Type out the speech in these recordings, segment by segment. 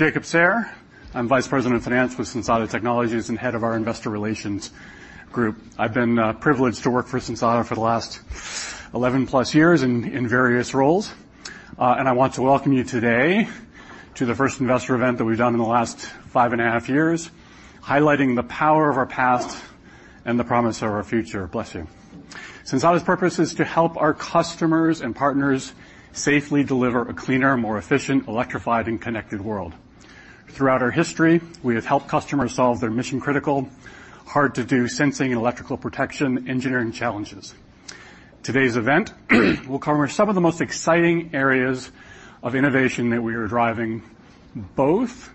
Good morning, everyone. Good morning, everyone. Hi, I'm Jacob Sayer. I'm Vice President of Finance with Sensata Technologies and head of our Investor Relations group. I've been privileged to work for Sensata for the last 11+ years in various roles. And I want to welcome you today to the first investor event that we've done in the last 5.5 years, highlighting the power of our past and the promise of our future. Bless you. Sensata's purpose is to help our customers and partners safely deliver a cleaner, more efficient, electrified, and connected world. Throughout our history, we have helped customers solve their mission-critical, hard-to-do sensing and electrical protection engineering challenges. Today's event will cover some of the most exciting areas of innovation that we are driving both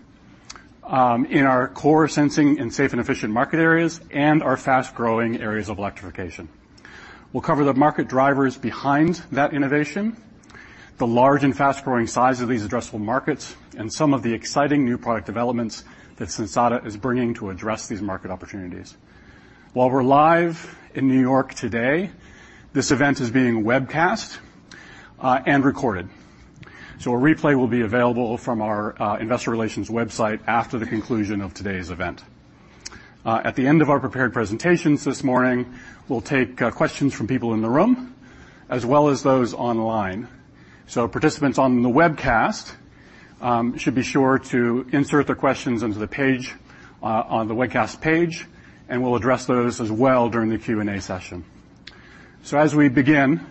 in our core sensing and safe and efficient market areas and our fast-growing areas of electrification. We'll cover the market drivers behind that innovation, the large and fast-growing size of these addressable markets, and some of the exciting new product developments that Sensata is bringing to address these market opportunities. While we're live in New York today, this event is being webcast and recorded, so a replay will be available from our investor relations website after the conclusion of today's event. At the end of our prepared presentations this morning, we'll take questions from people in the room as well as those online. So participants on the webcast should be sure to insert their questions into the page on the webcast page, and we'll address those as well during the Q&A session. So as we begin,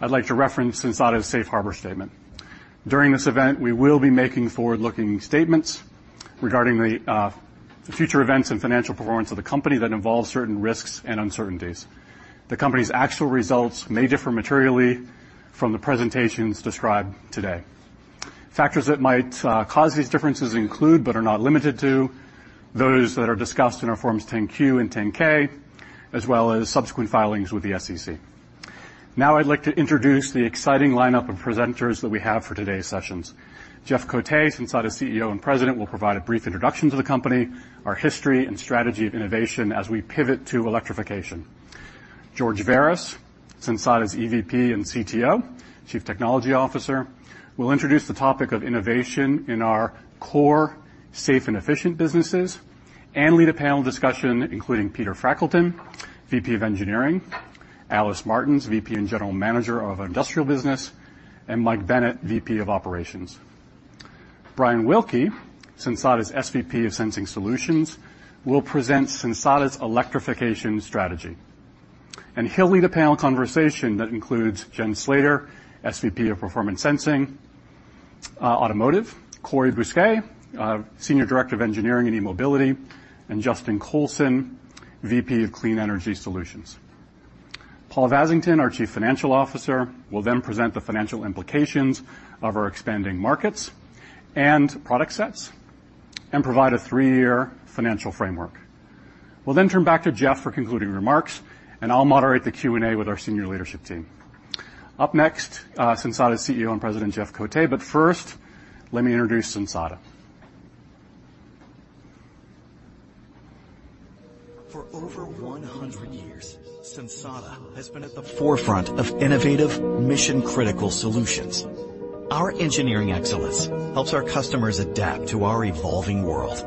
I'd like to reference Sensata's safe harbor statement. During this event, we will be making forward-looking statements regarding the future events and financial performance of the company that involve certain risks and uncertainties. The company's actual results may differ materially from the presentations described today. Factors that might cause these differences include, but are not limited to, those that are discussed in our Forms 10-Q and 10-K, as well as subsequent filings with the SEC. Now, I'd like to introduce the exciting lineup of presenters that we have for today's sessions. Jeff Cote, Sensata's CEO and President, will provide a brief introduction to the company, our history, and strategy of innovation as we pivot to electrification. George Verras, Sensata's EVP and CTO, Chief Technology Officer, will introduce the topic of innovation in our core, safe, and efficient businesses and lead a panel discussion, including Peter Frackelton, VP of Engineering, Alice Martins, VP and General Manager of our industrial business, and Mike Bennett, VP of Operations. Brian Wilkie, Sensata's SVP of Sensing Solutions, will present Sensata's electrification strategy, and he'll lead a panel conversation that includes Jen Slater, SVP of Performance Sensing, Automotive, Cory Bousquet, Senior Director of Engineering and E-Mobility, and Justin Colson, VP of Clean Energy Solutions. Paul Vasington, our Chief Financial Officer, will then present the financial implications of our expanding markets and product sets and provide a three-year financial framework. We'll then turn back to Jeff for concluding remarks, and I'll moderate the Q&A with our senior leadership team. Up next, Sensata's CEO and President, Jeff Cote, but first, let me introduce Sensata. For over 100 years, Sensata has been at the forefront of innovative, mission-critical solutions. Our engineering excellence helps our customers adapt to our evolving world.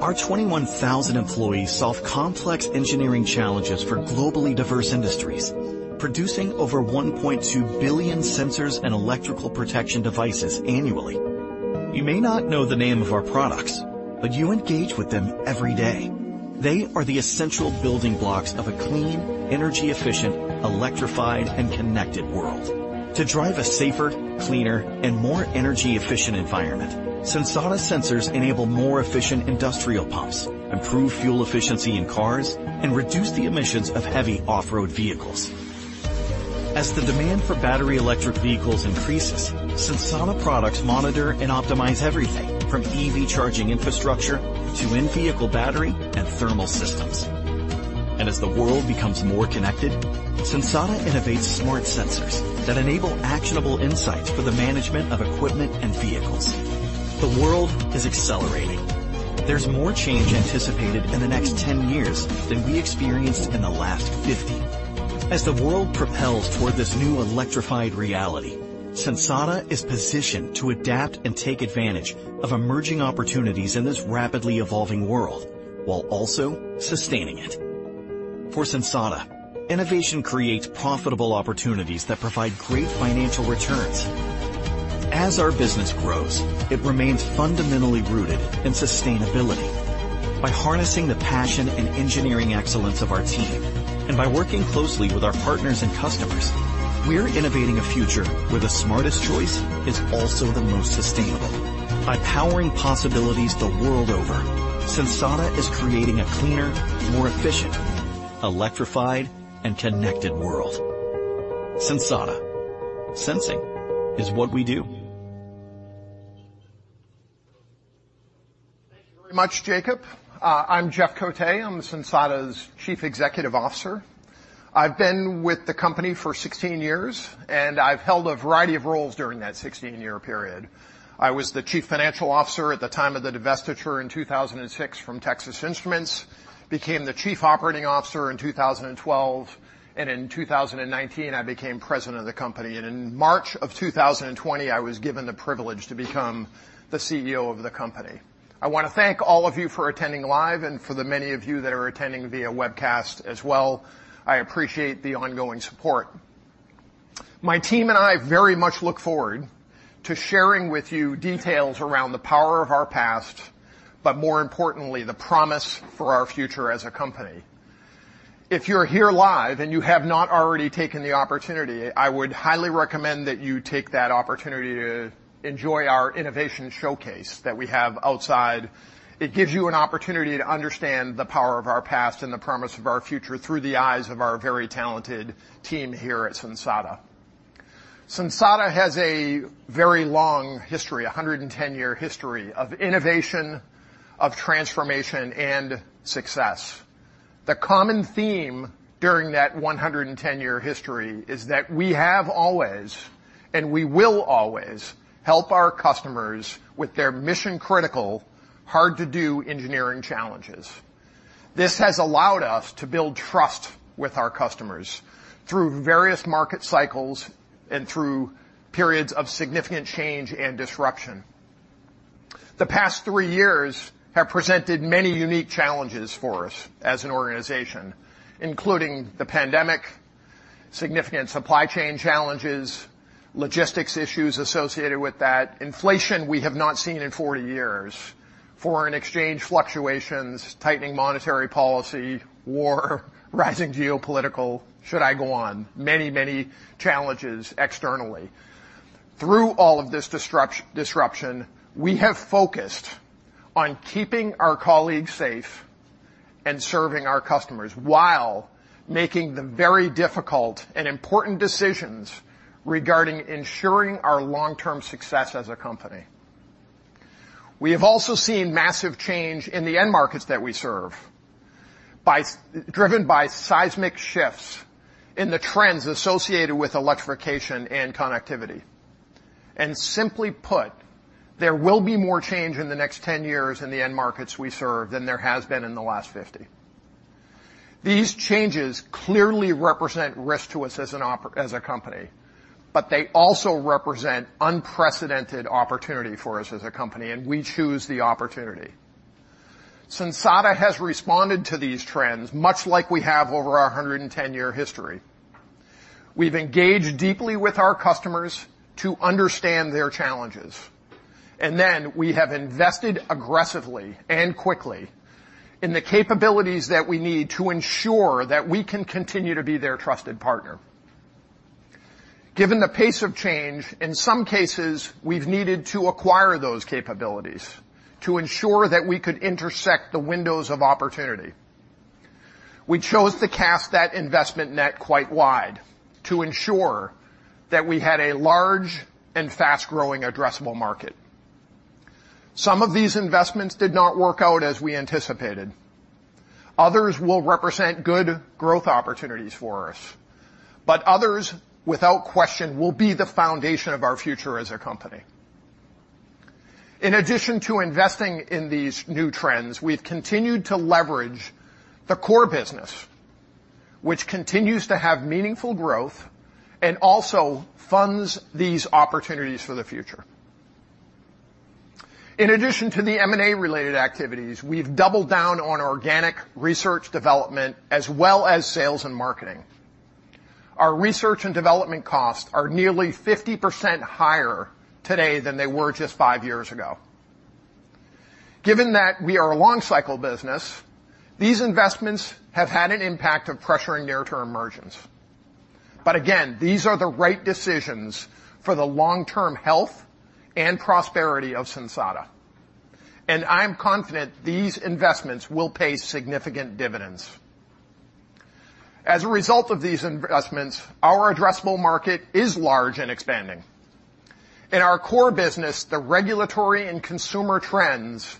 Our 21,000 employees solve complex engineering challenges for globally diverse industries, producing over 1.2 billion sensors and electrical protection devices annually. You may not know the name of our products, but you engage with them every day. They are the essential building blocks of a clean, energy efficient, electrified, and connected world. To drive a safer, cleaner, and more energy efficient environment, Sensata sensors enable more efficient industrial pumps, improve fuel efficiency in cars, and reduce the emissions of heavy off-road vehicles. As the demand for battery electric vehicles increases, Sensata products monitor and optimize everything from EV charging infrastructure to in-vehicle battery and thermal systems. And as the world becomes more connected, Sensata innovates smart sensors that enable actionable insights for the management of equipment and vehicles. The world is accelerating. There's more change anticipated in the next 10 years than we experienced in the last 50. As the world propels toward this new electrified reality, Sensata is positioned to adapt and take advantage of emerging opportunities in this rapidly evolving world, while also sustaining it. For Sensata, innovation creates profitable opportunities that provide great financial returns. As our business grows, it remains fundamentally rooted in sustainability. By harnessing the passion and engineering excellence of our team, and by working closely with our partners and customers, we're innovating a future where the smartest choice is also the most sustainable. By powering possibilities the world over, Sensata is creating a cleaner, more efficient, electrified, and connected world. Sensata. Sensing is what we do.... Very much, Jacob. I'm Jeff Cote. I'm Sensata's Chief Executive Officer. I've been with the company for 16 years, and I've held a variety of roles during that 16-year period. I was the Chief Financial Officer at the time of the divestiture in 2006 from Texas Instruments, became the Chief Operating Officer in 2012, and in 2019, I became President of the company. And in March of 2020, I was given the privilege to become the CEO of the company. I want to thank all of you for attending live and for the many of you that are attending via webcast as well. I appreciate the ongoing support. My team and I very much look forward to sharing with you details around the power of our past, but more importantly, the promise for our future as a company. If you're here live, and you have not already taken the opportunity, I would highly recommend that you take that opportunity to enjoy our innovation showcase that we have outside. It gives you an opportunity to understand the power of our past and the promise of our future through the eyes of our very talented team here at Sensata. Sensata has a very long history, a 110-year history of innovation, of transformation, and success. The common theme during that 110-year history is that we have always, and we will always, help our customers with their mission-critical, hard-to-do engineering challenges. This has allowed us to build trust with our customers through various market cycles and through periods of significant change and disruption. The past three years have presented many unique challenges for us as an organization, including the pandemic, significant supply chain challenges, logistics issues associated with that, inflation we have not seen in 40 years, foreign exchange fluctuations, tightening monetary policy, war, rising geopolitical... Should I go on? Many, many challenges externally. Through all of this disruption, we have focused on keeping our colleagues safe and serving our customers while making the very difficult and important decisions regarding ensuring our long-term success as a company. We have also seen massive change in the end markets that we serve, driven by seismic shifts in the trends associated with electrification and connectivity. Simply put, there will be more change in the next 10 years in the end markets we serve than there has been in the last 50. These changes clearly represent risk to us as a company, but they also represent unprecedented opportunity for us as a company, and we choose the opportunity. Sensata has responded to these trends, much like we have over our 110-year history. We've engaged deeply with our customers to understand their challenges, and then we have invested aggressively and quickly in the capabilities that we need to ensure that we can continue to be their trusted partner. Given the pace of change, in some cases, we've needed to acquire those capabilities to ensure that we could intersect the windows of opportunity. We chose to cast that investment net quite wide to ensure that we had a large and fast-growing addressable market. Some of these investments did not work out as we anticipated. Others will represent good growth opportunities for us, but others, without question, will be the foundation of our future as a company. In addition to investing in these new trends, we've continued to leverage the core business, which continues to have meaningful growth and also funds these opportunities for the future. In addition to the M&A-related activities, we've doubled down on organic research development, as well as sales and marketing. Our research and development costs are nearly 50% higher today than they were just five years ago. Given that we are a long-cycle business, these investments have had an impact of pressuring near-term margins. But again, these are the right decisions for the long-term health and prosperity of Sensata, and I'm confident these investments will pay significant dividends. As a result of these investments, our addressable market is large and expanding. In our core business, the regulatory and consumer trends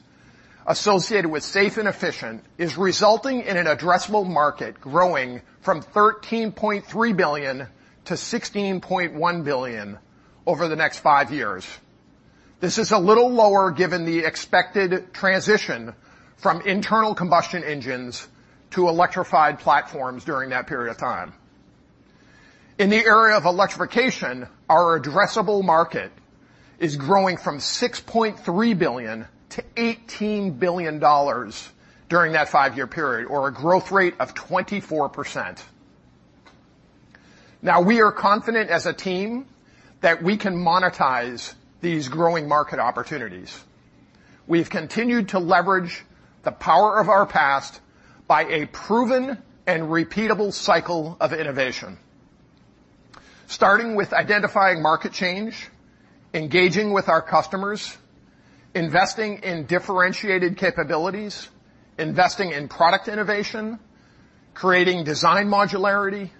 associated with safe and efficient is resulting in an addressable market growing from $13.3 billion-$16.1 billion over the next five years. This is a little lower, given the expected transition from internal combustion engines to electrified platforms during that period of time. In the area of electrification, our addressable market is growing from $6.3 billion-$18 billion during that five-year period, or a growth rate of 24%. Now, we are confident as a team that we can monetize these growing market opportunities. We've continued to leverage the power of our past by a proven and repeatable cycle of innovation, starting with identifying market change, engaging with our customers, investing in differentiated capabilities, investing in product innovation, creating design modularity,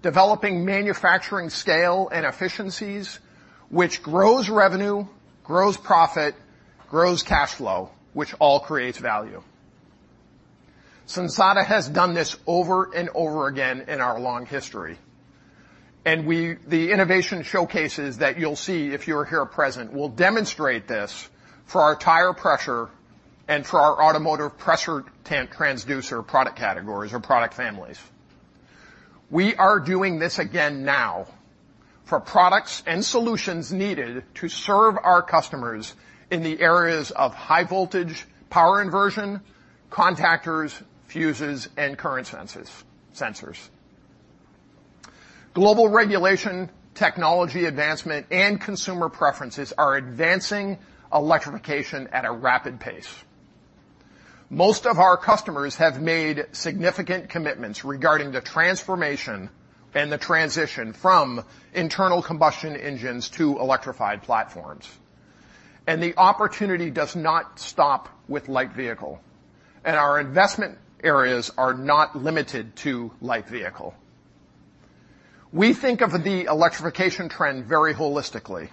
developing manufacturing scale and efficiencies, which grows revenue, grows profit, grows cash flow, which all creates value. Sensata has done this over and over again in our long history, and the innovation showcases that you'll see if you're here present will demonstrate this for our tire pressure and for our automotive pressure transducer product categories or product families. We are doing this again now for products and solutions needed to serve our customers in the areas of high voltage, power inversion, contactors, fuses, and current sensors. Global regulation, technology advancement, and consumer preferences are advancing electrification at a rapid pace. Most of our customers have made significant commitments regarding the transformation and the transition from internal combustion engines to electrified platforms. The opportunity does not stop with light vehicle, and our investment areas are not limited to light vehicle. We think of the electrification trend very holistically,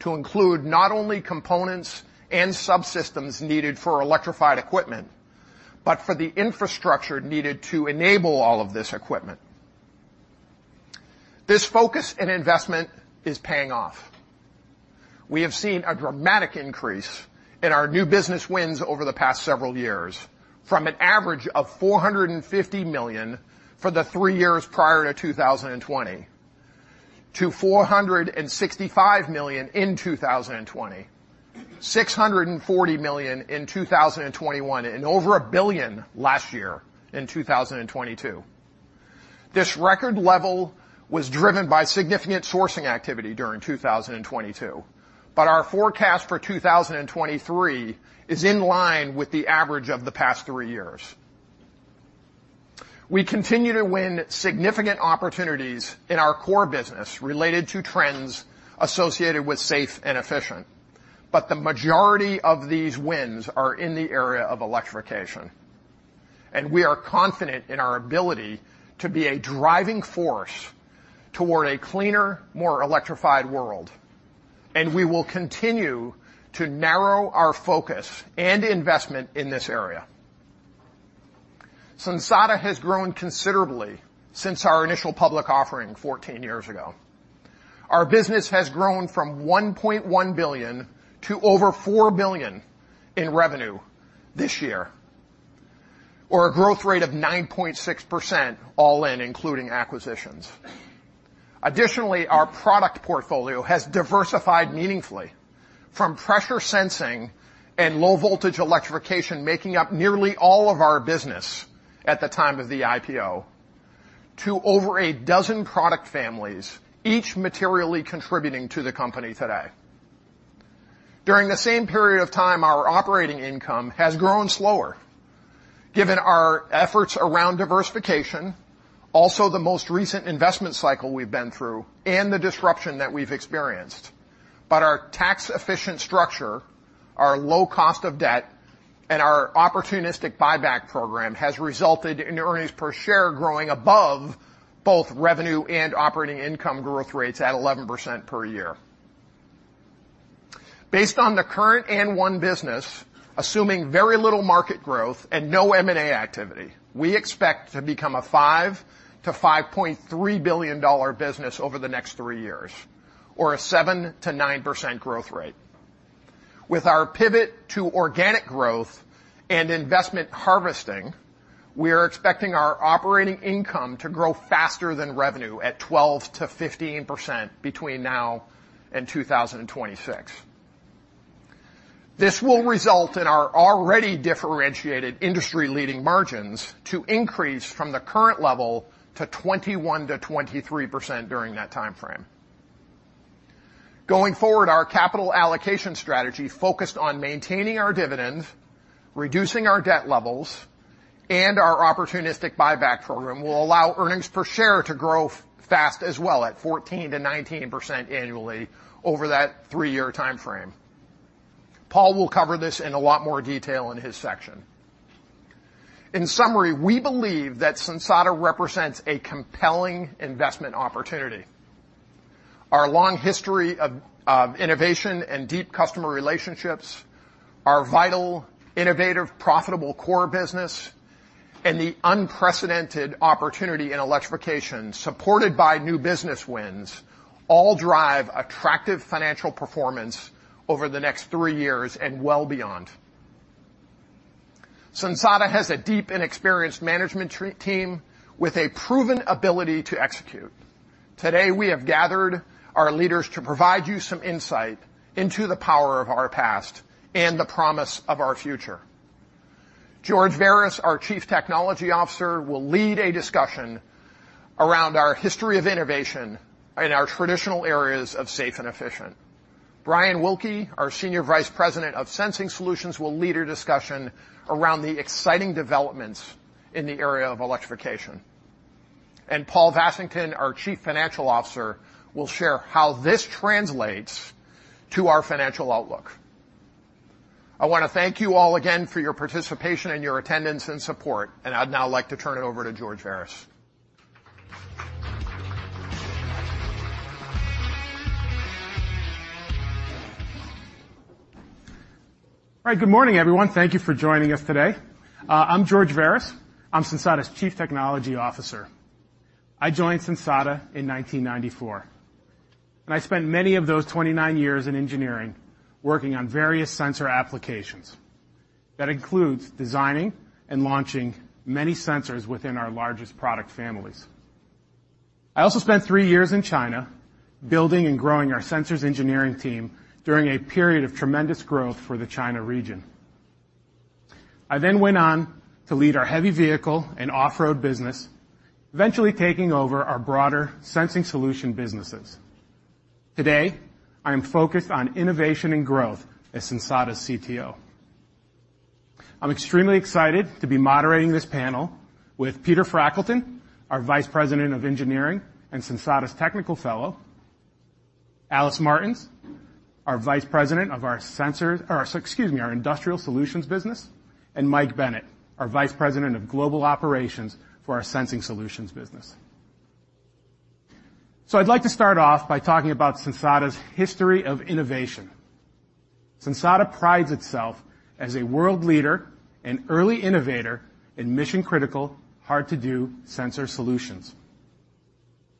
to include not only components and subsystems needed for electrified equipment, but for the infrastructure needed to enable all of this equipment. This focus and investment is paying off. We have seen a dramatic increase in our new business wins over the past several years, from an average of $450 million for the three years prior to 2020, to $465 million in 2020, $640 million in 2021, and over $1 billion last year in 2022. This record level was driven by significant sourcing activity during 2022, but our forecast for 2023 is in line with the average of the past three years. We continue to win significant opportunities in our core business related to trends associated with safe and efficient, but the majority of these wins are in the area of electrification, and we are confident in our ability to be a driving force toward a cleaner, more electrified world, and we will continue to narrow our focus and investment in this area. Sensata has grown considerably since our initial public offering 14 years ago. Our business has grown from $1.1 billion to over $4 billion in revenue this year, or a growth rate of 9.6%, all in, including acquisitions. Additionally, our product portfolio has diversified meaningfully, from pressure sensing and low-voltage electrification making up nearly all of our business at the time of the IPO, to over a dozen product families, each materially contributing to the company today. During the same period of time, our operating income has grown slower, given our efforts around diversification, also the most recent investment cycle we've been through, and the disruption that we've experienced. But our tax-efficient structure, our low cost of debt, and our opportunistic buyback program has resulted in earnings per share growing above both revenue and operating income growth rates at 11% per year. Based on the current won business, assuming very little market growth and no M&A activity, we expect to become a $5 billion-$5.3 billion business over the next three years, or a 7%-9% growth rate. With our pivot to organic growth and investment harvesting, we are expecting our operating income to grow faster than revenue, at 12%-15% between now and 2026. This will result in our already differentiated industry-leading margins to increase from the current level to 21%-23% during that time frame. Going forward, our capital allocation strategy focused on maintaining our dividend, reducing our debt levels, and our opportunistic buyback program will allow earnings per share to grow fast as well at 14%-19% annually over that three-year time frame. Paul will cover this in a lot more detail in his section. In summary, we believe that Sensata represents a compelling investment opportunity. Our long history of innovation and deep customer relationships, our vital, innovative, profitable core business, and the unprecedented opportunity in electrification, supported by new business wins, all drive attractive financial performance over the next three years and well beyond. Sensata has a deep and experienced management team with a proven ability to execute. Today, we have gathered our leaders to provide you some insight into the power of our past and the promise of our future. George Verras, our Chief Technology Officer, will lead a discussion around our history of innovation in our traditional areas of safe and efficient. Brian Wilkie, our Senior Vice President of Sensing Solutions, will lead a discussion around the exciting developments in the area of electrification. And Paul Vasington, our Chief Financial Officer, will share how this translates to our financial outlook.... I want to thank you all again for your participation and your attendance and support, and I'd now like to turn it over to George Verras. All right. Good morning, everyone. Thank you for joining us today. I'm George Verras. I'm Sensata's Chief Technology Officer. I joined Sensata in 1994, and I spent many of those 29 years in engineering, working on various sensor applications. That includes designing and launching many sensors within our largest product families. I also spent three years in China, building and growing our sensors engineering team during a period of tremendous growth for the China region. I then went on to lead our heavy vehicle and off-road business, eventually taking over our broader sensing solution businesses. Today, I am focused on innovation and growth as Sensata's CTO. I'm extremely excited to be moderating this panel with Peter Frackelton, our Vice President of Engineering and Sensata's Technical Fellow, Alice Martins, our Vice President of our sensor, or excuse me, our Industrial Solutions business, and Mike Bennett, our Vice President of Global Operations for our Sensing Solutions business. So I'd like to start off by talking about Sensata's history of innovation. Sensata prides itself as a world leader and early innovator in mission-critical, hard-to-do sensor solutions.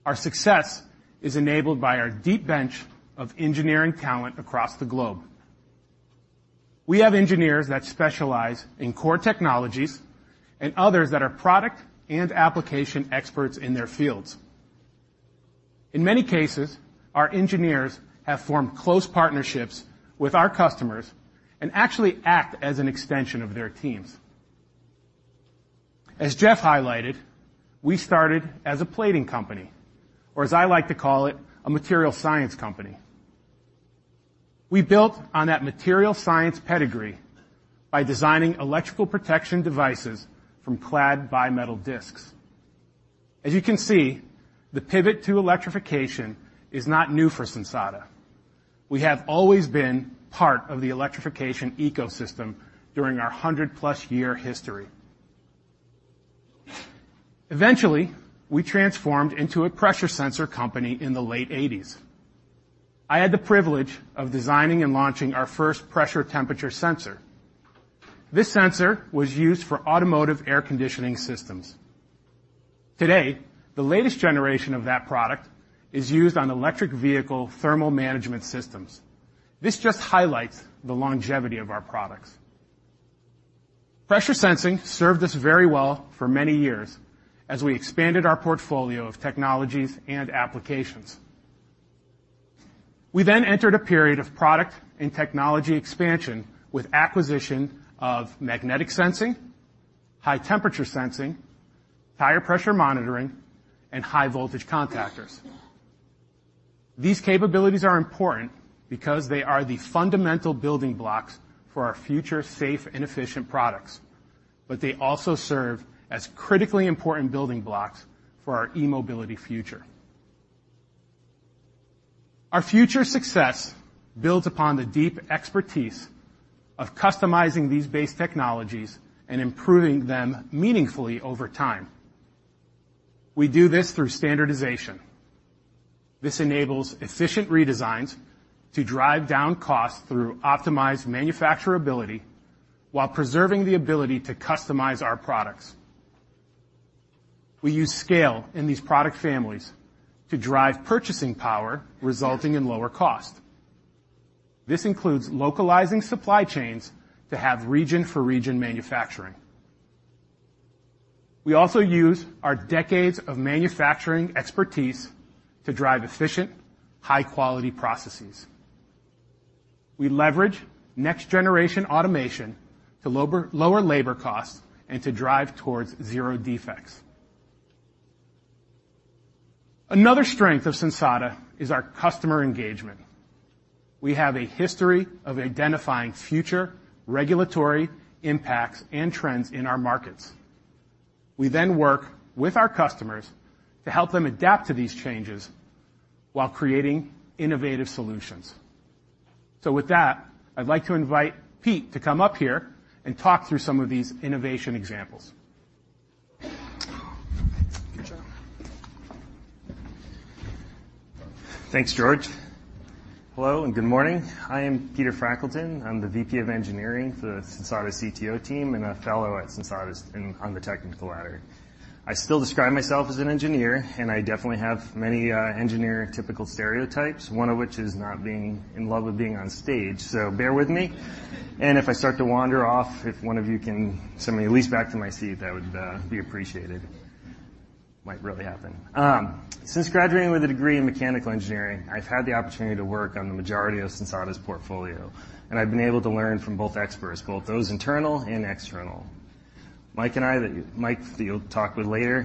Our success is enabled by our deep bench of engineering talent across the globe. We have engineers that specialize in core technologies and others that are product and application experts in their fields. In many cases, our engineers have formed close partnerships with our customers and actually act as an extension of their teams. As Jeff highlighted, we started as a plating company, or as I like to call it, a material science company. We built on that material science pedigree by designing electrical protection devices from clad bi-metal discs. As you can see, the pivot to electrification is not new for Sensata. We have always been part of the electrification ecosystem during our 100+ year history. Eventually, we transformed into a pressure sensor company in the late 1980s. I had the privilege of designing and launching our first pressure temperature sensor. This sensor was used for automotive air conditioning systems. Today, the latest generation of that product is used on electric vehicle thermal management systems. This just highlights the longevity of our products. Pressure sensing served us very well for many years as we expanded our portfolio of technologies and applications. We then entered a period of product and technology expansion with acquisition of magnetic sensing, high temperature sensing, tire pressure monitoring, and high voltage contactors. These capabilities are important because they are the fundamental building blocks for our future, safe, and efficient products, but they also serve as critically important building blocks for our e-mobility future. Our future success builds upon the deep expertise of customizing these base technologies and improving them meaningfully over time. We do this through standardization. This enables efficient redesigns to drive down costs through optimized manufacturability while preserving the ability to customize our products. We use scale in these product families to drive purchasing power, resulting in lower cost. This includes localizing supply chains to have region for region manufacturing. We also use our decades of manufacturing expertise to drive efficient, high-quality processes. We leverage next-generation automation to lower, lower labor costs and to drive towards zero defects. Another strength of Sensata is our customer engagement. We have a history of identifying future regulatory impacts and trends in our markets. We then work with our customers to help them adapt to these changes while creating innovative solutions. So with that, I'd like to invite Pete to come up here and talk through some of these innovation examples. Good job. Thanks, George. Hello, and good morning. I am Peter Frackelton. I'm the VP of Engineering for the Sensata CTO team, and a fellow at Sensata on the technical ladder. I still describe myself as an engineer, and I definitely have many engineer typical stereotypes, one of which is not being in love with being on stage. So bear with me, and if I start to wander off, if one of you can send me at least back to my seat, that would be appreciated. Might really happen. Since graduating with a degree in mechanical engineering, I've had the opportunity to work on the majority of Sensata's portfolio, and I've been able to learn from both experts, both those internal and external. Mike and I, that Mike you'll talk with later,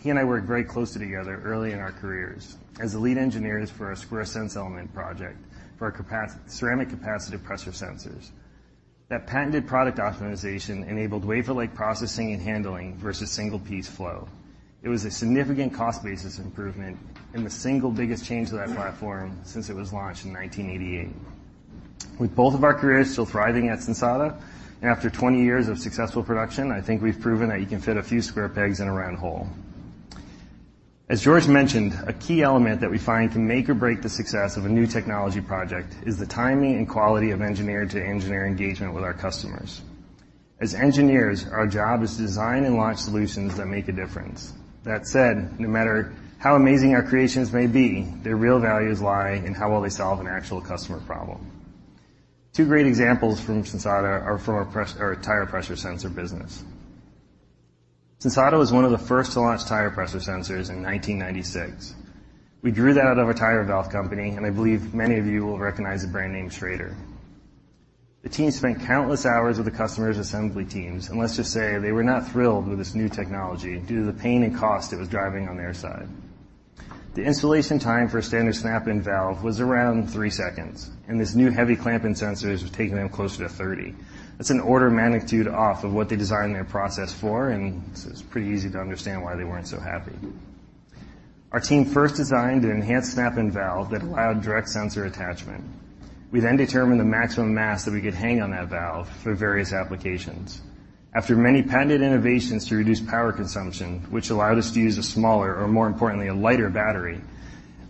he and I worked very closely together early in our careers as the lead engineers for a square sense element project for ceramic capacitive pressure sensors. That patented product optimization enabled wafer-like processing and handling versus single-piece flow. It was a significant cost basis improvement and the single biggest change to that platform since it was launched in 1988. With both of our careers still thriving at Sensata, and after 20 years of successful production, I think we've proven that you can fit a few square pegs in a round hole. As George mentioned, a key element that we find can make or break the success of a new technology project is the timing and quality of engineer-to-engineer engagement with our customers. As engineers, our job is to design and launch solutions that make a difference. That said, no matter how amazing our creations may be, their real values lie in how well they solve an actual customer problem. Two great examples from Sensata are from our Performance Sensing, our Tire Pressure Sensor business. Sensata was one of the first to launch tire pressure sensors in 1996. We grew that out of a tire valve company, and I believe many of you will recognize the brand name Schrader. The team spent countless hours with the customer's assembly teams, and let's just say they were not thrilled with this new technology due to the pain and cost it was driving on their side. The installation time for a standard snap-in valve was around three seconds, and this new heavy clamp-in sensors was taking them closer to 30. That's an order of magnitude off of what they designed their process for, and so it's pretty easy to understand why they weren't so happy. Our team first designed an enhanced snap-in valve that allowed direct sensor attachment. We then determined the maximum mass that we could hang on that valve for various applications. After many patented innovations to reduce power consumption, which allowed us to use a smaller, or more importantly, a lighter battery,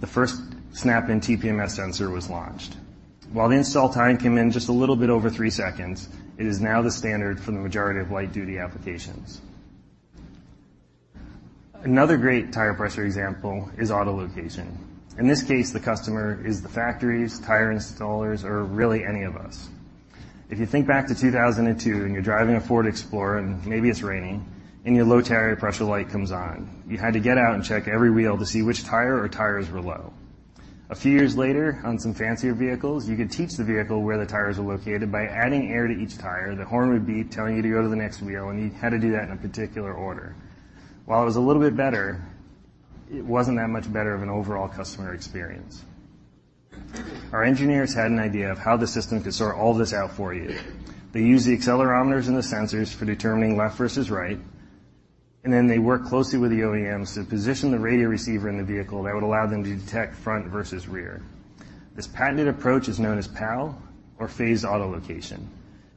the first snap-in TPMS sensor was launched. While the install time came in just a little bit over three seconds, it is now the standard for the majority of light-duty applications. Another great tire pressure example is auto location. In this case, the customer is the factories, tire installers, or really any of us. If you think back to 2002, and you're driving a Ford Explorer, and maybe it's raining, and your low tire pressure light comes on, you had to get out and check every wheel to see which tire or tires were low. A few years later, on some fancier vehicles, you could teach the vehicle where the tires were located by adding air to each tire. The horn would beep, telling you to go to the next wheel, and you had to do that in a particular order. While it was a little bit better, it wasn't that much better of an overall customer experience. Our engineers had an idea of how the system could sort all this out for you. They used the accelerometers and the sensors for determining left versus right, and then they worked closely with the OEMs to position the radio receiver in the vehicle that would allow them to detect front versus rear. This patented approach is known as PAL, or Phased Auto Location.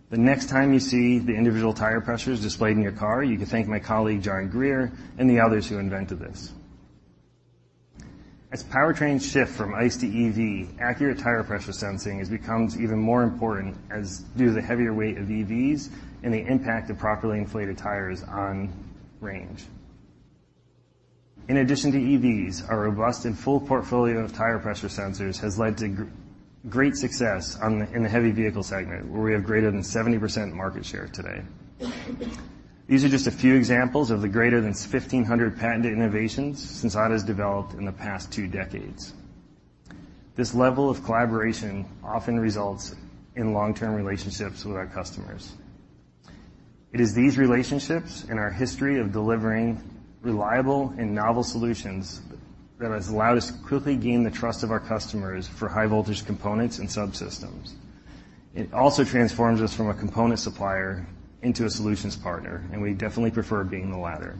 The next time you see the individual tire pressures displayed in your car, you can thank my colleague, John Greer, and the others who invented this. As powertrains shift from ICE to EV, accurate tire pressure sensing has become even more important due to the heavier weight of EVs and the impact of properly inflated tires on range. In addition to EVs, our robust and full portfolio of tire pressure sensors has led to great success in the heavy vehicle segment, where we have greater than 70% market share today. These are just a few examples of the greater than 1,500 patented innovations Sensata has developed in the past two decades. This level of collaboration often results in long-term relationships with our customers. It is these relationships and our history of delivering reliable and novel solutions that has allowed us to quickly gain the trust of our customers for high-voltage components and subsystems. It also transforms us from a component supplier into a solutions partner, and we definitely prefer being the latter.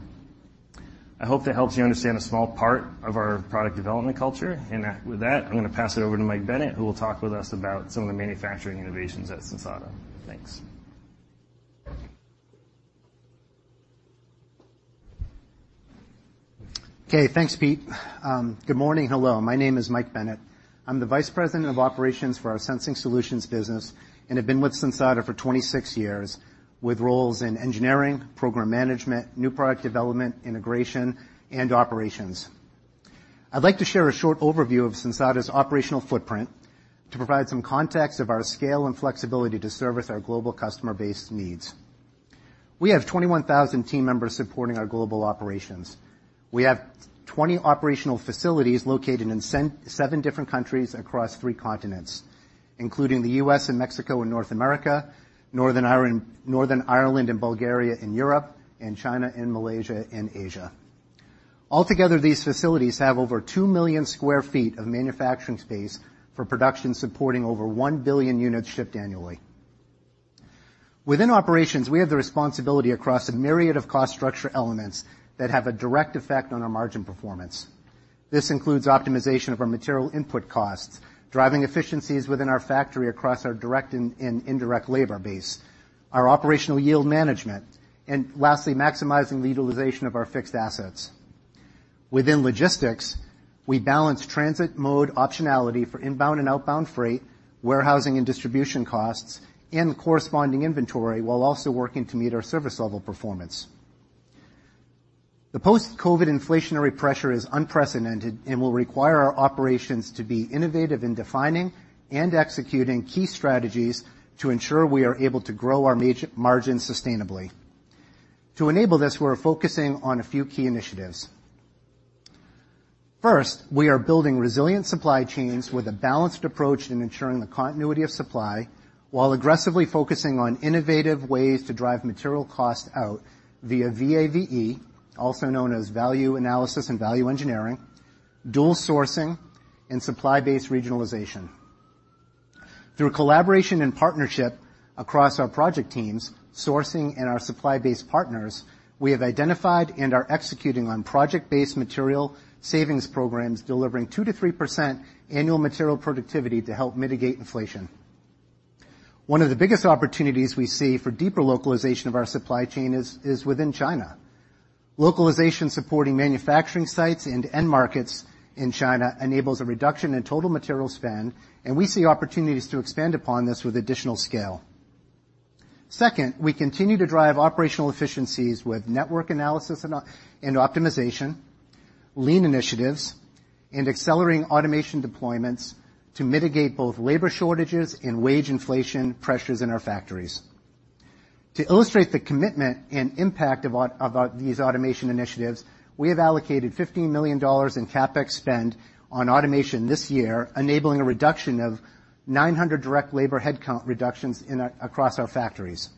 I hope that helps you understand a small part of our product development culture. And with that, I'm gonna pass it over to Mike Bennett, who will talk with us about some of the manufacturing innovations at Sensata. Thanks. Okay, thanks, Pete. Good morning. Hello, my name is Mike Bennett. I'm the Vice President of Operations for our Sensing Solutions business and have been with Sensata for 26 years, with roles in engineering, program management, new product development, integration, and operations. I'd like to share a short overview of Sensata's operational footprint to provide some context of our scale and flexibility to service our global customer base needs. We have 21,000 team members supporting our global operations. We have 20 operational facilities located in seven different countries across three continents, including the U.S. and Mexico and North America, Northern Ireland and Bulgaria in Europe, and China and Malaysia in Asia. Altogether, these facilities have over 2 million sq ft of manufacturing space for production, supporting over 1 billion units shipped annually. Within operations, we have the responsibility across a myriad of cost structure elements that have a direct effect on our margin performance. This includes optimization of our material input costs, driving efficiencies within our factory across our direct and indirect labor base, our operational yield management, and lastly, maximizing the utilization of our fixed assets. Within logistics, we balance transit mode optionality for inbound and outbound freight, warehousing and distribution costs, and corresponding inventory, while also working to meet our service level performance. The post-COVID inflationary pressure is unprecedented and will require our operations to be innovative in defining and executing key strategies to ensure we are able to grow our margin sustainably. To enable this, we're focusing on a few key initiatives. First, we are building resilient supply chains with a balanced approach in ensuring the continuity of supply, while aggressively focusing on innovative ways to drive material costs out via VAVE, also known as value analysis and value engineering, dual sourcing, and supply-based regionalization. Through collaboration and partnership across our project teams, sourcing, and our supply-based partners, we have identified and are executing on project-based material savings programs, delivering 2%-3% annual material productivity to help mitigate inflation. One of the biggest opportunities we see for deeper localization of our supply chain is within China. Localization, supporting manufacturing sites and end markets in China, enables a reduction in total material spend, and we see opportunities to expand upon this with additional scale. Second, we continue to drive operational efficiencies with network analysis and optimization, lean initiatives, and accelerating automation deployments to mitigate both labor shortages and wage inflation pressures in our factories. To illustrate the commitment and impact of these automation initiatives, we have allocated $15 million in CapEx spend on automation this year, enabling a reduction of 900 direct labor headcount reductions in across our factories.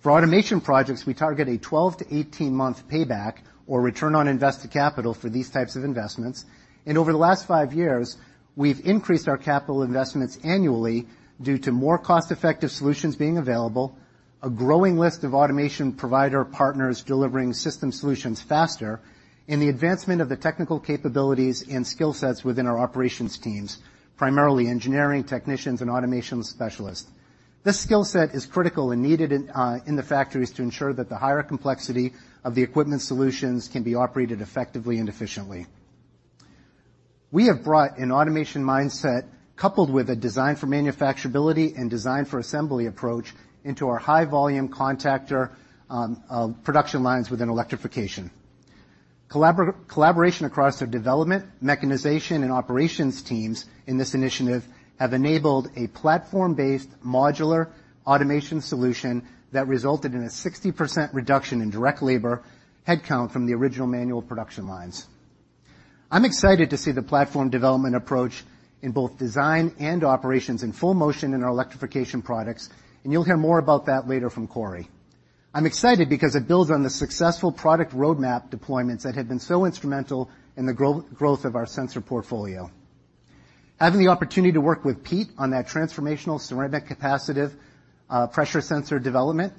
For automation projects, we target a 12-18-month payback or return on invested capital for these types of investments, and over the last five years, we've increased our capital investments annually due to more cost-effective solutions being available, a growing list of automation provider partners delivering system solutions faster, and the advancement of the technical capabilities and skill sets within our operations teams, primarily engineering, technicians, and automation specialists. This skill set is critical and needed in the factories to ensure that the higher complexity of the equipment solutions can be operated effectively and efficiently. We have brought an automation mindset, coupled with a design for manufacturability and design for assembly approach, into our high-volume contactor production lines within electrification. Collaboration across our development, mechanization, and operations teams in this initiative have enabled a platform-based modular automation solution that resulted in a 60% reduction in direct labor headcount from the original manual production lines. I'm excited to see the platform development approach in both design and operations in full motion in our electrification products, and you'll hear more about that later from Cory. I'm excited because it builds on the successful product roadmap deployments that have been so instrumental in the growth of our sensor portfolio. Having the opportunity to work with Pete on that transformational ceramic capacitive pressure sensor development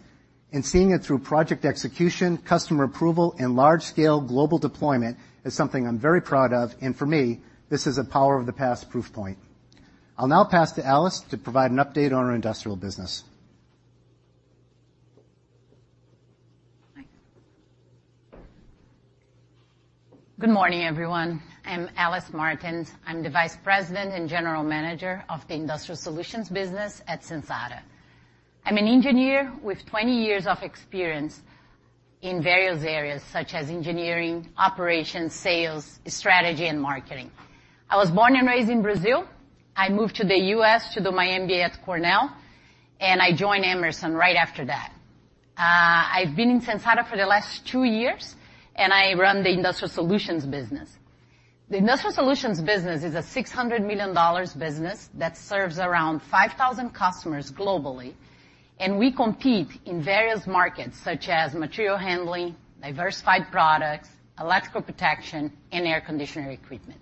and seeing it through project execution, customer approval, and large-scale global deployment is something I'm very proud of, and for me, this is a power of the past proof point. I'll now pass to Alice to provide an update on our industrial business. Hi. Good morning, everyone. I'm Alice Martins. I'm the Vice President and General Manager of the Industrial Solutions business at Sensata. I'm an engineer with 20 years of experience in various areas, such as engineering, operations, sales, strategy, and marketing. I was born and raised in Brazil. I moved to the U.S. to do my MBA at Cornell, and I joined Emerson right after that. I've been in Sensata for the last two years, and I run the Industrial Solutions business. The Industrial Solutions business is a $600 million business that serves around 5,000 customers globally, and we compete in various markets, such as material handling, diversified products, electrical protection, and air conditioner equipment.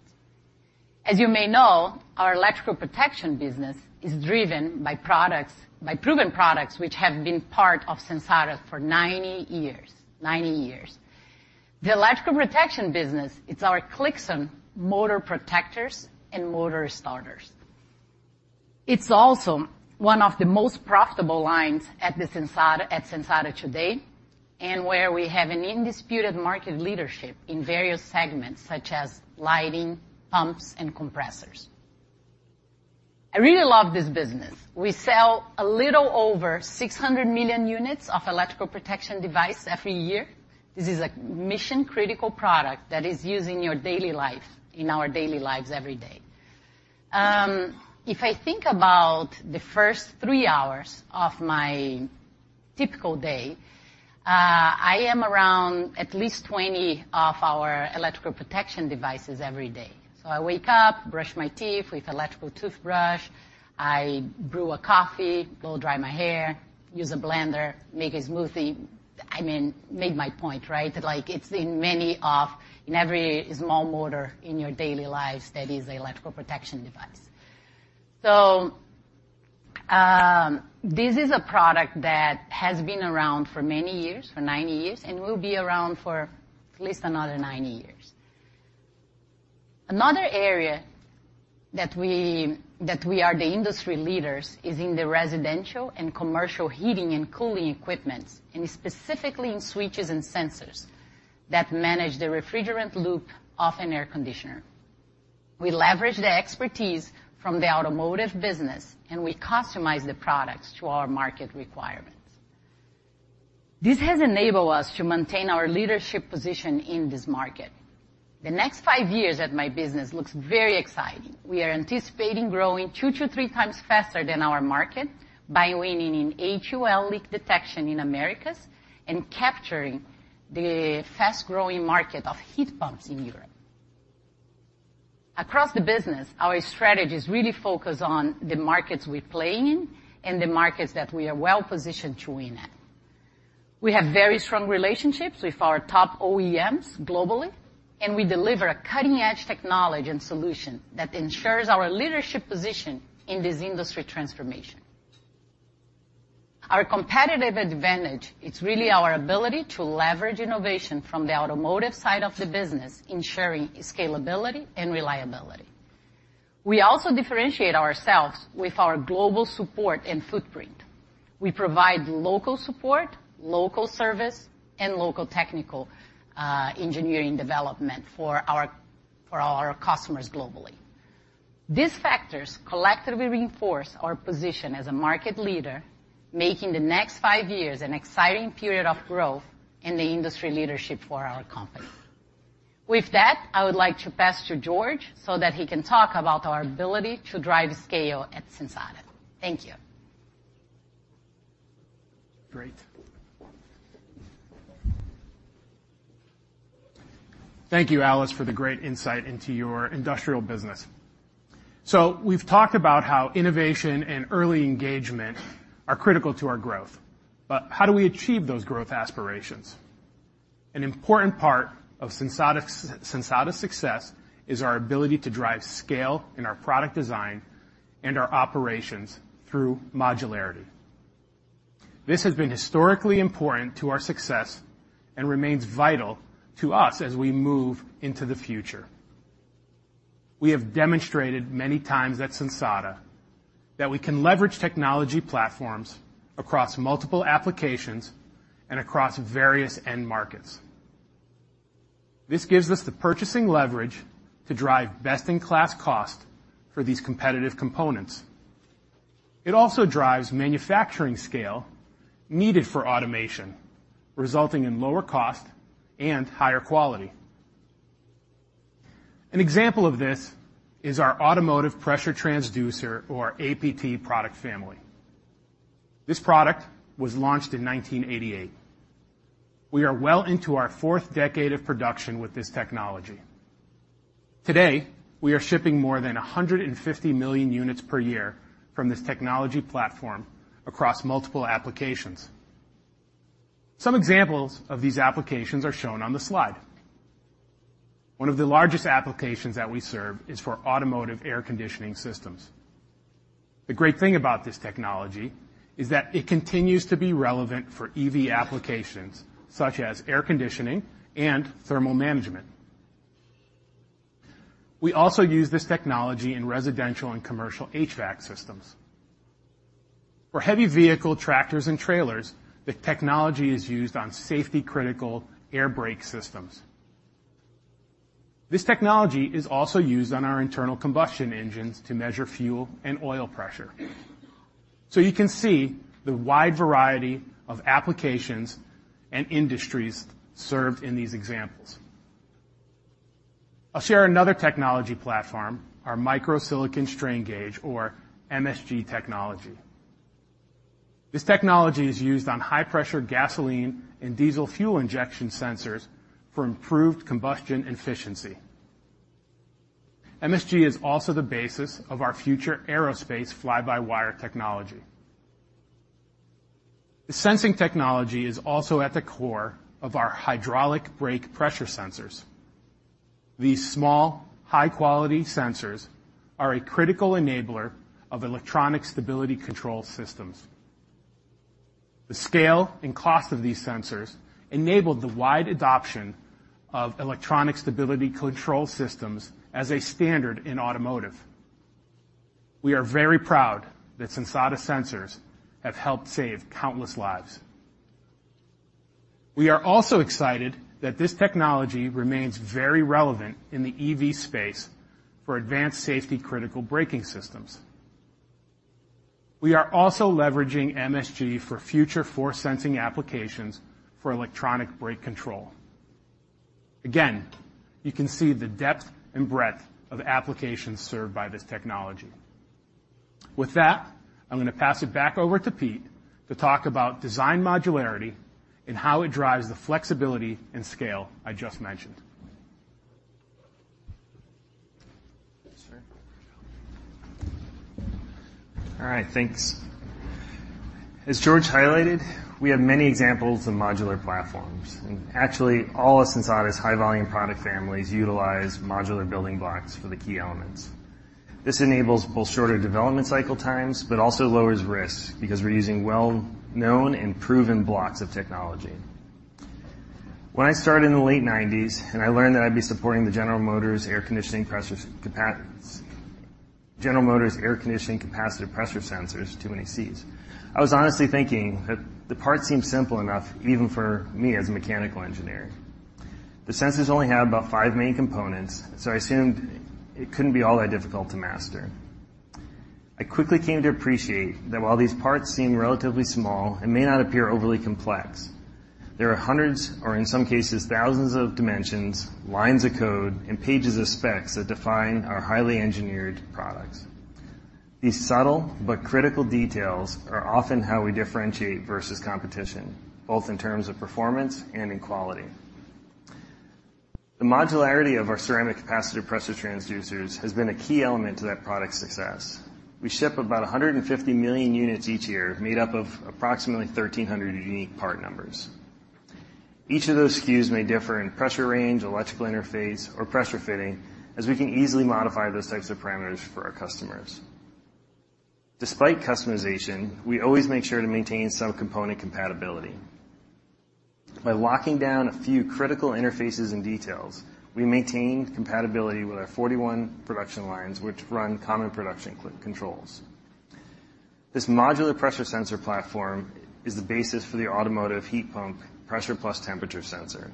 As you may know, our electrical protection business is driven by products, by proven products, which have been part of Sensata for 90 years. 90 years. The electrical protection business, it's our KLIXON motor protectors and motor starters. It's also one of the most profitable lines at Sensata today, and where we have an undisputed market leadership in various segments, such as lighting, pumps, and compressors. I really love this business. We sell a little over 600 million units of electrical protection device every year. This is a mission-critical product that is used in your daily life, in our daily lives every day. If I think about the first three hours of my typical day, I am around at least 20 of our electrical protection devices every day. So I wake up, brush my teeth with electrical toothbrush, I brew a coffee, blow-dry my hair, use a blender, make a smoothie. I mean, made my point, right? That, like, it's in many of... In every small motor in your daily life, that is an electrical protection device. So, this is a product that has been around for many years, for 90 years, and will be around for at least another 90 years. Another area that we are the industry leaders is in the residential and commercial heating and cooling equipment, and specifically in switches and sensors that manage the refrigerant loop of an air conditioner. We leverage the expertise from the automotive business, and we customize the products to our market requirements. This has enabled us to maintain our leadership position in this market. The next five years at my business looks very exciting. We are anticipating growing two to 3x faster than our market by winning in A2L leak detection in Americas and capturing the fast-growing market of heat pumps in Europe. Across the business, our strategies really focus on the markets we play in and the markets that we are well-positioned to win at. We have very strong relationships with our top OEMs globally, and we deliver a cutting-edge technology and solution that ensures our leadership position in this industry transformation. Our competitive advantage, it's really our ability to leverage innovation from the automotive side of the business, ensuring scalability and reliability. We also differentiate ourselves with our global support and footprint. We provide local support, local service, and local technical engineering development for our, for all our customers globally. These factors collectively reinforce our position as a market leader, making the next five years an exciting period of growth in the industry leadership for our company. With that, I would like to pass to George so that he can talk about our ability to drive scale at Sensata. Thank you. Great. Thank you, Alice, for the great insight into your industrial business. So we've talked about how innovation and early engagement are critical to our growth, but how do we achieve those growth aspirations? An important part of Sensata's, Sensata's success is our ability to drive scale in our product design and our operations through modularity. This has been historically important to our success and remains vital to us as we move into the future. We have demonstrated many times at Sensata that we can leverage technology platforms across multiple applications and across various end markets. This gives us the purchasing leverage to drive best-in-class cost for these competitive components. It also drives manufacturing scale needed for automation, resulting in lower cost and higher quality. An example of this is our automotive pressure transducer or APT product family. This product was launched in 1988. We are well into our fourth decade of production with this technology. Today, we are shipping more than 150 million units per year from this technology platform across multiple applications. Some examples of these applications are shown on the slide. One of the largest applications that we serve is for automotive air conditioning systems. The great thing about this technology is that it continues to be relevant for EV applications, such as air conditioning and thermal management. We also use this technology in residential and commercial HVAC systems. For heavy vehicle tractors and trailers, the technology is used on safety-critical air brake systems. This technology is also used on our internal combustion engines to measure fuel and oil pressure. So you can see the wide variety of applications and industries served in these examples. I'll share another technology platform, our micro silicon strain gauge or MSG technology. This technology is used on high-pressure gasoline and diesel fuel injection sensors for improved combustion efficiency. MSG is also the basis of our future aerospace fly-by-wire technology. The sensing technology is also at the core of our hydraulic brake pressure sensors. These small, high-quality sensors are a critical enabler of electronic stability control systems. The scale and cost of these sensors enabled the wide adoption of electronic stability control systems as a standard in automotive. We are very proud that Sensata sensors have helped save countless lives. We are also excited that this technology remains very relevant in the EV space for advanced safety-critical braking systems. We are also leveraging MSG for future force-sensing applications for electronic brake control. Again, you can see the depth and breadth of applications served by this technology. With that, I'm going to pass it back over to Pete to talk about design modularity and how it drives the flexibility and scale I just mentioned. Thanks, sir. All right, thanks. As George highlighted, we have many examples of modular platforms, and actually, all of Sensata's high-volume product families utilize modular building blocks for the key elements. This enables both shorter development cycle times, but also lowers risk because we're using well-known and proven blocks of technology. When I started in the late 1990s, and I learned that I'd be supporting the General Motors air conditioning capacitive pressure sensors, too many Cs, I was honestly thinking that the parts seem simple enough, even for me, as a mechanical engineer. The sensors only have about five main components, so I assumed it couldn't be all that difficult to master. I quickly came to appreciate that while these parts seem relatively small and may not appear overly complex, there are hundreds, or in some cases, thousands of dimensions, lines of code, and pages of specs that define our highly engineered products. These subtle but critical details are often how we differentiate versus competition, both in terms of performance and in quality. The modularity of our ceramic capacitive pressure transducers has been a key element to that product's success. We ship about 150 million units each year, made up of approximately 1,300 unique part numbers. Each of those SKUs may differ in pressure range, electrical interface, or pressure fitting, as we can easily modify those types of parameters for our customers. Despite customization, we always make sure to maintain some component compatibility. By locking down a few critical interfaces and details, we maintain compatibility with our 41 production lines, which run common production con-controls. This modular pressure sensor platform is the basis for the automotive heat pump pressure plus temperature sensor.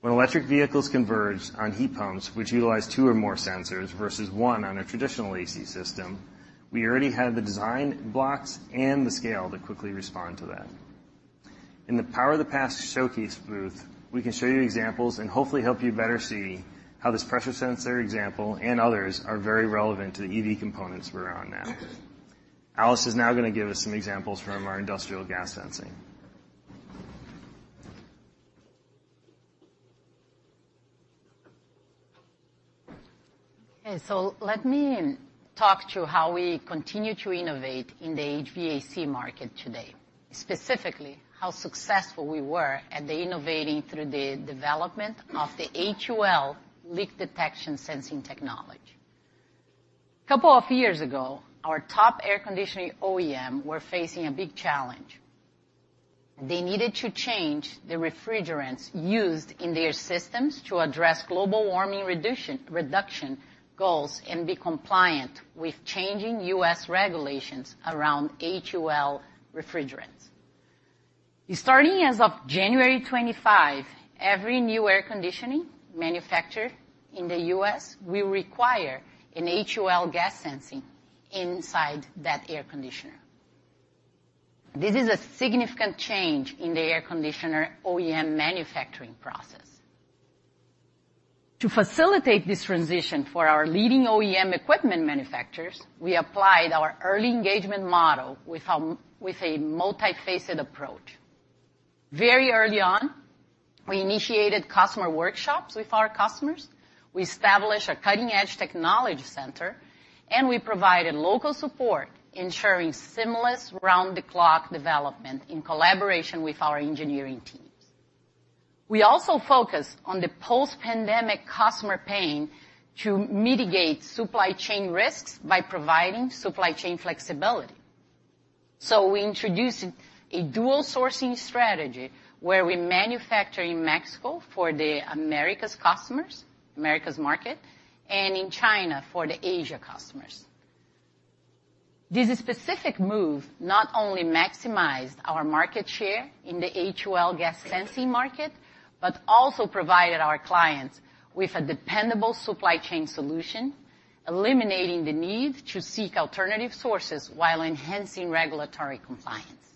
When electric vehicles converge on heat pumps, which utilize two or more sensors versus one on a traditional AC system, we already have the design blocks and the scale to quickly respond to that. In the Power of the Past showcase booth, we can show you examples and hopefully help you better see how this pressure sensor example, and others, are very relevant to the EV components we're on now. Alice is now going to give us some examples from our industrial gas sensing. Okay, so let me talk to you how we continue to innovate in the HVAC market today. Specifically, how successful we were at the innovating through the development of the A2L leak detection sensing technology. A couple of years ago, our top air conditioning OEM were facing a big challenge. They needed to change the refrigerants used in their systems to address global warming reduction goals and be compliant with changing U.S. regulations around A2L refrigerants. Starting as of January 2025, every new air conditioning manufactured in the U.S. will require an A2L gas sensing inside that air conditioner. This is a significant change in the air conditioner OEM manufacturing process. To facilitate this transition for our leading OEM equipment manufacturers, we applied our early engagement model with a multifaceted approach. Very early on, we initiated customer workshops with our customers. We established a cutting-edge technology center, and we provided local support, ensuring seamless round-the-clock development in collaboration with our Engineering Teams. We also focused on the post-pandemic customer pain to mitigate supply chain risks by providing supply chain flexibility. So we introduced a dual sourcing strategy, where we manufacture in Mexico for the Americas customers, Americas market, and in China for the Asia customers. This specific move not only maximized our market share in the A2L gas sensing market, but also provided our clients with a dependable supply chain solution, eliminating the need to seek alternative sources while enhancing regulatory compliance.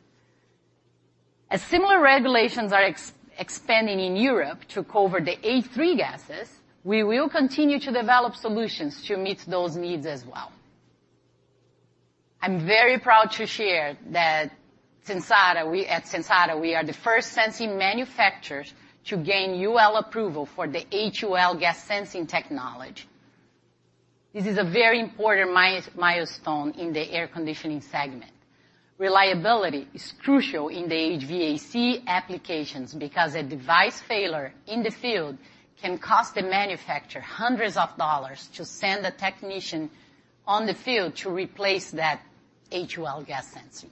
As similar regulations are expanding in Europe to cover the A3 gases, we will continue to develop solutions to meet those needs as well. I'm very proud to share that Sensata, we... At Sensata, we are the first sensing manufacturers to gain UL approval for the A2L gas sensing technology. This is a very important milestone in the air conditioning segment. Reliability is crucial in the HVAC applications because a device failure in the field can cost the manufacturer hundreds of dollars to send a technician on the field to replace that A2L gas sensor.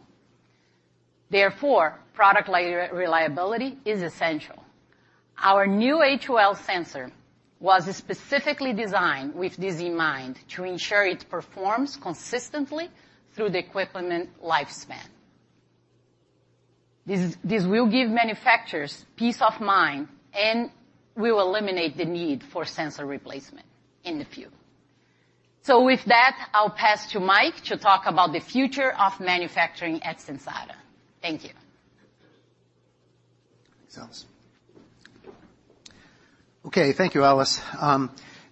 Therefore, product reliability is essential. Our new A2L sensor was specifically designed with this in mind, to ensure it performs consistently through the equipment lifespan. This will give manufacturers peace of mind and will eliminate the need for sensor replacement in the field. So with that, I'll pass to Mike to talk about the future of manufacturing at Sensata. Thank you. Thanks, Alice. Okay, thank you, Alice.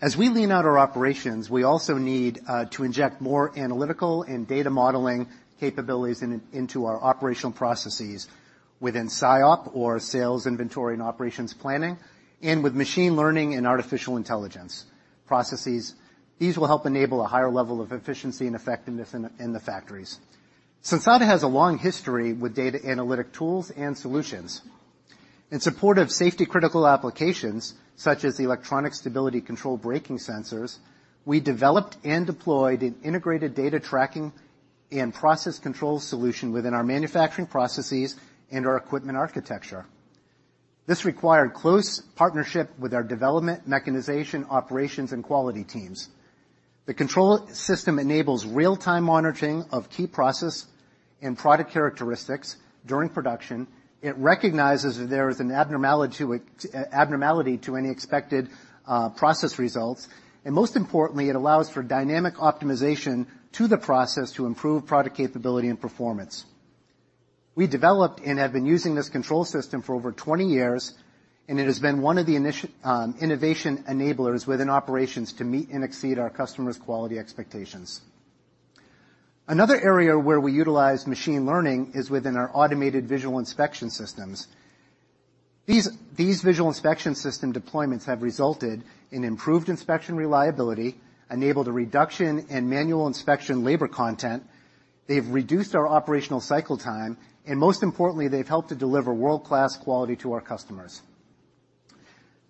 As we lean out our operations, we also need to inject more analytical and data modeling capabilities into our operational processes within SIOP or Sales, Inventory, and Operations Planning, and with machine learning and artificial intelligence processes. These will help enable a higher level of efficiency and effectiveness in the factories. Sensata has a long history with data analytic tools and solutions. In support of safety-critical applications, such as electronic stability control braking sensors, we developed and deployed an integrated data tracking and process control solution within our manufacturing processes and our equipment architecture. This required close partnership with our development, mechanization, operations, and quality teams. The control system enables real-time monitoring of key process and product characteristics during production. It recognizes if there is an abnormality to any expected process results, and most importantly, it allows for dynamic optimization to the process to improve product capability and performance. We developed and have been using this control system for over 20 years, and it has been one of the innovation enablers within operations to meet and exceed our customers' quality expectations. Another area where we utilize machine learning is within our automated visual inspection systems. These visual inspection system deployments have resulted in improved inspection reliability, enabled a reduction in manual inspection labor content, they've reduced our operational cycle time, and most importantly, they've helped to deliver world-class quality to our customers.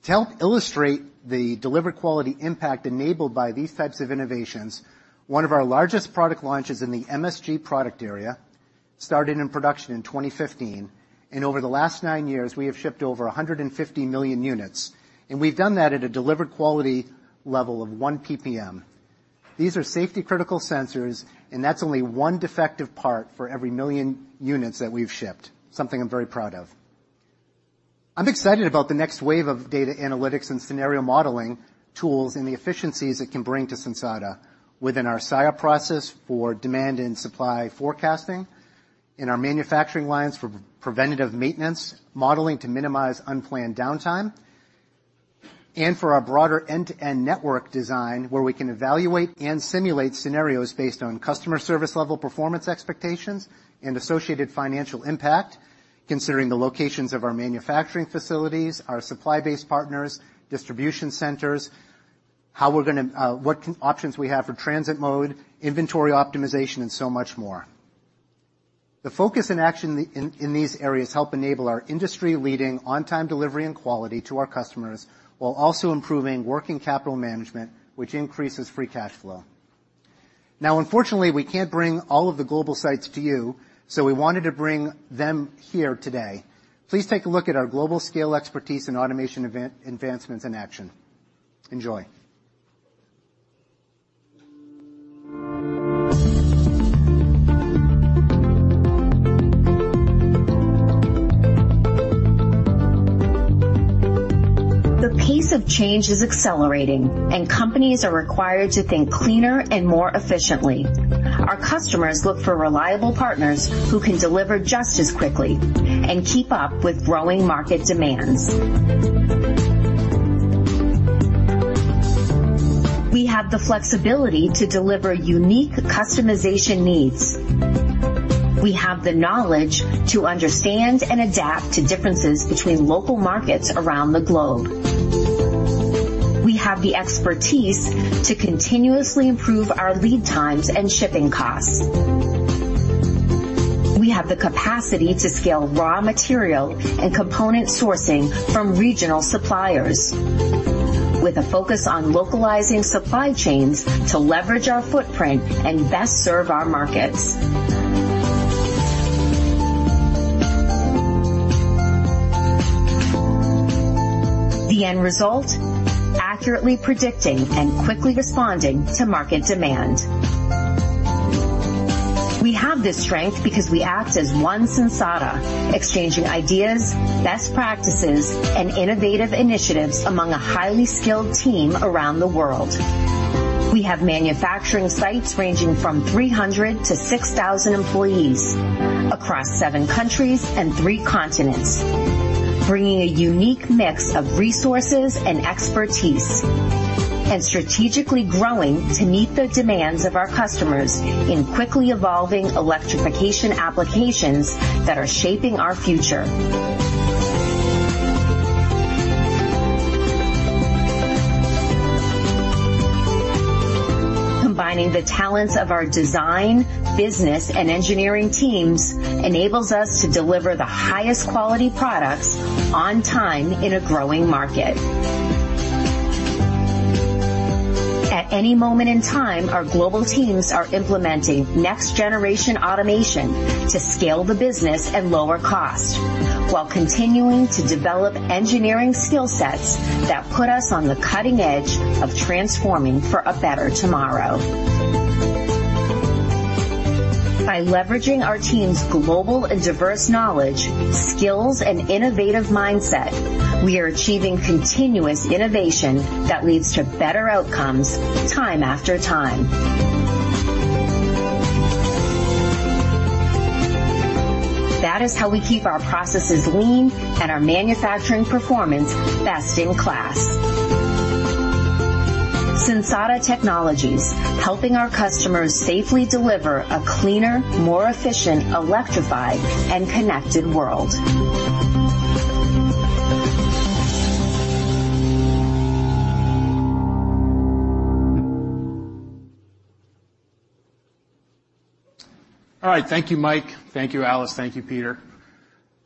To help illustrate the delivered quality impact enabled by these types of innovations, one of our largest product launches in the MSG product area started in production in 2015, and over the last nine years, we have shipped over 150 million units, and we've done that at a delivered quality level of 1 PPM. These are safety-critical sensors, and that's only one defective part for every million units that we've shipped, something I'm very proud of. I'm excited about the next wave of data analytics and scenario modeling tools and the efficiencies it can bring to Sensata within our SIOP process for demand and supply forecasting, in our manufacturing lines for preventative maintenance, modeling to minimize unplanned downtime, and for our broader end-to-end network design, where we can evaluate and simulate scenarios based on customer service level performance expectations and associated financial impact, considering the locations of our manufacturing facilities, our supply-based partners, distribution centers, how we're gonna what options we have for transit mode, inventory optimization, and so much more. The focus and action in these areas help enable our industry-leading on-time delivery and quality to our customers, while also improving working capital management, which increases free cash flow. Now, unfortunately, we can't bring all of the global sites to you, so we wanted to bring them here today. Please take a look at our global scale expertise and automation advancements in action. Enjoy. The pace of change is accelerating, and companies are required to think cleaner and more efficiently. Our customers look for reliable partners who can deliver just as quickly and keep up with growing market demands. We have the flexibility to deliver unique customization needs. We have the knowledge to understand and adapt to differences between local markets around the globe. We have the expertise to continuously improve our lead times and shipping costs. We have the capacity to scale raw material and component sourcing from regional suppliers, with a focus on localizing supply chains to leverage our footprint and best serve our markets. The end result? Accurately predicting and quickly responding to market demand. We have this strength because we act as one Sensata, exchanging ideas, best practices, and innovative initiatives among a highly skilled team around the world. We have manufacturing sites ranging from 300 to 6,000 employees across seven countries and three continents, bringing a unique mix of resources and expertise, and strategically growing to meet the demands of our customers in quickly evolving electrification applications that are shaping our future. Combining the talents of our Design, Business, and Engineering Teams enables us to deliver the highest quality products on time in a growing market. At any moment in time, our global teams are implementing next-generation automation to scale the business at lower cost, while continuing to develop engineering skill sets that put us on the cutting edge of transforming for a better tomorrow. By leveraging our team's global and diverse knowledge, skills, and innovative mindset, we are achieving continuous innovation that leads to better outcomes time after time. That is how we keep our processes lean and our manufacturing performance best-in-class. Sensata Technologies, helping our customers safely deliver a cleaner, more efficient, electrified, and connected world. All right. Thank you, Mike. Thank you, Alice. Thank you, Peter.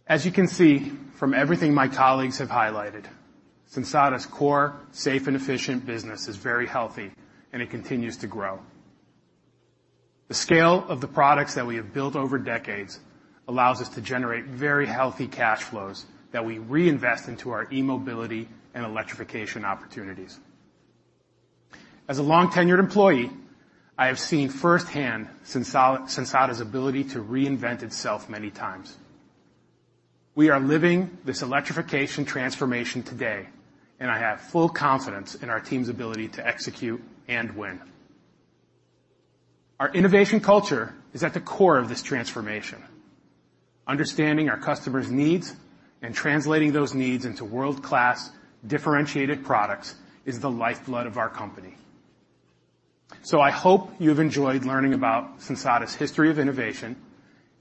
As you can see from everything my colleagues have highlighted, Sensata's core, safe, and efficient business is very healthy, and it continues to grow. The scale of the products that we have built over decades allows us to generate very healthy cash flows that we reinvest into our e-mobility and electrification opportunities. As a long-tenured employee, I have seen firsthand Sensata's ability to reinvent itself many times. We are living this electrification transformation today, and I have full confidence in our team's ability to execute and win. Our innovation culture is at the core of this transformation.... Understanding our customers' needs and translating those needs into world-class differentiated products is the lifeblood of our company. So I hope you've enjoyed learning about Sensata's history of innovation,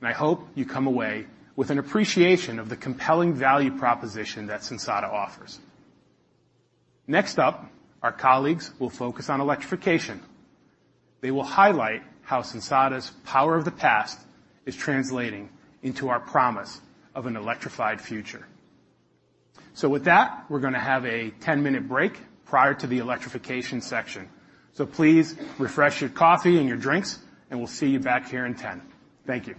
and I hope you come away with an appreciation of the compelling value proposition that Sensata offers. Next up, our colleagues will focus on electrification. They will highlight how Sensata's power of the past is translating into our promise of an electrified future. So with that, we're gonna have a 10-minute break prior to the electrification section. So please refresh your coffee and your drinks, and we'll see you back here in 10. Thank you.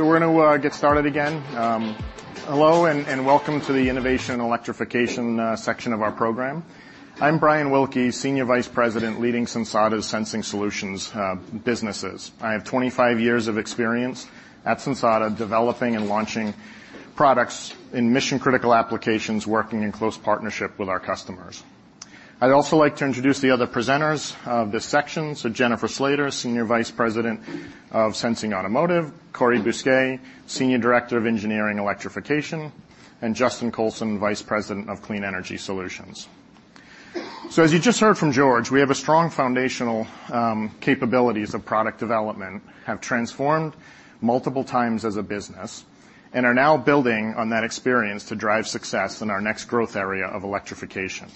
We're going to get started again. Hello, and welcome to the Innovation Electrification section of our program. I'm Brian Wilkie, Senior Vice President, leading Sensata's Sensing Solutions businesses. I have 25 years of experience at Sensata, developing and launching products in mission-critical applications, working in close partnership with our customers. I'd also like to introduce the other presenters of this section. Jennifer Slater, Senior Vice President of Sensing Automotive, Cory Bousquet, Senior Director of Engineering Electrification, and Justin Colson, Vice President of Clean Energy Solutions. As you just heard from George, we have a strong foundational capabilities of product development, have transformed multiple times as a business, and are now building on that experience to drive success in our next growth area of electrification.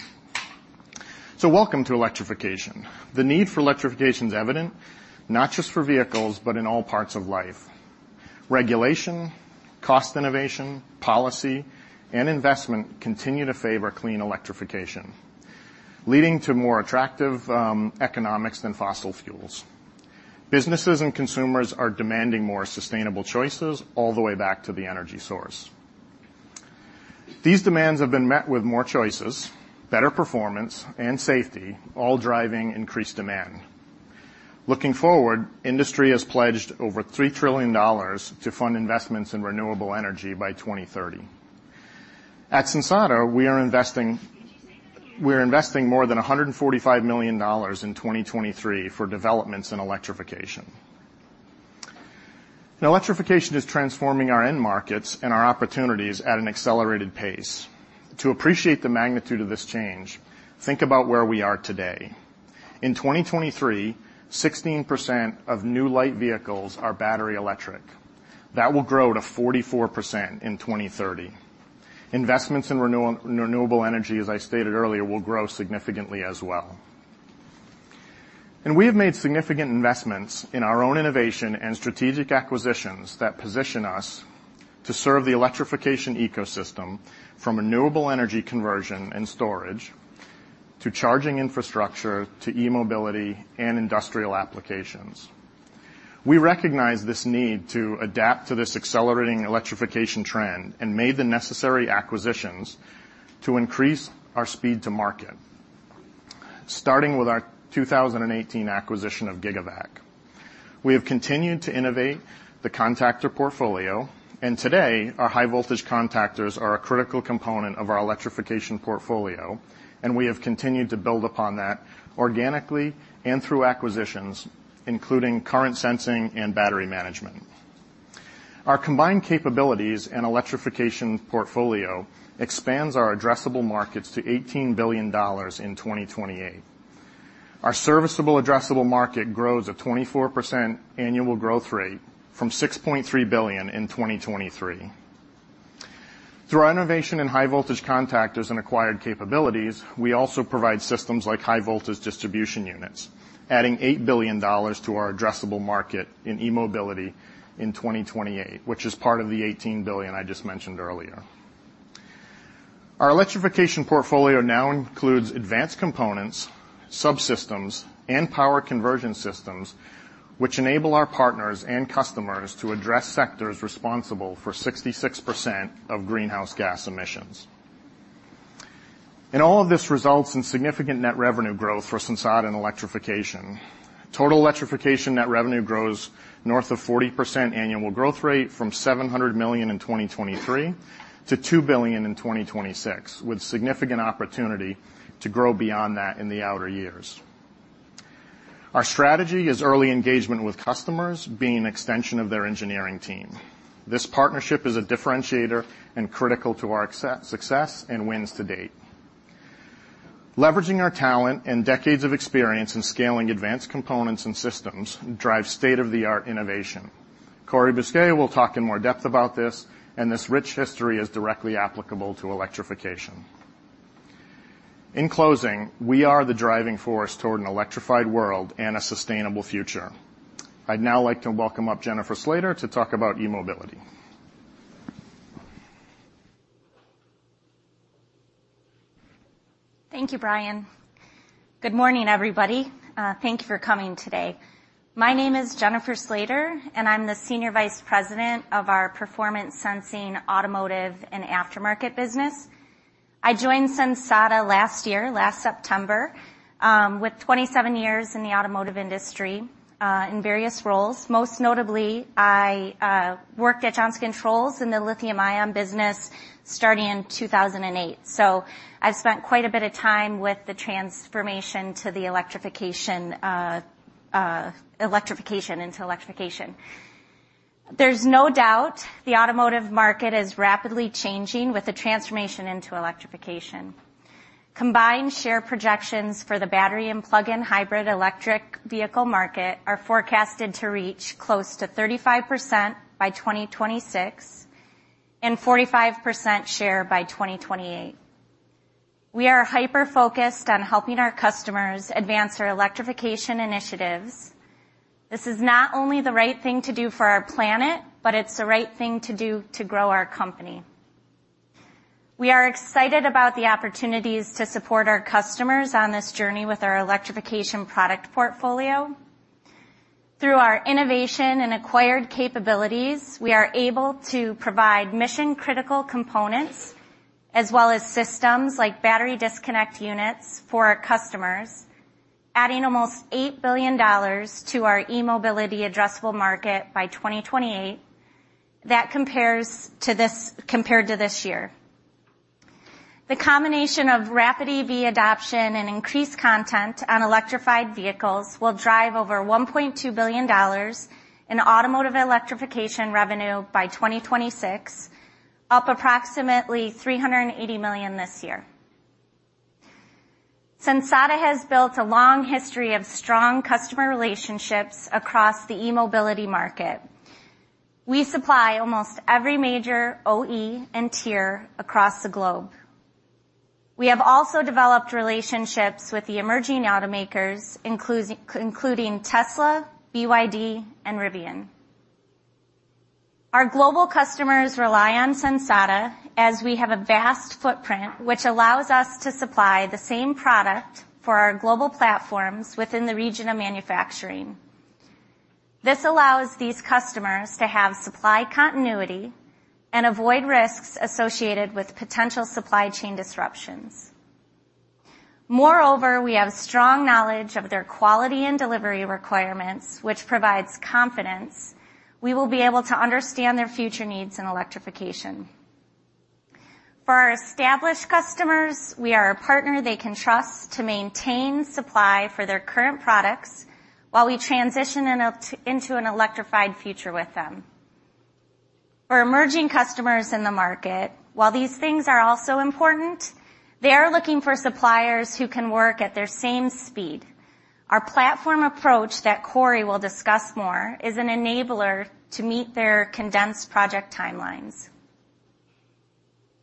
Welcome to electrification. The need for electrification is evident, not just for vehicles, but in all parts of life. Regulation, cost innovation, policy, and investment continue to favor clean electrification, leading to more attractive economics than fossil fuels. Businesses and consumers are demanding more sustainable choices all the way back to the energy source. These demands have been met with more choices, better performance and safety, all driving increased demand. Looking forward, industry has pledged over $3 trillion to fund investments in renewable energy by 2030. At Sensata, we are investing more than $145 million in 2023 for developments in electrification. Now, electrification is transforming our end markets and our opportunities at an accelerated pace. To appreciate the magnitude of this change, think about where we are today. In 2023, 16% of new light vehicles are battery electric. That will grow to 44% in 2030. Investments in renewable energy, as I stated earlier, will grow significantly as well. And we have made significant investments in our own innovation and strategic acquisitions that position us to serve the electrification ecosystem, from renewable energy conversion and storage, to charging infrastructure, to e-mobility and industrial applications. We recognize this need to adapt to this accelerating electrification trend and made the necessary acquisitions to increase our speed to market, starting with our 2018 acquisition of Gigavac. We have continued to innovate the contactor portfolio, and today, our high voltage contactors are a critical component of our electrification portfolio, and we have continued to build upon that organically and through acquisitions, including current sensing and battery management. Our combined capabilities and electrification portfolio expands our addressable markets to $18 billion in 2028. Our serviceable addressable market grows at 24% annual growth rate from $6.3 billion in 2023. Through our innovation in high voltage contactors and acquired capabilities, we also provide systems like High Voltage Distribution Units, adding $8 billion to our addressable market in e-mobility in 2028, which is part of the $18 billion I just mentioned earlier. Our electrification portfolio now includes advanced components, subsystems, and power conversion systems, which enable our partners and customers to address sectors responsible for 66% of greenhouse gas emissions. All of this results in significant net revenue growth for Sensata and electrification. Total electrification net revenue grows north of 40% annual growth rate from $700 million in 2023 to $2 billion in 2026, with significant opportunity to grow beyond that in the outer years. Our strategy is early engagement with customers, being an extension of their Engineering Team. This partnership is a differentiator and critical to our success and wins to date. Leveraging our talent and decades of experience in scaling advanced components and systems drives state-of-the-art innovation. Cory Bousquet will talk in more depth about this, and this rich history is directly applicable to electrification. In closing, we are the driving force toward an electrified world and a sustainable future. I'd now like to welcome up Jennifer Slater to talk about e-mobility. Thank you, Brian. Good morning, everybody. Thank you for coming today. My name is Jennifer Slater, and I'm the Senior Vice President of our Performance Sensing, Automotive, and Aftermarket business. I joined Sensata last year, last September, with 27 years in the automotive industry in various roles. Most notably, I worked at Johnson Controls in the lithium-ion business starting in 2008. So I've spent quite a bit of time with the transformation to the electrification into electrification. There's no doubt the automotive market is rapidly changing with the transformation into electrification. Combined share projections for the battery and plug-in hybrid electric vehicle market are forecasted to reach close to 35% by 2026, and 45% share by 2028. We are hyper-focused on helping our customers advance their electrification initiatives. This is not only the right thing to do for our planet, but it's the right thing to do to grow our company. We are excited about the opportunities to support our customers on this journey with our electrification product portfolio. Through our innovation and acquired capabilities, we are able to provide mission-critical components, as well as systems like battery disconnect units for our customers, adding almost $8 billion to our e-mobility addressable market by 2028. That compares to this year. The combination of rapid EV adoption and increased content on electrified vehicles will drive over $1.2 billion in automotive electrification revenue by 2026, up approximately $380 million this year. Sensata has built a long history of strong customer relationships across the e-mobility market. We supply almost every major OE and tier across the globe. We have also developed relationships with the emerging automakers, including Tesla, BYD, and Rivian. Our global customers rely on Sensata, as we have a vast footprint, which allows us to supply the same product for our global platforms within the region of manufacturing. This allows these customers to have supply continuity and avoid risks associated with potential supply chain disruptions. Moreover, we have strong knowledge of their quality and delivery requirements, which provides confidence we will be able to understand their future needs in electrification. For our established customers, we are a partner they can trust to maintain supply for their current products while we transition into an electrified future with them. For emerging customers in the market, while these things are also important, they are looking for suppliers who can work at their same speed. Our platform approach, that Cory will discuss more, is an enabler to meet their condensed project timelines.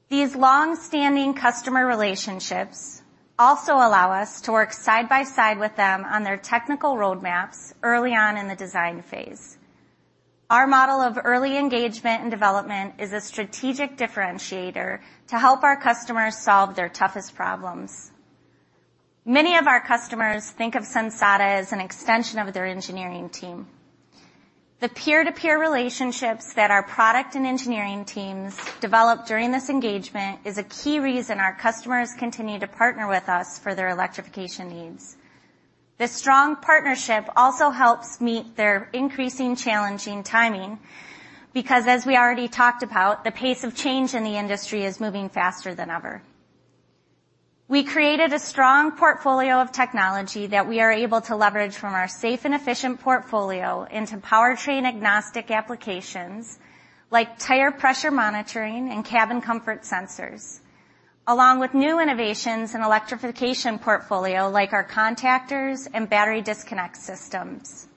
These long-standing customer relationships also allow us to work side by side with them on their technical roadmaps early on in the design phase. Our model of early engagement and development is a strategic differentiator to help our customers solve their toughest problems. Many of our customers think of Sensata as an extension of their Engineering Team. The peer-to-peer relationships that our Product and Engineering Teams develop during this engagement is a key reason our customers continue to partner with us for their electrification needs. This strong partnership also helps meet their increasing challenge in timing, because, as we already talked about, the pace of change in the industry is moving faster than ever. We created a strong portfolio of technology that we are able to leverage from our safe and efficient portfolio into powertrain-agnostic applications, like tire pressure monitoring and cabin comfort sensors, along with new innovations and electrification portfolio, like our contactors and battery disconnect systems.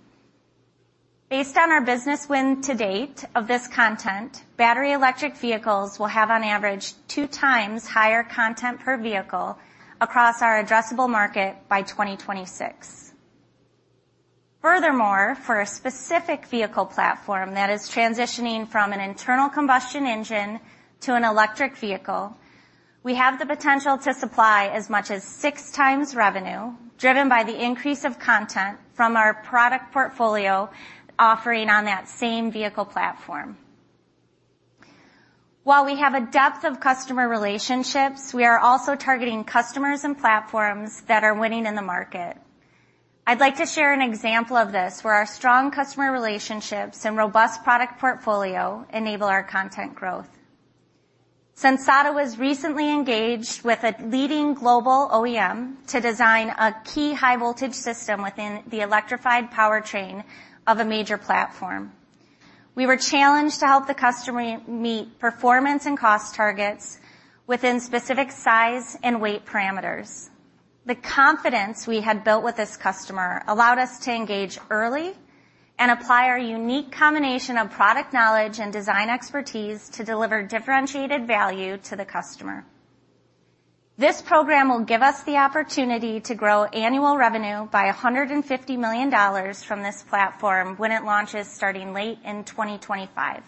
Based on our business win to date of this content, battery electric vehicles will have, on average, 2x higher content per vehicle across our addressable market by 2026. Furthermore, for a specific vehicle platform that is transitioning from an internal combustion engine to an electric vehicle, we have the potential to supply as much as 6x revenue, driven by the increase of content from our product portfolio offering on that same vehicle platform. While we have a depth of customer relationships, we are also targeting customers and platforms that are winning in the market. I'd like to share an example of this, where our strong customer relationships and robust product portfolio enable our content growth. Sensata was recently engaged with a leading global OEM to design a key high-voltage system within the electrified powertrain of a major platform. We were challenged to help the customer meet performance and cost targets within specific size and weight parameters. The confidence we had built with this customer allowed us to engage early and apply our unique combination of product knowledge and design expertise to deliver differentiated value to the customer. This program will give us the opportunity to grow annual revenue by $150 million from this platform when it launches, starting late in 2025.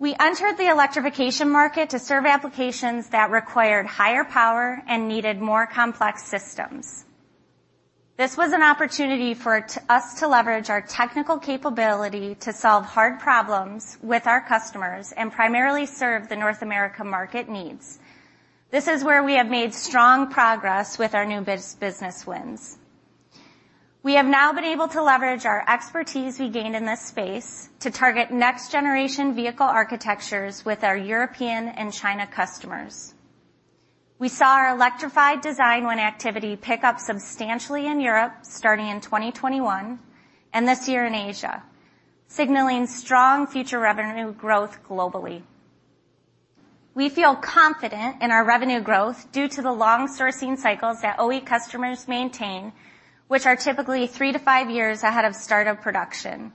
We entered the electrification market to serve applications that required higher power and needed more complex systems. This was an opportunity for us to leverage our technical capability to solve hard problems with our customers and primarily serve the North America market needs. This is where we have made strong progress with our new business wins. We have now been able to leverage our expertise we gained in this space to target next-generation vehicle architectures with our European and Chinese customers. We saw our electrified design win activity pick up substantially in Europe, starting in 2021, and this year in Asia, signaling strong future revenue growth globally. We feel confident in our revenue growth due to the long sourcing cycles that OE customers maintain, which are typically three to five years ahead of start of production.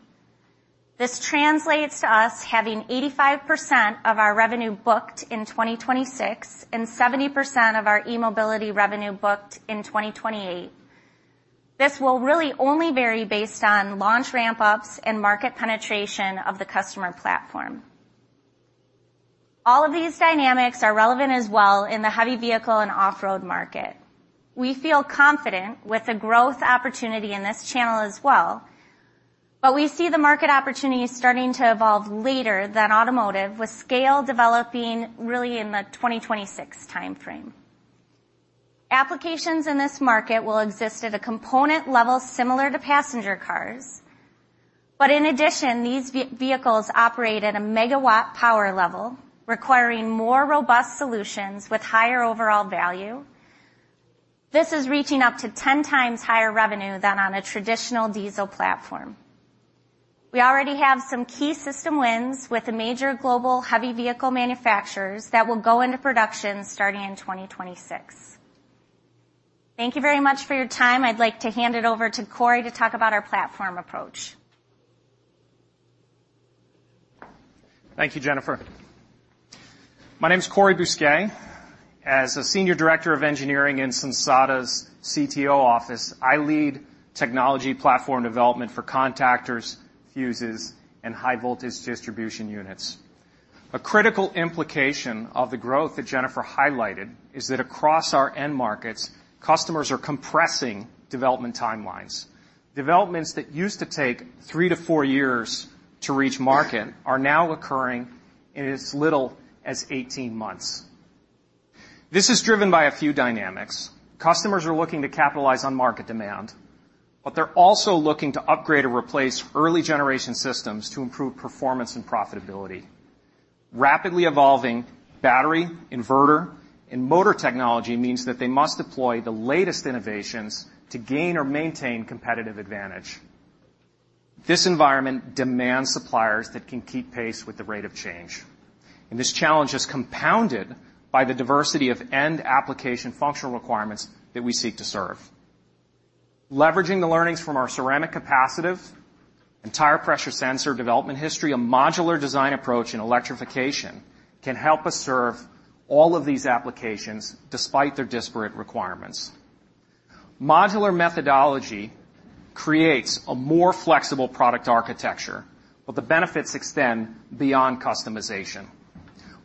This translates to us having 85% of our revenue booked in 2026 and 70% of our e-mobility revenue booked in 2028. This will really only vary based on launch ramp-ups and market penetration of the customer platform. All of these dynamics are relevant as well in the heavy vehicle and off-road market. We feel confident with the growth opportunity in this channel as well, but we see the market opportunity starting to evolve later than automotive, with scale developing really in the 2026 time frame. Applications in this market will exist at a component level similar to passenger cars, but in addition, these vehicles operate at a megawatt power level, requiring more robust solutions with higher overall value. This is reaching up to 10x higher revenue than on a traditional diesel platform. We already have some key system wins with the major global heavy vehicle manufacturers that will go into production starting in 2026. Thank you very much for your time. I'd like to hand it over to Cory to talk about our platform approach. Thank you, Jennifer. My name is Cory Bousquet. As a Senior Director of Engineering in Sensata's CTO office, I lead technology platform development for contactors, fuses, and High Voltage Distribution Units. A critical implication of the growth that Jennifer highlighted is that across our end markets, customers are compressing development timelines. Developments that used to take three to four years to reach market are now occurring in as little as 18 months. This is driven by a few dynamics. Customers are looking to capitalize on market demand, but they're also looking to upgrade or replace early generation systems to improve performance and profitability. Rapidly evolving battery, inverter, and motor technology means that they must deploy the latest innovations to gain or maintain competitive advantage. This environment demands suppliers that can keep pace with the rate of change, and this challenge is compounded by the diversity of end application functional requirements that we seek to serve. Leveraging the learnings from our ceramic capacitive and Tire Pressure Sensor development history, a modular design approach in electrification can help us serve all of these applications despite their disparate requirements. Modular methodology creates a more flexible product architecture, but the benefits extend beyond customization.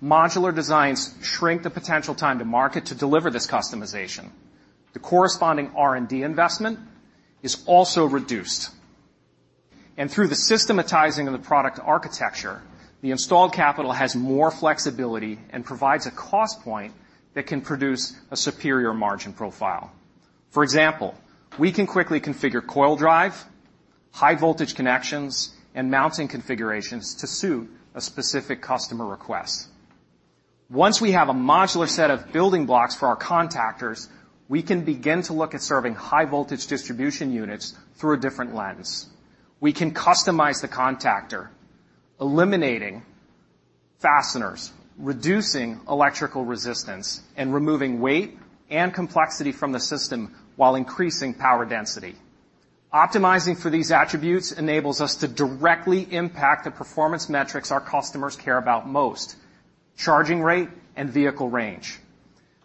Modular designs shrink the potential time to market to deliver this customization. The corresponding R&D investment is also reduced. Through the systematizing of the product architecture, the installed capital has more flexibility and provides a cost point that can produce a superior margin profile. For example, we can quickly configure coil drive, high-voltage connections, and mounting configurations to suit a specific customer request. Once we have a modular set of building blocks for our contactors, we can begin to look at serving High Voltage Distribution Units through a different lens. We can customize the contactor, eliminating fasteners, reducing electrical resistance, and removing weight and complexity from the system while increasing power density. Optimizing for these attributes enables us to directly impact the performance metrics our customers care about most, charging rate and vehicle range.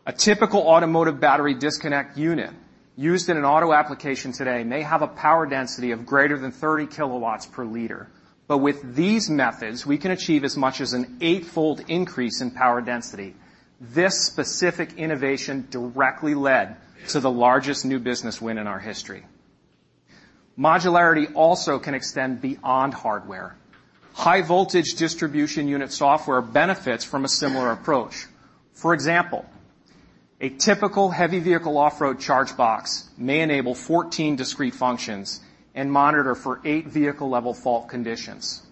A typical automotive battery disconnect unit used in an auto application today may have a power density of greater than 30 kW/L, but with these methods, we can achieve as much as an eightfold increase in power density. This specific innovation directly led to the largest new business win in our history. Modularity also can extend beyond hardware. High Voltage Distribution Unit software benefits from a similar approach. For example, a typical heavy vehicle off-road charge box may enable 14 discrete functions and monitor for eight vehicle-level fault conditions.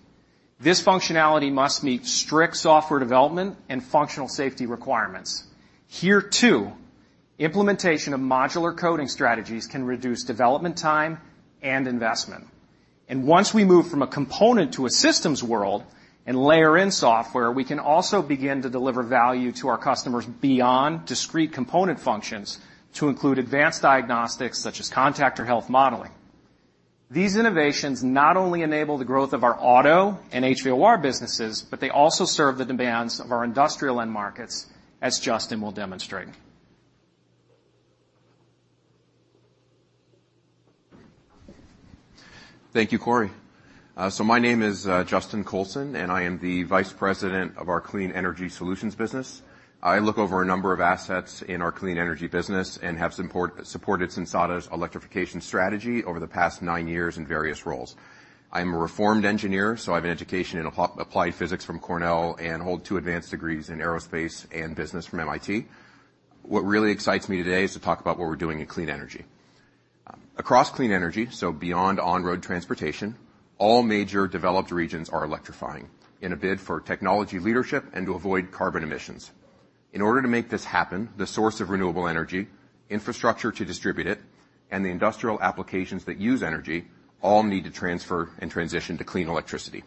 This functionality must meet strict software development and functional safety requirements. Here, too, implementation of modular coding strategies can reduce development time and investment. Once we move from a component to a systems world and layer in software, we can also begin to deliver value to our customers beyond discrete component functions to include advanced diagnostics, such as contactor health modeling. These innovations not only enable the growth of our auto and HVOR businesses, but they also serve the demands of our industrial end markets, as Justin will demonstrate. Thank you, Cory. So my name is Justin Colson, and I am the Vice President of our Clean Energy Solutions business. I look over a number of assets in our clean energy business and have supported Sensata's electrification strategy over the past nine years in various roles. I'm a reformed engineer, so I have an education in applied physics from Cornell and hold two advanced degrees in Aerospace and Business from MIT. What really excites me today is to talk about what we're doing in clean energy. Across clean energy, so beyond on-road transportation, all major developed regions are electrifying in a bid for technology leadership and to avoid carbon emissions. In order to make this happen, the source of renewable energy, infrastructure to distribute it, and the industrial applications that use energy all need to transfer and transition to clean electricity.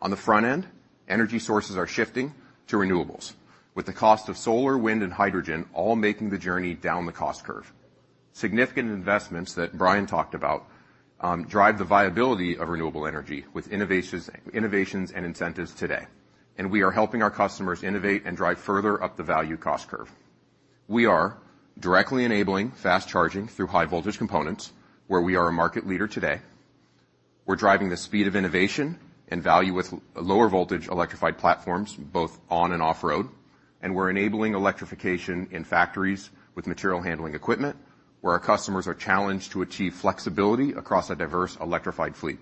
On the front end, energy sources are shifting to renewables, with the cost of solar, wind, and hydrogen all making the journey down the cost curve. Significant investments that Brian talked about drive the viability of renewable energy with innovations and incentives today, and we are helping our customers innovate and drive further up the value cost curve. We are directly enabling fast charging through high voltage components, where we are a market leader today. We're driving the speed of innovation and value with lower voltage electrified platforms, both on and off-road, and we're enabling electrification in factories with material handling equipment, where our customers are challenged to achieve flexibility across a diverse electrified fleet.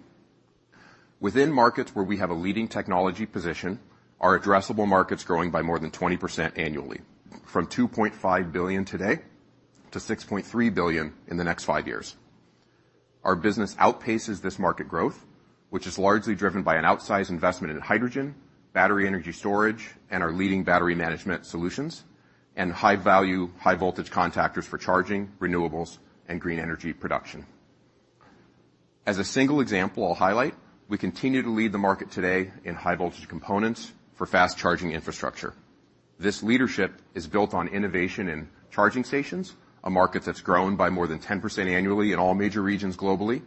Within markets where we have a leading technology position, our addressable market's growing by more than 20% annually, from $2.5 billion today to $6.3 billion in the next five years. Our business outpaces this market growth, which is largely driven by an outsized investment in hydrogen, battery energy storage, and our leading battery management solutions, and high-value, high-voltage contactors for charging, renewables, and green energy production. As a single example I'll highlight, we continue to lead the market today in high-voltage components for fast charging infrastructure. This leadership is built on innovation in charging stations, a market that's grown by more than 10% annually in all major regions globally,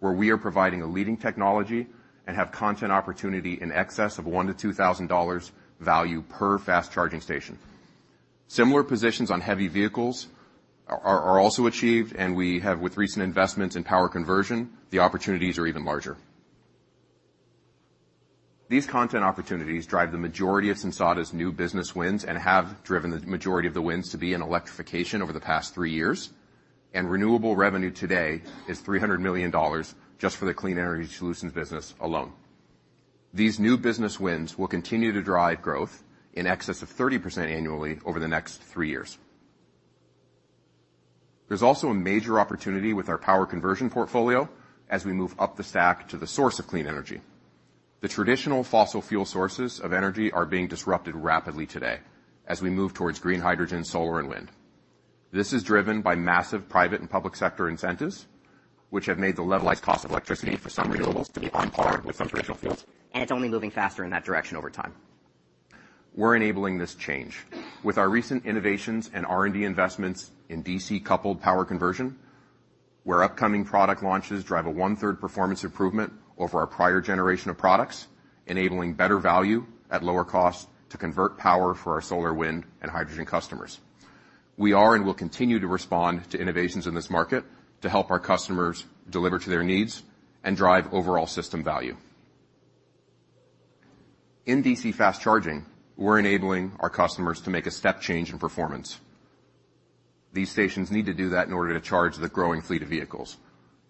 where we are providing a leading technology and have content opportunity in excess of $1,000-$2,000 value per fast charging station. Similar positions on heavy vehicles are also achieved, and with recent investments in power conversion, the opportunities are even larger. These content opportunities drive the majority of Sensata's new business wins and have driven the majority of the wins to be in electrification over the past three years, and renewable revenue today is $300 million just for the clean energy solutions business alone. These new business wins will continue to drive growth in excess of 30% annually over the next three years. There's also a major opportunity with our power conversion portfolio as we move up the stack to the source of clean energy. The traditional fossil fuel sources of energy are being disrupted rapidly today as we move towards green hydrogen, solar, and wind. This is driven by massive private and public sector incentives, which have made the levelized cost of electricity for some renewables to be on par with some traditional fuels. It's only moving faster in that direction over time. ... We're enabling this change with our recent innovations and R&D investments in DC-coupled power conversion, where upcoming product launches drive a 1/3 performance improvement over our prior generation of products, enabling better value at lower cost to convert power for our solar, wind, and hydrogen customers. We are and will continue to respond to innovations in this market to help our customers deliver to their needs and drive overall system value. In DC fast charging, we're enabling our customers to make a step change in performance. These stations need to do that in order to charge the growing fleet of vehicles.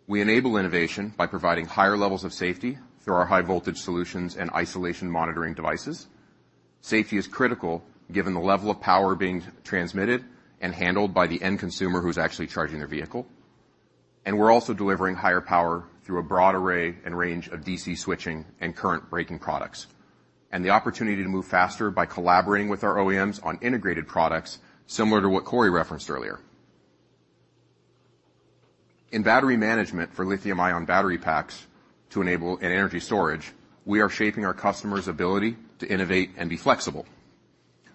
We enable innovation by providing higher levels of safety through our high voltage solutions and isolation monitoring devices. Safety is critical, given the level of power being transmitted and handled by the end consumer who's actually charging their vehicle, and we're also delivering higher power through a broad array and range of DC switching and current breaking products, and the opportunity to move faster by collaborating with our OEMs on integrated products, similar to what Cory referenced earlier. In battery management for lithium-ion battery packs to enable an energy storage, we are shaping our customers' ability to innovate and be flexible.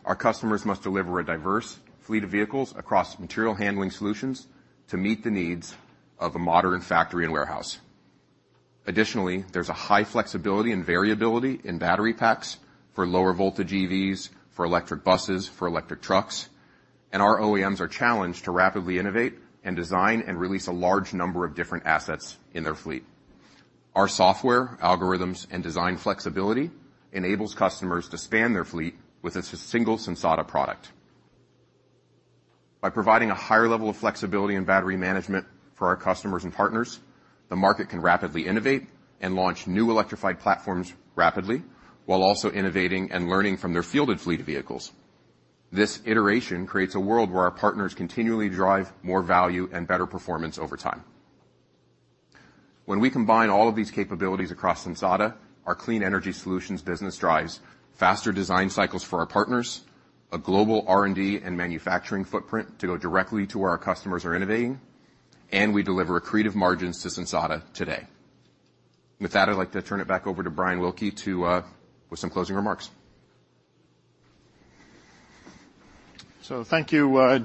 Our customers must deliver a diverse fleet of vehicles across material handling solutions to meet the needs of a modern factory and warehouse. Additionally, there's a high flexibility and variability in battery packs for lower voltage EVs, for electric buses, for electric trucks, and our OEMs are challenged to rapidly innovate and design and release a large number of different assets in their fleet. Our software, algorithms, and design flexibility enables customers to span their fleet with a single Sensata product. By providing a higher level of flexibility and battery management for our customers and partners, the market can rapidly innovate and launch new electrified platforms rapidly, while also innovating and learning from their fielded fleet of vehicles. This iteration creates a world where our partners continually drive more value and better performance over time. When we combine all of these capabilities across Sensata, our clean energy solutions business drives faster design cycles for our partners, a global R&D and manufacturing footprint to go directly to where our customers are innovating, and we deliver accretive margins to Sensata today. With that, I'd like to turn it back over to Brian Wilkie to with some closing remarks. So thank you,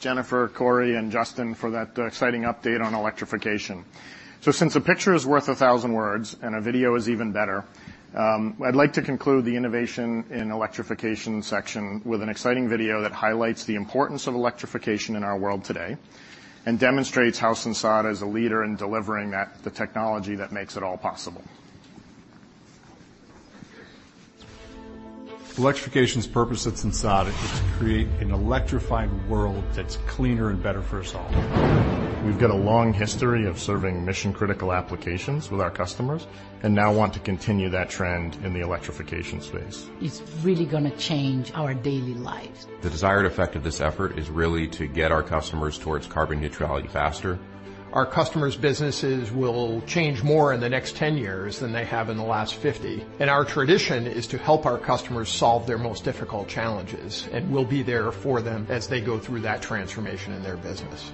Jennifer, Cory, and Justin, for that exciting update on electrification. So since a picture is worth a thousand words, and a video is even better, I'd like to conclude the innovation in electrification section with an exciting video that highlights the importance of electrification in our world today, and demonstrates how Sensata is a leader in delivering that, the technology that makes it all possible. Electrification's purpose at Sensata is to create an electrified world that's cleaner and better for us all. We've got a long history of serving mission-critical applications with our customers, and now want to continue that trend in the electrification space. It's really gonna change our daily lives. The desired effect of this effort is really to get our customers towards carbon neutrality faster. Our customers' businesses will change more in the next 10 years than they have in the last 50, and our tradition is to help our customers solve their most difficult challenges, and we'll be there for them as they go through that transformation in their business.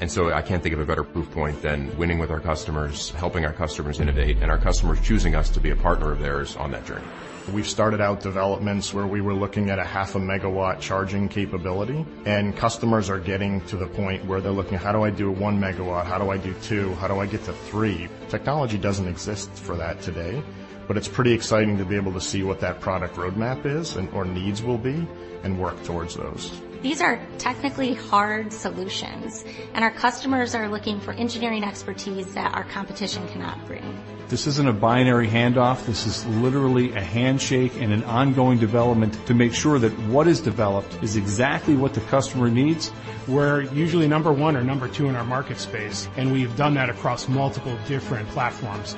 And so I can't think of a better proof point than winning with our customers, helping our customers innovate, and our customers choosing us to be a partner of theirs on that journey. We've started out developments where we were looking at a 0.5 MW charging capability, and customers are getting to the point where they're looking, "How do I do 1 MW? How do I do 2 MW? How do I get to 3 MW?" Technology doesn't exist for that today, but it's pretty exciting to be able to see what that product roadmap is and our needs will be, and work towards those. These are technically hard solutions, and our customers are looking for engineering expertise that our competition cannot bring. This isn't a binary handoff. This is literally a handshake and an ongoing development to make sure that what is developed is exactly what the customer needs. We're usually number one or number two in our market space, and we've done that across multiple different platforms.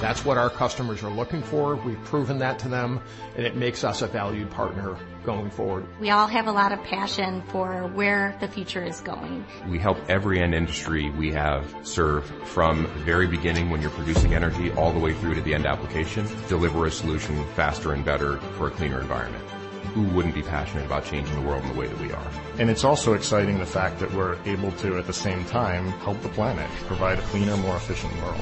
That's what our customers are looking for. We've proven that to them, and it makes us a valued partner going forward. We all have a lot of passion for where the future is going. We help every end industry we have served from the very beginning, when you're producing energy, all the way through to the end application, deliver a solution faster and better for a cleaner environment. Who wouldn't be passionate about changing the world the way that we are? It's also exciting the fact that we're able to, at the same time, help the planet provide a cleaner, more efficient world.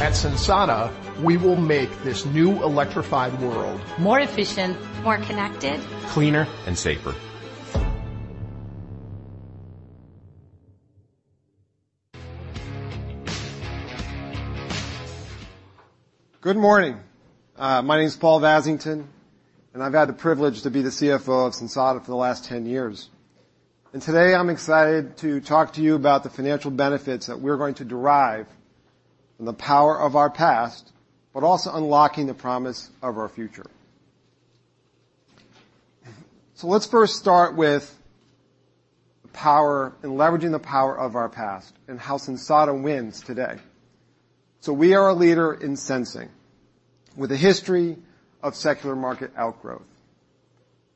At Sensata, we will make this new electrified world... More efficient. More connected. Cleaner. And safer. Good morning. My name is Paul Vasington, and I've had the privilege to be the CFO of Sensata for the last 10 years. Today, I'm excited to talk to you about the financial benefits that we're going to derive from the power of our past, but also unlocking the promise of our future. Let's first start with the power and leveraging the power of our past and how Sensata wins today. We are a leader in sensing, with a history of secular market outgrowth,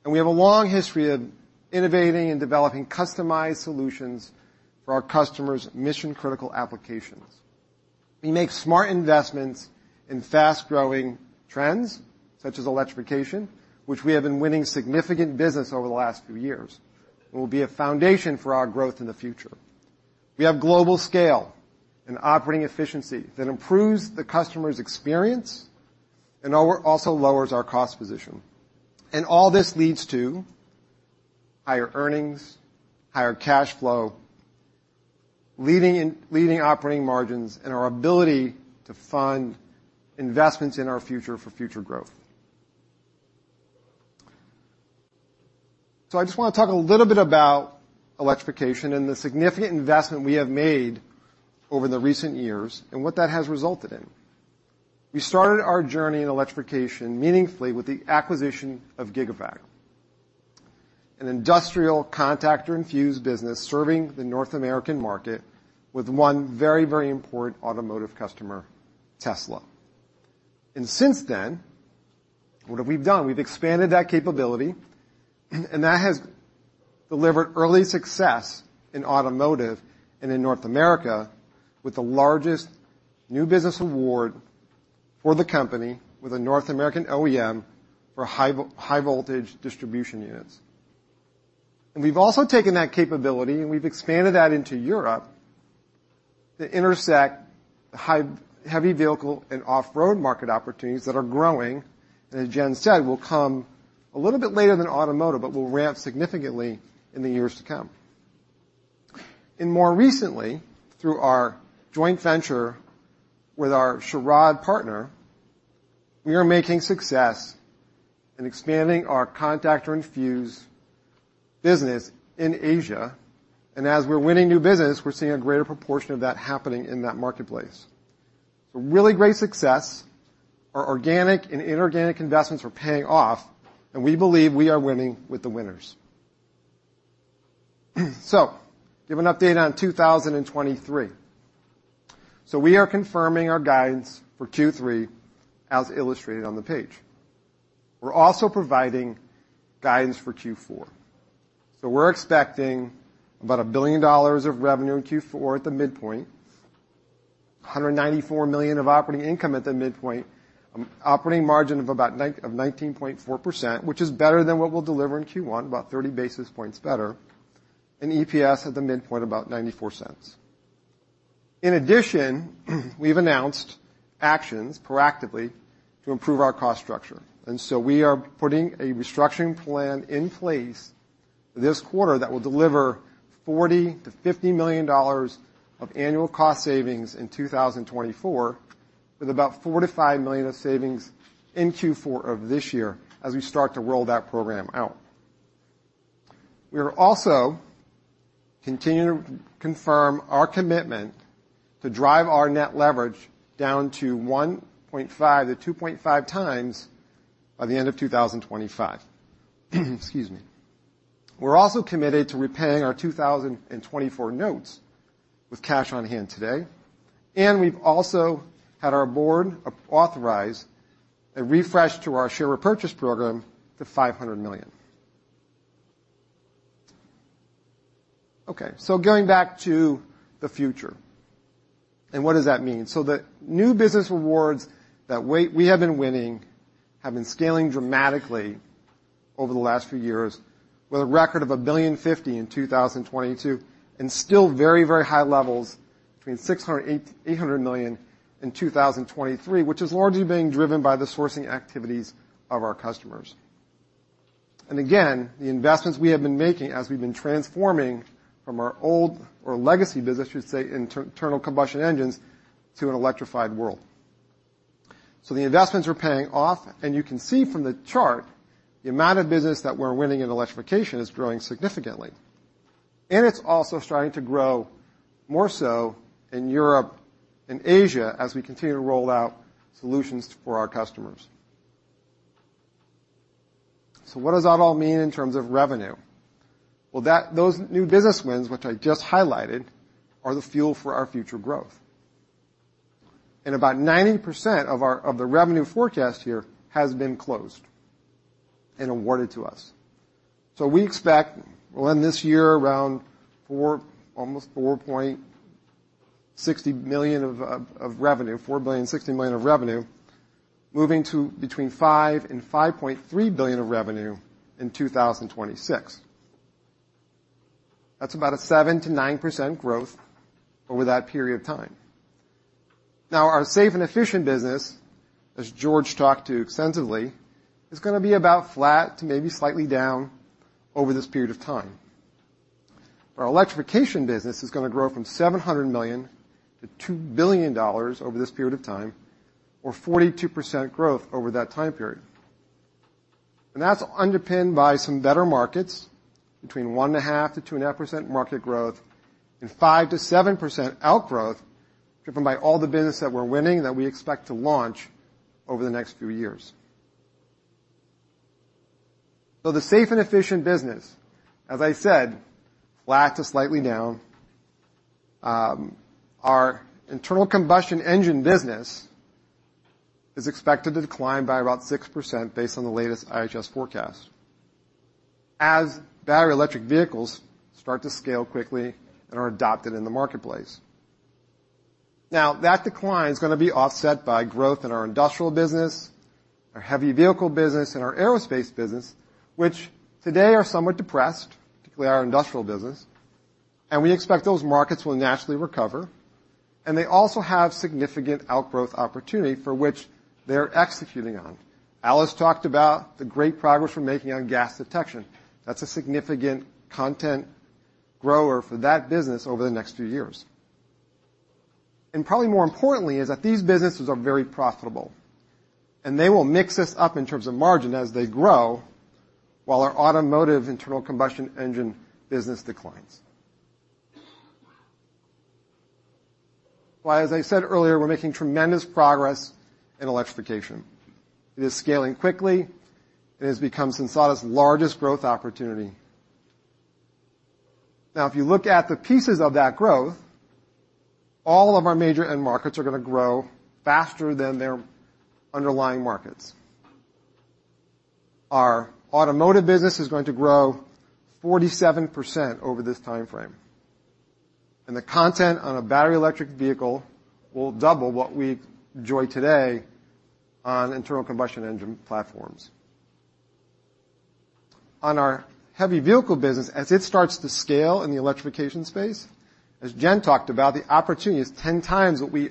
and we have a long history of innovating and developing customized solutions for our customers' mission-critical applications. We make smart investments in fast-growing trends, such as electrification, which we have been winning significant business over the last few years, and will be a foundation for our growth in the future.... We have global scale and operating efficiency that improves the customer's experience and also lowers our cost position. All this leads to higher earnings, higher cash flow, leading operating margins, and our ability to fund investments in our future for future growth. So I just wanna talk a little bit about electrification and the significant investment we have made over the recent years and what that has resulted in. We started our journey in electrification meaningfully with the acquisition of Gigavac, an industrial contactor and fuse business serving the North American market with one very, very important automotive customer, Tesla. Since then, what have we done? We've expanded that capability, and that has delivered early success in automotive and in North America, with the largest new business award for the company, with a North American OEM for High Voltage Distribution Units. And we've also taken that capability, and we've expanded that into Europe to intersect heavy vehicle and off-road market opportunities that are growing, and as Jen said, will come a little bit later than automotive, but will ramp significantly in the years to come. And more recently, through our joint venture with our Churod partner, we are making success in expanding our contactor and fuse business in Asia, and as we're winning new business, we're seeing a greater proportion of that happening in that marketplace. So really great success. Our organic and inorganic investments are paying off, and we believe we are winning with the winners. So give an update on 2023. So we are confirming our guidance for Q3 as illustrated on the page. We're also providing guidance for Q4. So we're expecting about $1 billion of revenue in Q4 at the midpoint, $194 million of operating income at the midpoint, operating margin of about 19.4%, which is better than what we'll deliver in Q1, about 30 basis points better, and EPS at the midpoint, about $0.94. In addition, we've announced actions proactively to improve our cost structure, and so we are putting a restructuring plan in place this quarter that will deliver $40 million-$50 million of annual cost savings in 2024, with about $4 million-$5 million of savings in Q4 of this year as we start to roll that program out. We are also continuing to confirm our commitment to drive our net leverage down to 1.5x-2.5x by the end of 2025. Excuse me. We're also committed to repaying our 2024 notes with cash on hand today, and we've also had our board authorize a refresh to our share repurchase program to $500 million. Okay, so going back to the future, and what does that mean? So the new business awards that we have been winning have been scaling dramatically over the last few years, with a record of $1.05 billion in 2022, and still very, very high levels between $600 million and $800 million in 2023, which is largely being driven by the sourcing activities of our customers. And again, the investments we have been making as we've been transforming from our old or legacy business, should say, internal combustion engines, to an electrified world. So the investments are paying off, and you can see from the chart, the amount of business that we're winning in electrification is growing significantly. And it's also starting to grow more so in Europe and Asia as we continue to roll out solutions for our customers. So what does that all mean in terms of revenue? Well, that, those new business wins, which I just highlighted, are the fuel for our future growth. And about 90% of the revenue forecast here has been closed and awarded to us. So we expect, well, in this year, $4.06 billion of revenue, moving to between $5 billion and $5.3 billion of revenue in 2026. That's about a 7%-9% growth over that period of time. Now, our safe and efficient business, as George talked to extensively, is gonna be about flat to maybe slightly down over this period of time. Our electrification business is gonna grow from $700 million-$2 billion over this period of time, or 42% growth over that time period. And that's underpinned by some better markets between 1.5%-2.5% market growth and 5%-7% outgrowth, driven by all the business that we're winning, that we expect to launch over the next few years. So the safe and efficient business, as I said, flat to slightly down. Our internal combustion engine business is expected to decline by about 6% based on the latest IHS forecast, as battery electric vehicles start to scale quickly and are adopted in the marketplace. Now, that decline is gonna be offset by growth in our industrial business, our heavy vehicle business, and our Aerospace business, which today are somewhat depressed, particularly our industrial business, and we expect those markets will naturally recover. And they also have significant outgrowth opportunity for which they're executing on. Alice talked about the great progress we're making on gas detection. That's a significant content grower for that business over the next few years. And probably more importantly, is that these businesses are very profitable, and they will mix us up in terms of margin as they grow, while our automotive internal combustion engine business declines. Well, as I said earlier, we're making tremendous progress in electrification. It is scaling quickly, and it has become Sensata's largest growth opportunity. Now, if you look at the pieces of that growth, all of our major end markets are gonna grow faster than their underlying markets. Our automotive business is going to grow 47% over this time frame, and the content on a battery electric vehicle will double what we enjoy today on internal combustion engine platforms. On our heavy vehicle business, as it starts to scale in the electrification space, as Jen talked about, the opportunity is 10x what we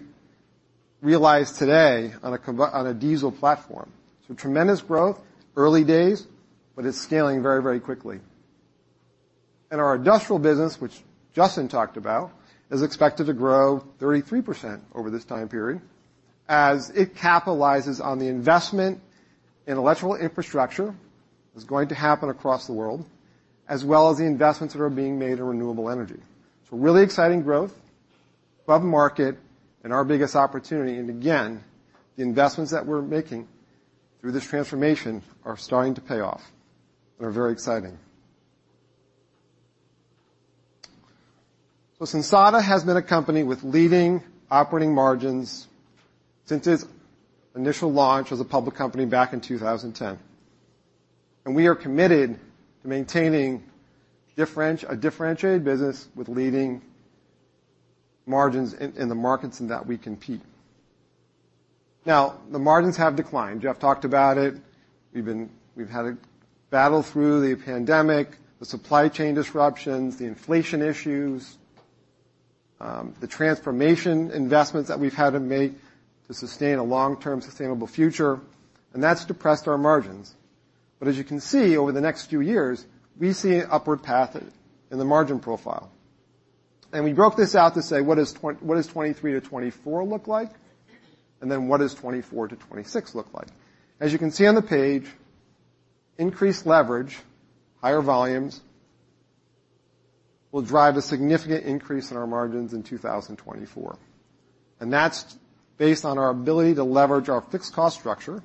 realize today on a diesel platform. So tremendous growth, early days, but it's scaling very, very quickly. And our industrial business, which Justin talked about, is expected to grow 33% over this time period, as it capitalizes on the investment in electrical infrastructure, that's going to happen across the world, as well as the investments that are being made in renewable energy. So really exciting growth, above market, and our biggest opportunity, and again, the investments that we're making through this transformation are starting to pay off and are very exciting. So Sensata has been a company with leading operating margins since its initial launch as a public company back in 2010, and we are committed to maintaining a differentiated business with leading margins in, in the markets in that we compete. Now, the margins have declined. Jeff talked about it. We've had to battle through the pandemic, the supply chain disruptions, the inflation issues, the transformation investments that we've had to make to sustain a long-term sustainable future, and that's depressed our margins. But as you can see, over the next few years, we see an upward path in the margin profile. We broke this out to say: What does 2023-2024 look like? And then, what does 2024-2026 look like? As you can see on the page, increased leverage, higher volumes, will drive a significant increase in our margins in 2024, and that's based on our ability to leverage our fixed cost structure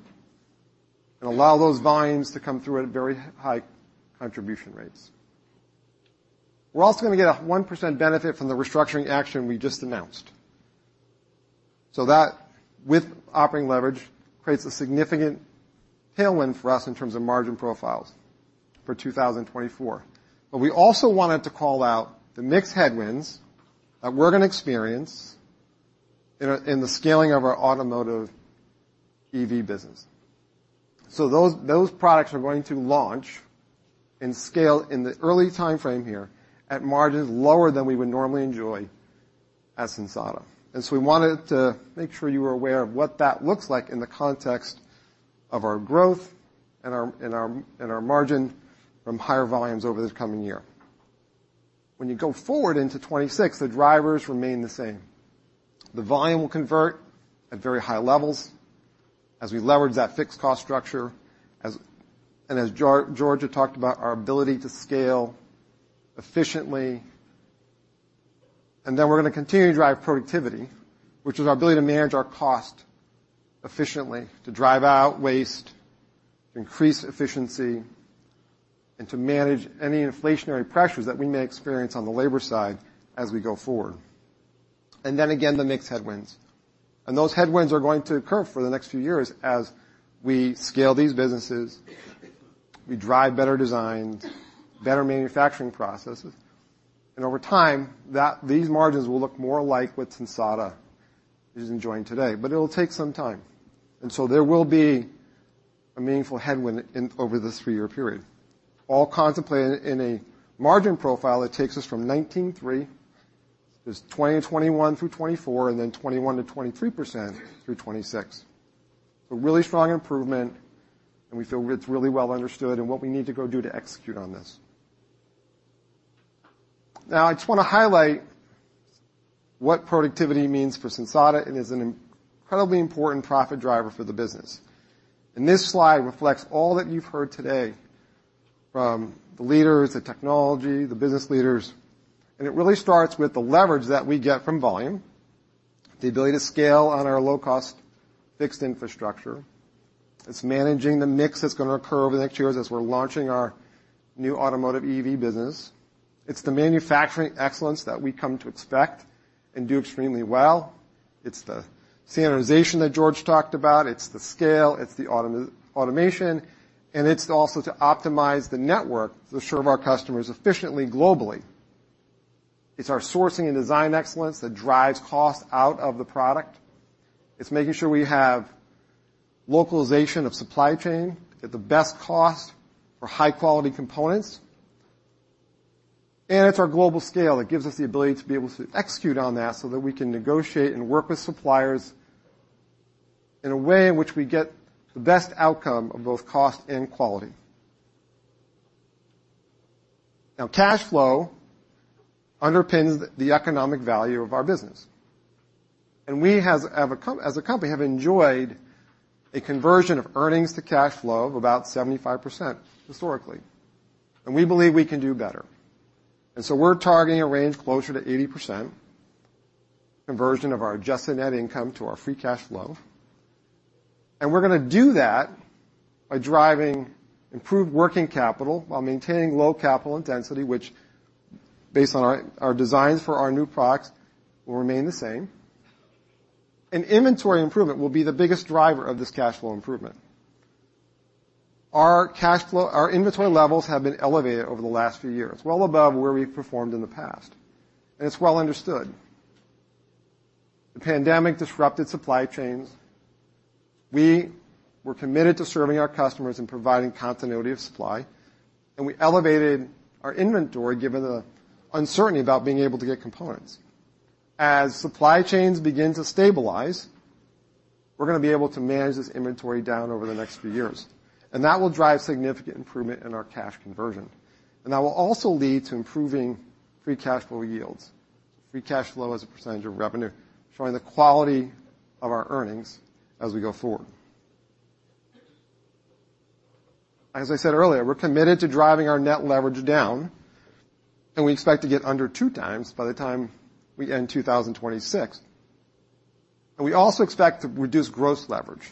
and allow those volumes to come through at very high contribution rates. We're also gonna get a 1% benefit from the restructuring action we just announced. So that, with operating leverage, creates a significant tailwind for us in terms of margin profiles for 2024. But we also wanted to call out the mixed headwinds that we're gonna experience in the scaling of our automotive EV business. So those products are going to launch and scale in the early timeframe here at margins lower than we would normally enjoy at Sensata. And so we wanted to make sure you were aware of what that looks like in the context of our growth and our margin from higher volumes over this coming year. When you go forward into 2026, the drivers remain the same. The volume will convert at very high levels as we leverage that fixed cost structure, as George had talked about, our ability to scale efficiently, and then we're gonna continue to drive productivity, which is our ability to manage our cost efficiently, to drive out waste, increase efficiency, and to manage any inflationary pressures that we may experience on the labor side as we go forward. And then again, the mixed headwinds. Those headwinds are going to occur for the next few years as we scale these businesses, we drive better designs, better manufacturing processes, and over time, these margins will look more like what Sensata is enjoying today, but it'll take some time. So there will be a meaningful headwind over this three-year period, all contemplated in a margin profile that takes us from 19.3% to 20%-21% through 2024, and then 21%-23% through 2026. A really strong improvement, and we feel it's really well understood in what we need to go do to execute on this. Now, I just wanna highlight what productivity means for Sensata, and is an incredibly important profit driver for the business. And this slide reflects all that you've heard today from the leaders, the technology, the business leaders, and it really starts with the leverage that we get from volume, the ability to scale on our low-cost, fixed infrastructure. It's managing the mix that's gonna occur over the next years as we're launching our new automotive EV business. It's the manufacturing excellence that we come to expect and do extremely well. It's the standardization that George talked about. It's the scale, it's the automation... and it's also to optimize the network to serve our customers efficiently globally. It's our sourcing and design excellence that drives cost out of the product. It's making sure we have localization of supply chain at the best cost for high-quality components, and it's our global scale that gives us the ability to be able to execute on that, so that we can negotiate and work with suppliers in a way in which we get the best outcome of both cost and quality. Now, cash flow underpins the economic value of our business, and we, as a company, have enjoyed a conversion of earnings to cash flow of about 75% historically, and we believe we can do better. And so we're targeting a range closer to 80% conversion of our adjusted net income to our free cash flow, and we're gonna do that by driving improved working capital while maintaining low capital intensity, which, based on our designs for our new products, will remain the same. And inventory improvement will be the biggest driver of this cash flow improvement. Our inventory levels have been elevated over the last few years, well above where we've performed in the past, and it's well understood. The pandemic disrupted supply chains. We were committed to serving our customers and providing continuity of supply, and we elevated our inventory, given the uncertainty about being able to get components. As supply chains begin to stabilize, we're gonna be able to manage this inventory down over the next few years, and that will drive significant improvement in our cash conversion. And that will also lead to improving free cash flow yields, free cash flow as a percentage of revenue, showing the quality of our earnings as we go forward. As I said earlier, we're committed to driving our net leverage down, and we expect to get under 2x by the time we end 2026. We also expect to reduce gross leverage,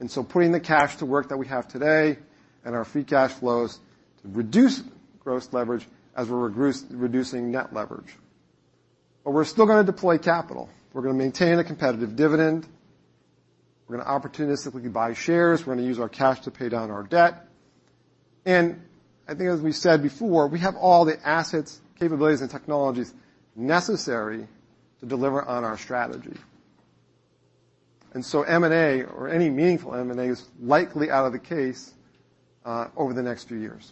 and so putting the cash to work that we have today and our free cash flows to reduce gross leverage as we're reducing net leverage. But we're still gonna deploy capital. We're gonna maintain a competitive dividend. We're gonna opportunistically buy shares. We're gonna use our cash to pay down our debt, and I think, as we said before, we have all the assets, capabilities, and technologies necessary to deliver on our strategy. And so M&A, or any meaningful M&A, is likely out of the case over the next few years.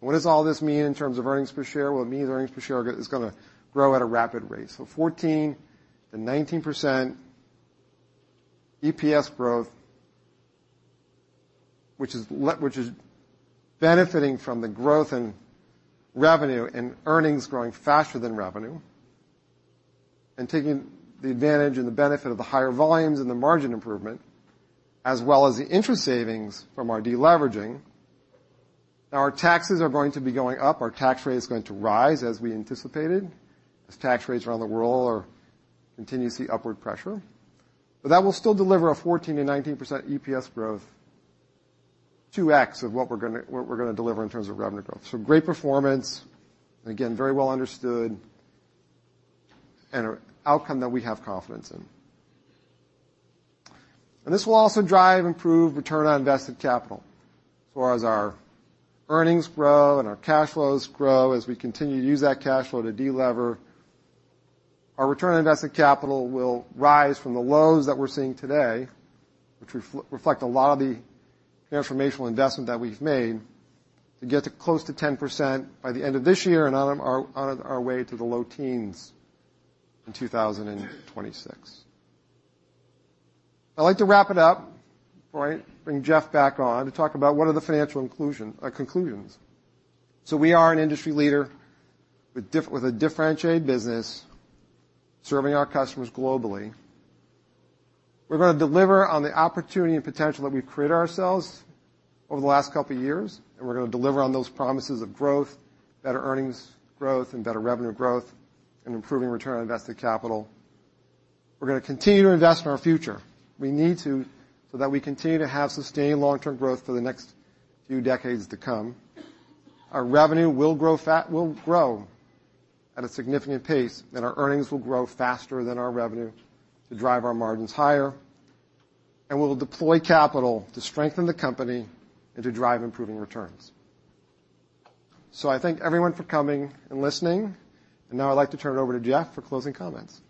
What does all this mean in terms of earnings per share? Well, it means earnings per share is gonna grow at a rapid rate. So 14%-19% EPS growth, which is benefiting from the growth in revenue and earnings growing faster than revenue and taking the advantage and the benefit of the higher volumes and the margin improvement, as well as the interest savings from our deleveraging. Now, our taxes are going to be going up. Our tax rate is going to rise, as we anticipated, as tax rates around the world are continuing to see upward pressure. But that will still deliver a 14%-19% EPS growth, 2x of what we're gonna deliver in terms of revenue growth. So great performance, and again, very well understood, and an outcome that we have confidence in. And this will also drive improved return on invested capital. So as our earnings grow and our cash flows grow, as we continue to use that cash flow to delever, our return on invested capital will rise from the lows that we're seeing today, which reflect a lot of the transformational investment that we've made, to get to close to 10% by the end of this year and on our way to the low teens% in 2026. I'd like to wrap it up before I bring Jeff back on to talk about what are the financial conclusions. So we are an industry leader with a differentiated business serving our customers globally. We're gonna deliver on the opportunity and potential that we've created ourselves over the last couple of years, and we're gonna deliver on those promises of growth, better earnings growth and better revenue growth, and improving return on invested capital. We're gonna continue to invest in our future. We need to, so that we continue to have sustained long-term growth for the next few decades to come. Our revenue will grow at a significant pace, and our earnings will grow faster than our revenue to drive our margins higher, and we'll deploy capital to strengthen the company and to drive improving returns. So I thank everyone for coming and listening, and now I'd like to turn it over to Jeff for closing comments.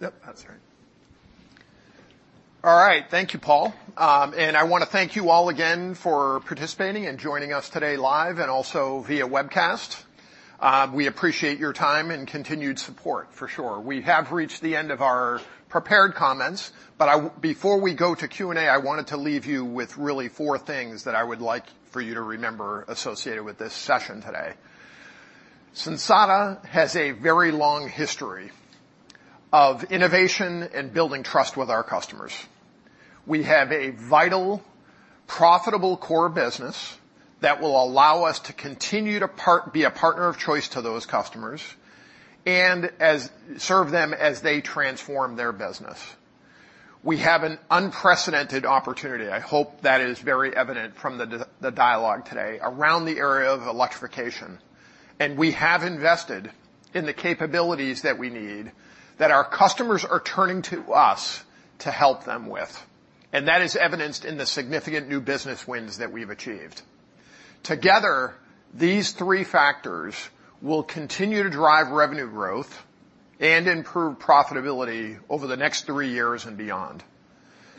Yep, that's right. All right. Thank you, Paul. And I wanna thank you all again for participating and joining us today live and also via webcast. We appreciate your time and continued support for sure. We have reached the end of our prepared comments, but before we go to Q&A, I wanted to leave you with really four things that I would like for you to remember associated with this session today. Sensata has a very long history of innovation and building trust with our customers. We have a vital, profitable core business that will allow us to continue to be a partner of choice to those customers and serve them as they transform their business. We have an unprecedented opportunity. I hope that is very evident from the the dialogue today around the area of electrification, and we have invested in the capabilities that we need, that our customers are turning to us to help them with. And that is evidenced in the significant new business wins that we've achieved. Together, these three factors will continue to drive revenue growth and improve profitability over the next three years and beyond.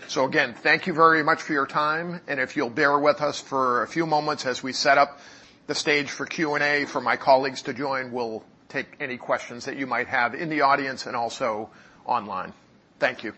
So again, thank you very much for your time, and if you'll bear with us for a few moments as we set up the stage for Q&A for my colleagues to join, we'll take any questions that you might have in the audience and also online. Thank you.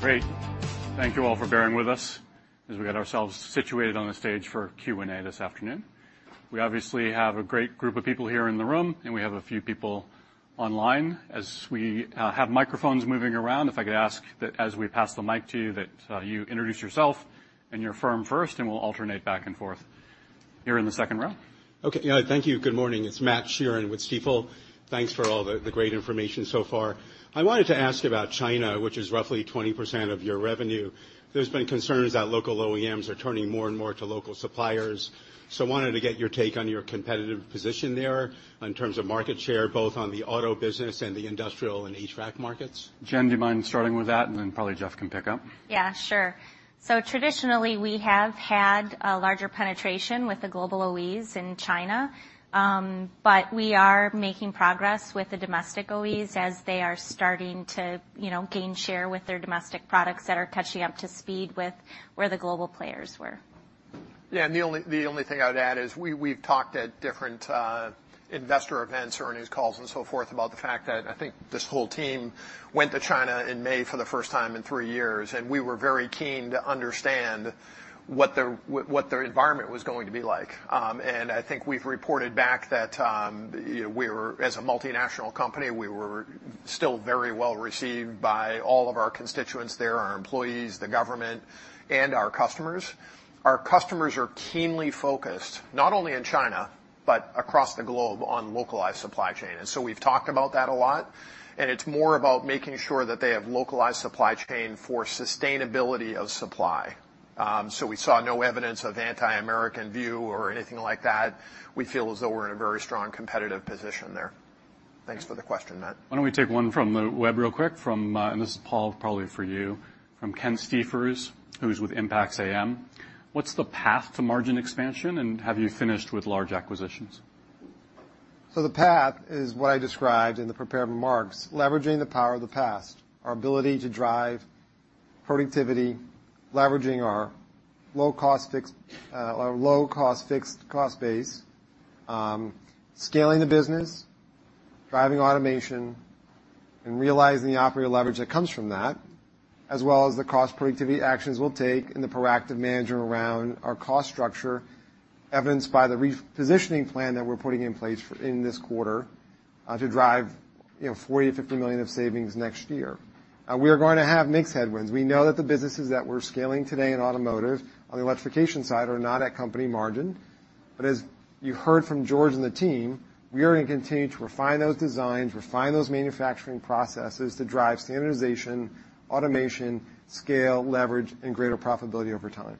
Great. Thank you all for bearing with us as we get ourselves situated on the stage for Q&A this afternoon. We obviously have a great group of people here in the room, and we have a few people online. As we have microphones moving around, if I could ask that as we pass the mic to you, that you introduce yourself and your firm first, and we'll alternate back and forth.... Here in the second row. Okay. Yeah, thank you. Good morning, it's Matt Sheerin with Stifel. Thanks for all the, the great information so far. I wanted to ask about China, which is roughly 20% of your revenue. There's been concerns that local OEMs are turning more and more to local suppliers, so I wanted to get your take on your competitive position there in terms of market share, both on the auto business and the industrial and HVAC markets? Jen, do you mind starting with that, and then probably Jeff can pick up? Yeah, sure. So traditionally, we have had a larger penetration with the global OEs in China, but we are making progress with the domestic OEs as they are starting to, you know, gain share with their domestic products that are catching up to speed with where the global players were. Yeah, and the only, the only thing I'd add is we, we've talked at different investor events or earnings calls and so forth about the fact that I think this whole team went to China in May for the first time in three years, and we were very keen to understand what their environment was going to be like. And I think we've reported back that, you know, we were... As a multinational company, we were still very well received by all of our constituents there, our employees, the government, and our customers. Our customers are keenly focused, not only in China, but across the globe, on localized supply chain. And so we've talked about that a lot, and it's more about making sure that they have localized supply chain for sustainability of supply. So we saw no evidence of anti-American view or anything like that. We feel as though we're in a very strong competitive position there. Thanks for the question, Matt. Why don't we take one from the web real quick, from -- and this is, Paul, probably for you, from Kent Siefers, who's with Impax AM: What's the path to margin expansion, and have you finished with large acquisitions? So the path is what I described in the prepared remarks, leveraging the power of the past, our ability to drive productivity, leveraging our low-cost fixed cost base, scaling the business, driving automation, and realizing the operating leverage that comes from that, as well as the cost productivity actions we'll take and the proactive management around our cost structure, evidenced by the repositioning plan that we're putting in place in this quarter, to drive, you know, $40 million-$50 million of savings next year. We are going to have mixed headwinds. We know that the businesses that we're scaling today in automotive on the electrification side are not at company margin. But as you heard from George and the team, we are going to continue to refine those designs, refine those manufacturing processes to drive standardization, automation, scale, leverage, and greater profitability over time.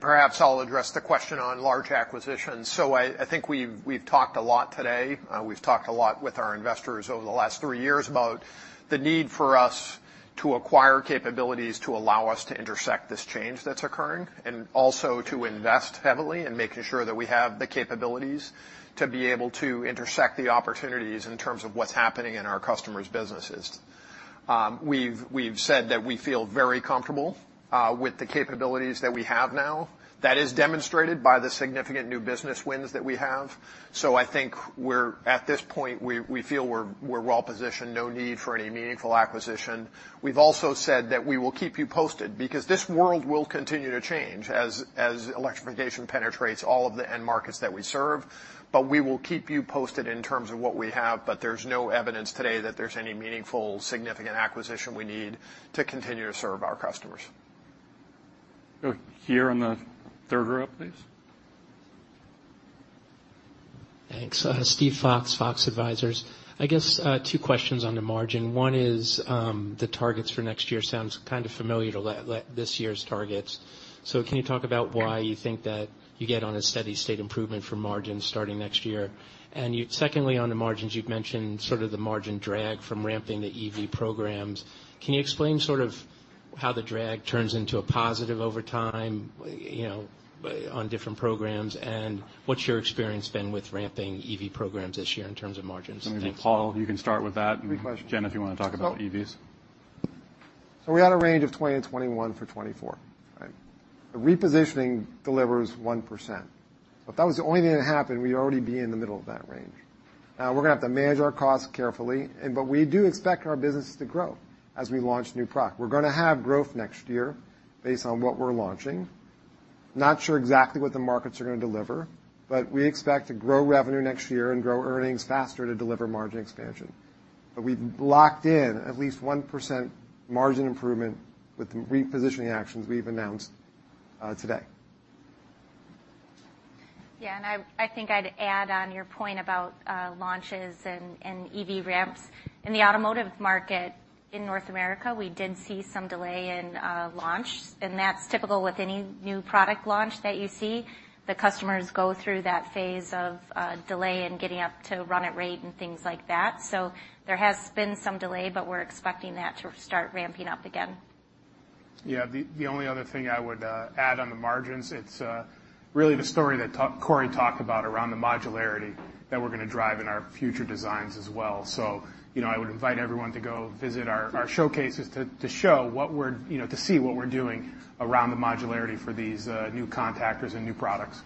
Perhaps I'll address the question on large acquisitions. So I think we've talked a lot today, we've talked a lot with our investors over the last three years about the need for us to acquire capabilities to allow us to intersect this change that's occurring, and also to invest heavily in making sure that we have the capabilities to be able to intersect the opportunities in terms of what's happening in our customers' businesses. We've said that we feel very comfortable with the capabilities that we have now. That is demonstrated by the significant new business wins that we have. So I think we're at this point, we feel we're well positioned, no need for any meaningful acquisition. We've also said that we will keep you posted, because this world will continue to change as electrification penetrates all of the end markets that we serve. But we will keep you posted in terms of what we have, but there's no evidence today that there's any meaningful, significant acquisition we need to continue to serve our customers. Go here in the third row, please. Thanks. Steve Fox, Fox Advisors. I guess, two questions on the margin. One is, the targets for next year sounds kind of familiar to last year's targets. So can you talk about why you think that you get on a steady state improvement for margins starting next year? And secondly, on the margins, you've mentioned sort of the margin drag from ramping the EV programs. Can you explain sort of how the drag turns into a positive over time, you know, on different programs, and what's your experience been with ramping EV programs this year in terms of margins? Thanks. Maybe, Paul, you can start with that. Good question. Jen, if you want to talk about EVs. So we had a range of 20%-21% for 2024, right? The repositioning delivers 1%. If that was the only thing that happened, we'd already be in the middle of that range. Now, we're gonna have to manage our costs carefully, and, but we do expect our businesses to grow as we launch new product. We're gonna have growth next year based on what we're launching. Not sure exactly what the markets are gonna deliver, but we expect to grow revenue next year and grow earnings faster to deliver margin expansion. But we've locked in at least 1% margin improvement with the repositioning actions we've announced, today. Yeah, I think I'd add on your point about launches and EV ramps. In the automotive market in North America, we did see some delay in launch, and that's typical with any new product launch that you see. The customers go through that phase of delay and getting up to run at rate and things like that. So there has been some delay, but we're expecting that to start ramping up again. Yeah. The only other thing I would add on the margins, it's really the story that Cory talked about around the modularity that we're gonna drive in our future designs as well. So, you know, I would invite everyone to go visit our showcases to show what we're... You know, to see what we're doing around the modularity for these new contactors and new products.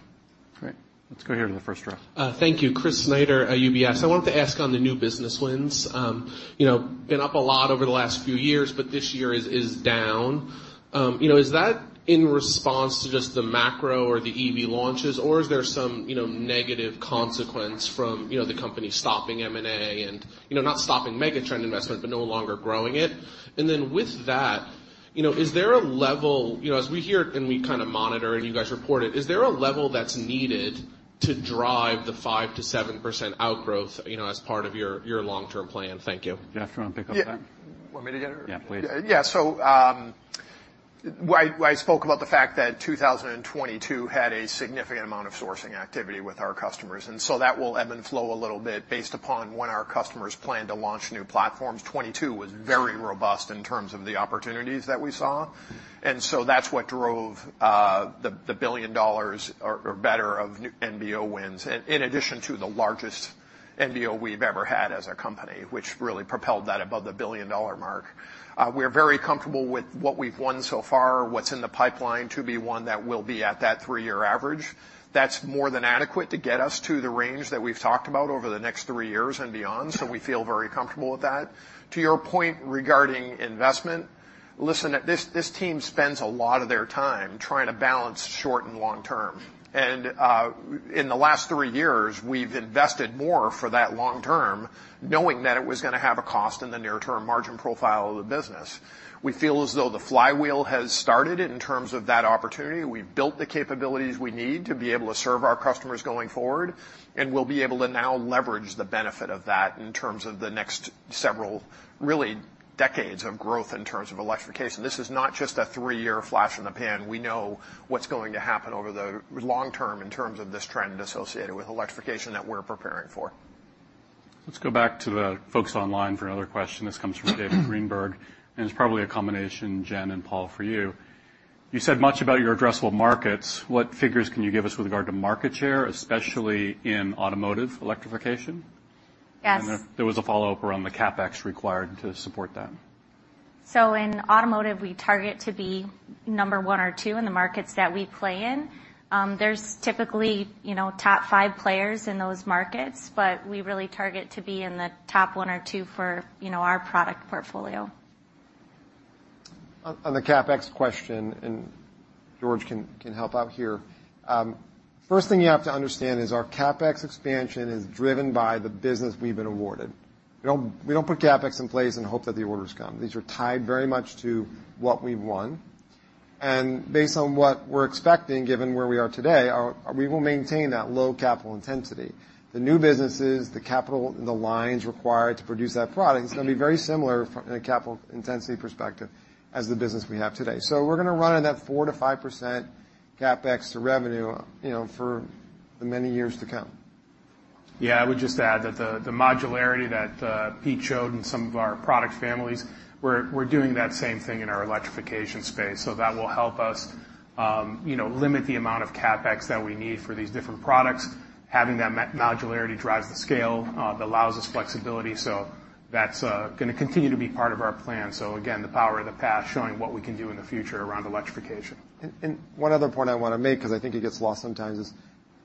Great. Let's go here in the first row. Thank you. Chris Snyder, UBS. I wanted to ask on the new business wins. You know, been up a lot over the last few years, but this year is down. You know, is that in response to just the macro or the EV launches, or is there some, you know, negative consequence from, you know, the company stopping M&A and, you know, not stopping mega trend investment, but no longer growing it? And then with that you know, is there a level, you know, as we hear it, and we kind of monitor, and you guys report it, is there a level that's needed to drive the 5%-7% outgrowth, you know, as part of your, your long-term plan? Thank you. Jeff, you want to pick up that? Yeah. Want me to get it? Yeah, please. Yeah. So, I spoke about the fact that 2022 had a significant amount of sourcing activity with our customers, and so that will ebb and flow a little bit based upon when our customers plan to launch new platforms. 2022 was very robust in terms of the opportunities that we saw. So that's what drove the $1 billion or better of NBO wins, in addition to the largest NBO we've ever had as a company, which really propelled that above the $1 billion mark. We're very comfortable with what we've won so far, what's in the pipeline to be won that will be at that three-year average. That's more than adequate to get us to the range that we've talked about over the next three years and beyond, so we feel very comfortable with that. To your point regarding investment, listen, this, this team spends a lot of their time trying to balance short and long term. And in the last three years, we've invested more for that long term, knowing that it was going to have a cost in the near-term margin profile of the business. We feel as though the flywheel has started in terms of that opportunity. We've built the capabilities we need to be able to serve our customers going forward, and we'll be able to now leverage the benefit of that in terms of the next several, really, decades of growth in terms of electrification. This is not just a three-year flash in the pan. We know what's going to happen over the long term in terms of this trend associated with electrification that we're preparing for. Let's go back to the folks online for another question. This comes from David Greenberg, and it's probably a combination, Jen and Paul, for you: You said much about your addressable markets. What figures can you give us with regard to market share, especially in automotive electrification? Yes. And there was a follow-up around the CapEx required to support that. So in automotive, we target to be number one or two in the markets that we play in. There's typically, you know, top five players in those markets, but we really target to be in the top one or two for, you know, our product portfolio. On the CapEx question, and George can help out here. First thing you have to understand is our CapEx expansion is driven by the business we've been awarded. We don't put CapEx in place and hope that the orders come. These are tied very much to what we've won. And based on what we're expecting, given where we are today, we will maintain that low capital intensity. The new businesses, the capital, and the lines required to produce that product is going to be very similar from a capital intensity perspective as the business we have today. So we're going to run at that 4%-5% CapEx to revenue, you know, for the many years to come. Yeah, I would just add that the modularity that Pete showed in some of our product families, we're doing that same thing in our electrification space, so that will help us, you know, limit the amount of CapEx that we need for these different products. Having that modularity drives the scale that allows us flexibility, so that's going to continue to be part of our plan. So again, the power of the past, showing what we can do in the future around electrification. One other point I want to make, because I think it gets lost sometimes, is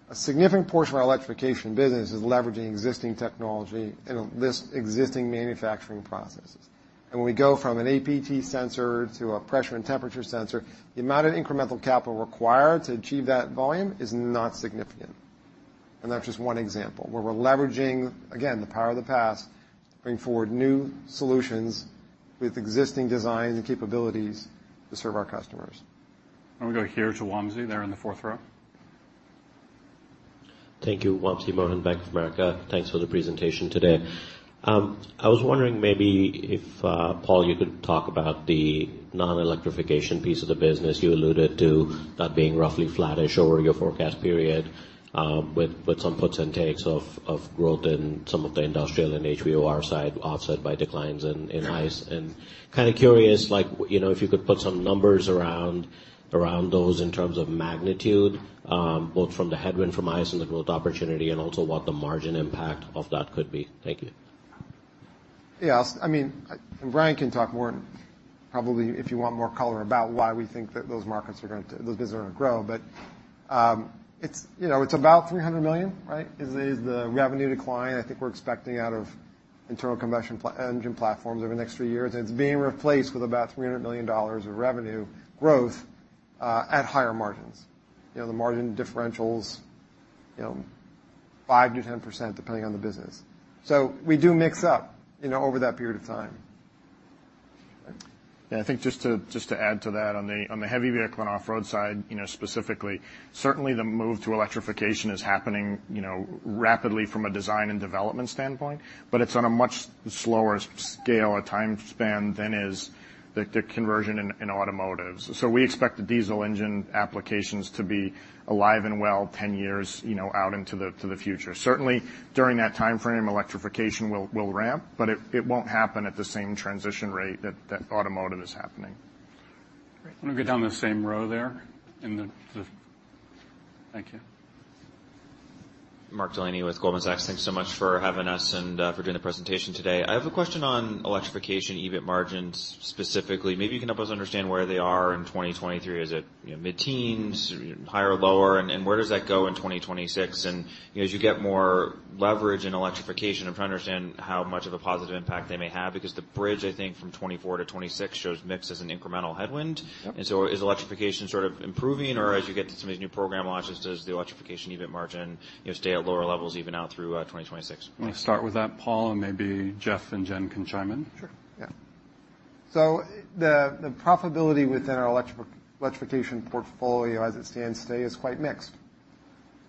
a significant portion of our electrification business is leveraging existing technology and existing manufacturing processes. And when we go from an APT sensor to a pressure and temperature sensor, the amount of incremental capital required to achieve that volume is not significant. And that's just one example, where we're leveraging, again, the power of the past to bring forward new solutions with existing designs and capabilities to serve our customers. We go here to Wamsi, there in the fourth row. Thank you. Wamsi Mohan, Bank of America. Thanks for the presentation today. I was wondering maybe if, Paul, you could talk about the non-electrification piece of the business. You alluded to that being roughly flattish over your forecast period, with, with some puts and takes of, of growth in some of the industrial and HVOR side, offset by declines in, in ICE. And kind of curious, like, you know, if you could put some numbers around, around those in terms of magnitude, both from the headwind from ICE and the growth opportunity, and also what the margin impact of that could be. Thank you. Yes. I mean, Ryan can talk more, probably, if you want more color about why we think that those markets are going to—those businesses are going to grow. But, it's, you know, it's about $300 million, right? Is the revenue decline I think we're expecting out of internal combustion engine platforms over the next three years. It's being replaced with about $300 million of revenue growth at higher margins. You know, the margin differential's, you know, 5%-10%, depending on the business. So we do mix up, you know, over that period of time. Yeah, I think just to, just to add to that, on the, on the heavy vehicle and off-road side, you know, specifically, certainly the move to electrification is happening, you know, rapidly from a design and development standpoint, but it's on a much slower scale or time span than is the, the conversion in, in automotives. So we expect the diesel engine applications to be alive and well 10 years, you know, out into the, to the future. Certainly, during that time frame, electrification will, will ramp, but it, it won't happen at the same transition rate that, that automotive is happening. Great. I'm going to go down the same row there, in the... Thank you. Mark Delaney with Goldman Sachs. Thanks so much for having us and for doing the presentation today. I have a question on electrification EBIT margins, specifically. Maybe you can help us understand where they are in 2023. Is it, you know, mid-teens, higher or lower? And where does that go in 2026? And, you know, as you get more leverage in electrification, I'm trying to understand how much of a positive impact they may have, because the bridge, I think, from 2024 to 2026 shows mix as an incremental headwind. Yep. Is electrification sort of improving, or as you get to some of these new program launches, does the electrification EBIT margin, you know, stay at lower levels, even out through 2026? Want to start with that, Paul, and maybe Jeff and Jen can chime in? Sure, yeah.... So the profitability within our electrification portfolio, as it stands today, is quite mixed.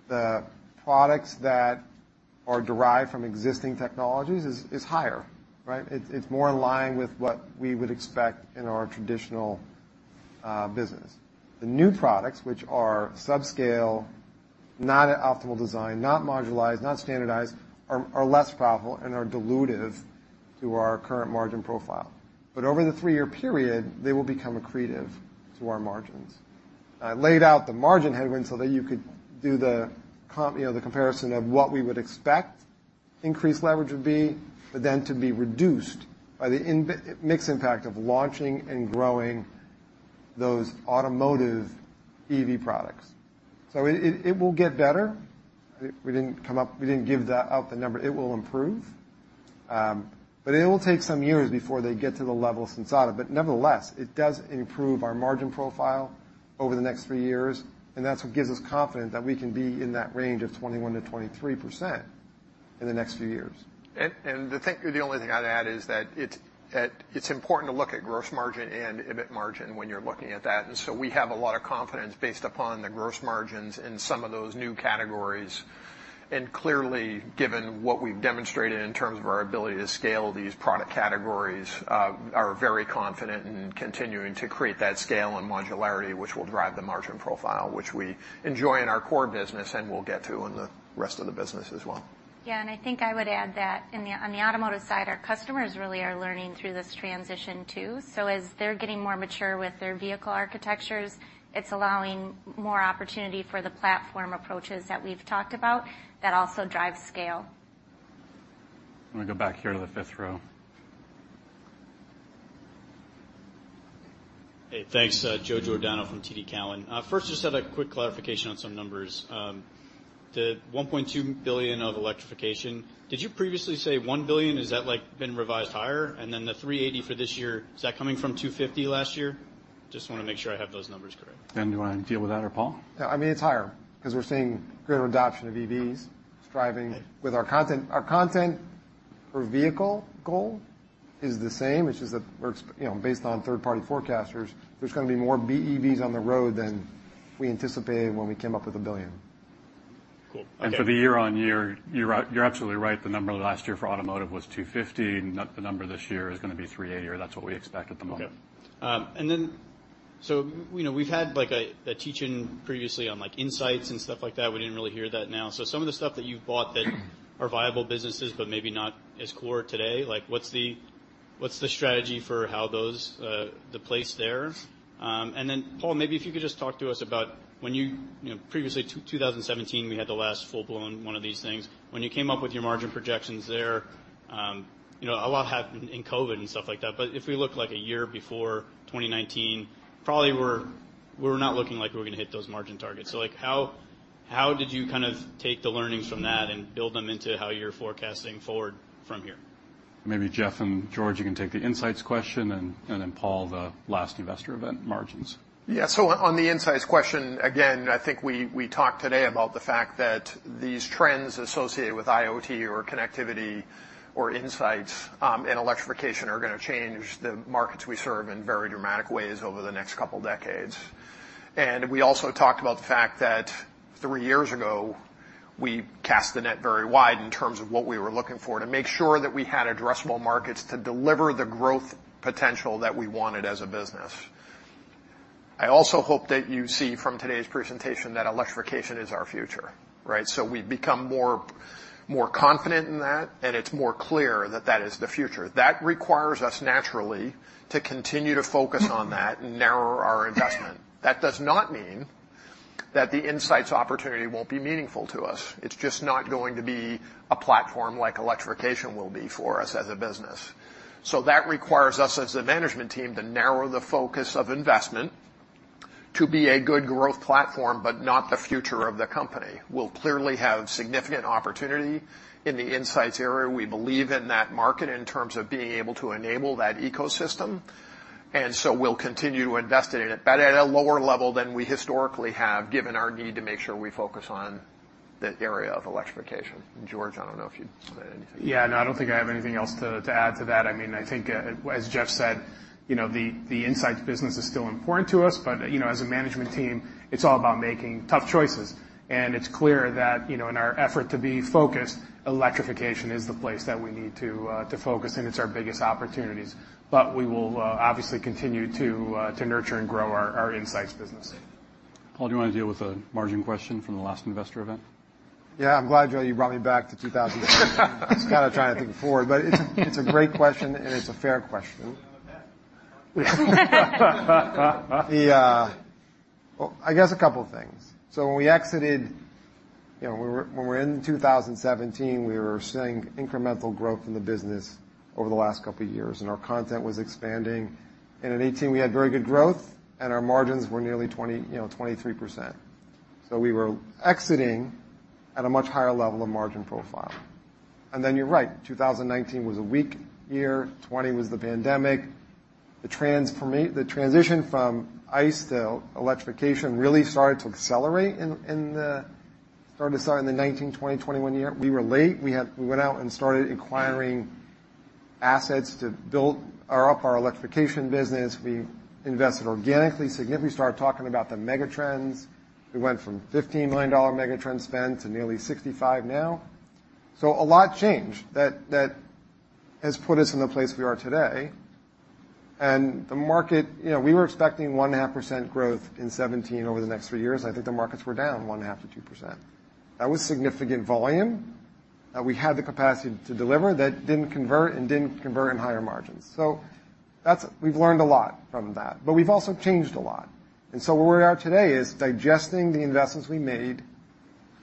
The products that are derived from existing technologies is higher, right? It's more in line with what we would expect in our traditional business. The new products, which are subscale, not an optimal design, not modularized, not standardized, are less profitable and are dilutive to our current margin profile. But over the three-year period, they will become accretive to our margins. I laid out the margin headwind so that you could do the comp, you know, the comparison of what we would expect increased leverage would be, but then to be reduced by the in-mix impact of launching and growing those automotive EV products. So it will get better. We didn't give out the number. It will improve, but it will take some years before they get to the level of Sensata. But nevertheless, it does improve our margin profile over the next three years, and that's what gives us confidence that we can be in that range of 21%-23% in the next few years. The only thing I'd add is that it's important to look at gross margin and EBIT margin when you're looking at that. So we have a lot of confidence based upon the gross margins in some of those new categories. And clearly, given what we've demonstrated in terms of our ability to scale these product categories, are very confident in continuing to create that scale and modularity, which will drive the margin profile, which we enjoy in our core business and we'll get to in the rest of the business as well. Yeah, and I think I would add that on the automotive side, our customers really are learning through this transition, too. So as they're getting more mature with their vehicle architectures, it's allowing more opportunity for the platform approaches that we've talked about that also drive scale. I'm gonna go back here to the fifth row. Hey, thanks. Joe Giordano from TD Cowen. First, just have a quick clarification on some numbers. The $1.2 billion of electrification, did you previously say $1 billion? Has that, like, been revised higher? And then the $380 for this year, is that coming from $250 last year? Just wanna make sure I have those numbers correct. Then, do you wanna deal with that, or Paul? Yeah, I mean, it's higher because we're seeing greater adoption of EVs, driving our content. Our content per vehicle goal is the same, which is that, you know, based on third-party forecasters, there's gonna be more BEVs on the road than we anticipated when we came up with a billion. Cool, okay. For the year-on-year, you're right. You're absolutely right. The number last year for automotive was $250, and the number this year is gonna be $380, or that's what we expect at the moment. Okay. And then, so, you know, we've had, like, a teach-in previously on, like, insights and stuff like that. We didn't really hear that now. So some of the stuff that you've bought that are viable businesses, but maybe not as core today, like, what's the, what's the strategy for how those, the place there? And then, Paul, maybe if you could just talk to us about when you... You know, previously, 2017, we had the last full-blown one of these things. When you came up with your margin projections there, you know, a lot happened in COVID and stuff like that, but if we look, like, a year before, 2019, probably we were not looking like we were gonna hit those margin targets. So, like, how did you kind of take the learnings from that and build them into how you're forecasting forward from here? Maybe Jeff and George, you can take the insights question, and then Paul, the last investor event margins. Yeah. So on the insights question, again, I think we talked today about the fact that these trends associated with IoT or connectivity or insights, and electrification are gonna change the markets we serve in very dramatic ways over the next couple decades. We also talked about the fact that three years ago, we cast the net very wide in terms of what we were looking for, to make sure that we had addressable markets to deliver the growth potential that we wanted as a business. I also hope that you see from today's presentation that electrification is our future, right? So we've become more confident in that, and it's more clear that that is the future. That requires us, naturally, to continue to focus on that and narrow our investment. That does not mean that the insights opportunity won't be meaningful to us. It's just not going to be a platform like electrification will be for us as a business. So that requires us, as a management team, to narrow the focus of investment to be a good growth platform, but not the future of the company. We'll clearly have significant opportunity in the insights area. We believe in that market in terms of being able to enable that ecosystem, and so we'll continue to invest in it, but at a lower level than we historically have, given our need to make sure we focus on the area of electrification. George, I don't know if you'd say anything. Yeah, no, I don't think I have anything else to add to that. I mean, I think, as Jeff said, you know, the insights business is still important to us, but, you know, as a management team, it's all about making tough choices. And it's clear that, you know, in our effort to be focused, electrification is the place that we need to focus, and it's our biggest opportunities. But we will obviously continue to nurture and grow our insights business. Paul, do you wanna deal with the margin question from the last investor event? Yeah, I'm glad, Joe, you brought me back to 2017. I was kinda trying to think forward, but it's, it's a great question, and it's a fair question. You know best. Well, I guess a couple of things. So when we exited, you know, when we were in 2017, we were seeing incremental growth in the business over the last couple of years, and our content was expanding. And in 2018, we had very good growth, and our margins were nearly 20, you know, 23%. So we were exiting at a much higher level of margin profile. And then, you're right, 2019 was a weak year, 2020 was the pandemic. The transition from ICE to electrification really started to accelerate in... Started in the 2019, 2020, 2021 year. We were late. We went out and started acquiring assets to build up our electrification business. We invested organically, significantly, started talking about the mega trends. We went from $15 million mega trend spend to nearly $65 million now. So a lot changed that, that has put us in the place we are today. And the market, you know, we were expecting 1.5% growth in 2017 over the next three years. I think the markets were down 1.5%-2%. That was significant volume, that we had the capacity to deliver, that didn't convert and didn't convert in higher margins. So that's—we've learned a lot from that, but we've also changed a lot. And so where we are today is digesting the investments we made,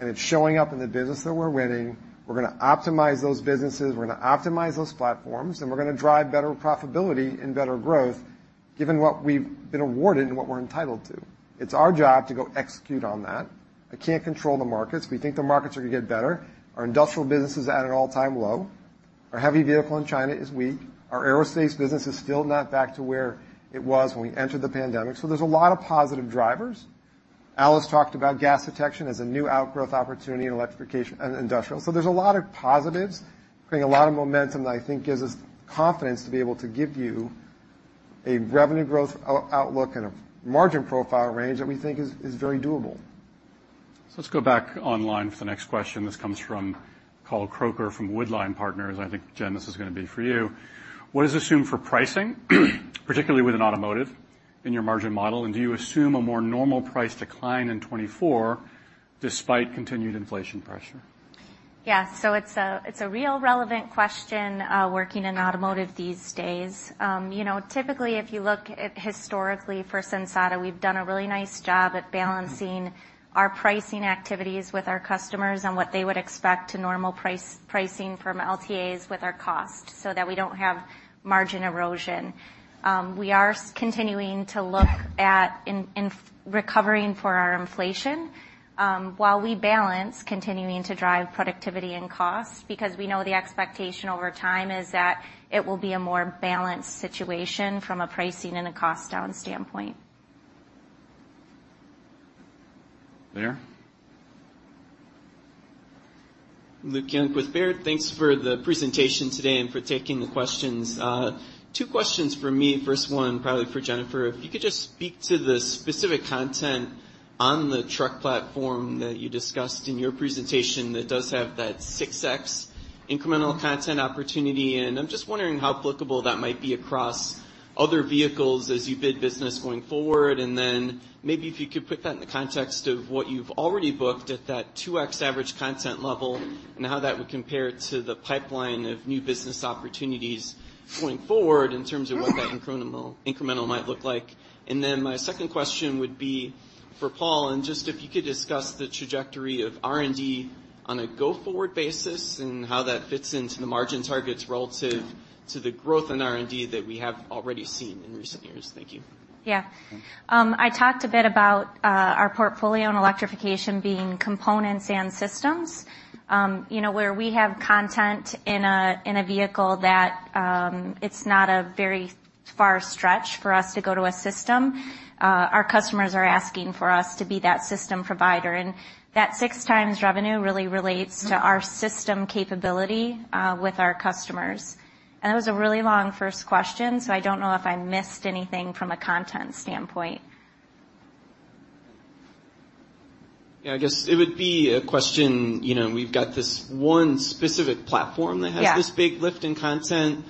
and it's showing up in the business that we're winning. We're gonna optimize those businesses, we're gonna optimize those platforms, and we're gonna drive better profitability and better growth, given what we've been awarded and what we're entitled to. It's our job to go execute on that. I can't control the markets. We think the markets are going to get better. Our industrial business is at an all-time low. Our heavy vehicle in China is weak. Our Aerospace business is still not back to where it was when we entered the pandemic. So there's a lot of positive drivers. Alice talked about gas detection as a new outgrowth opportunity in electrification and industrial. So there's a lot of positives, creating a lot of momentum that I think gives us confidence to be able to give you a revenue growth outlook and a margin profile range that we think is very doable. So let's go back online for the next question. This comes from Karl Kroeker from Woodline Partners. I think, Jen, this is gonna be for you. "What is assumed for pricing, particularly with an automotive, in your margin model? And do you assume a more normal price decline in 2024 despite continued inflation pressure? Yeah. So it's a real relevant question working in automotive these days. You know, typically, if you look at historically for Sensata, we've done a really nice job at balancing our pricing activities with our customers and what they would expect to normal pricing from LTAs with our cost, so that we don't have margin erosion. We are continuing to look at recovering for our inflation, while we balance continuing to drive productivity and cost, because we know the expectation over time is that it will be a more balanced situation from a pricing and a cost down standpoint. Claire? Luke Junk with Baird. Thanks for the presentation today and for taking the questions. Two questions from me. First one, probably for Jennifer. If you could just speak to the specific content on the truck platform that you discussed in your presentation that does have that 6x incremental content opportunity. And I'm just wondering how applicable that might be across other vehicles as you bid business going forward. And then maybe if you could put that in the context of what you've already booked at that 2x average content level, and how that would compare to the pipeline of new business opportunities going forward in terms of what that incremental, incremental might look like. And then my second question would be for Paul, and just if you could discuss the trajectory of R&D on a go-forward basis, and how that fits into the margin targets relative to the growth in R&D that we have already seen in recent years? Thank you. Yeah. I talked a bit about our portfolio on electrification being components and systems. You know, where we have content in a, in a vehicle that, it's not a very far stretch for us to go to a system, our customers are asking for us to be that system provider, and that 6x revenue really relates to our system capability with our customers. And that was a really long first question, so I don't know if I missed anything from a content standpoint. Yeah, I guess it would be a question. You know, we've got this one specific platform- Yeah that has this big lift in content.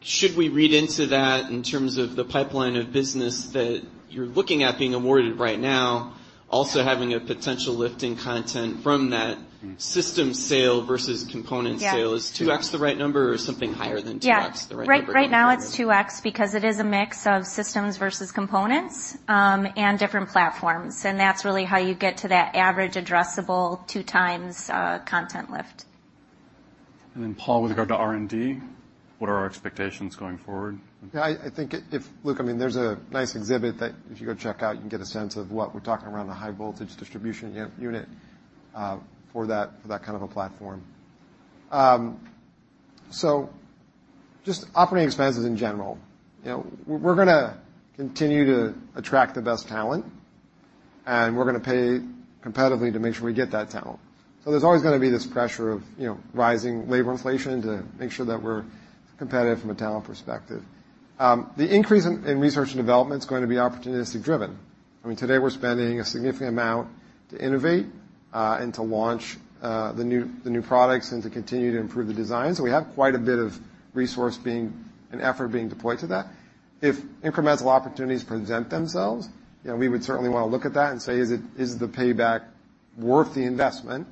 Should we read into that in terms of the pipeline of business that you're looking at being awarded right now, also having a potential lift in content from that system sale versus component sale? Yeah. Is 2x the right number or something higher than 2x the right number? Yeah. Right, right now it's 2x because it is a mix of systems versus components, and different platforms, and that's really how you get to that average addressable 2x content lift. And then, Paul, with regard to R&D, what are our expectations going forward? Yeah, I think if-- Look, I mean, there's a nice exhibit that if you go check out, you can get a sense of what we're talking around the High Voltage Distribution Unit, for that, for that kind of a platform. So just operating expenses in general. You know, we're gonna continue to attract the best talent, and we're gonna pay competitively to make sure we get that talent. So there's always gonna be this pressure of, you know, rising labor inflation to make sure that we're competitive from a talent perspective. The increase in research and development is going to be opportunistically driven. I mean, today we're spending a significant amount to innovate, and to launch, the new products and to continue to improve the design. So we have quite a bit of resource being and effort being deployed to that. If incremental opportunities present themselves, you know, we would certainly want to look at that and say: Is it- is the payback worth the investment?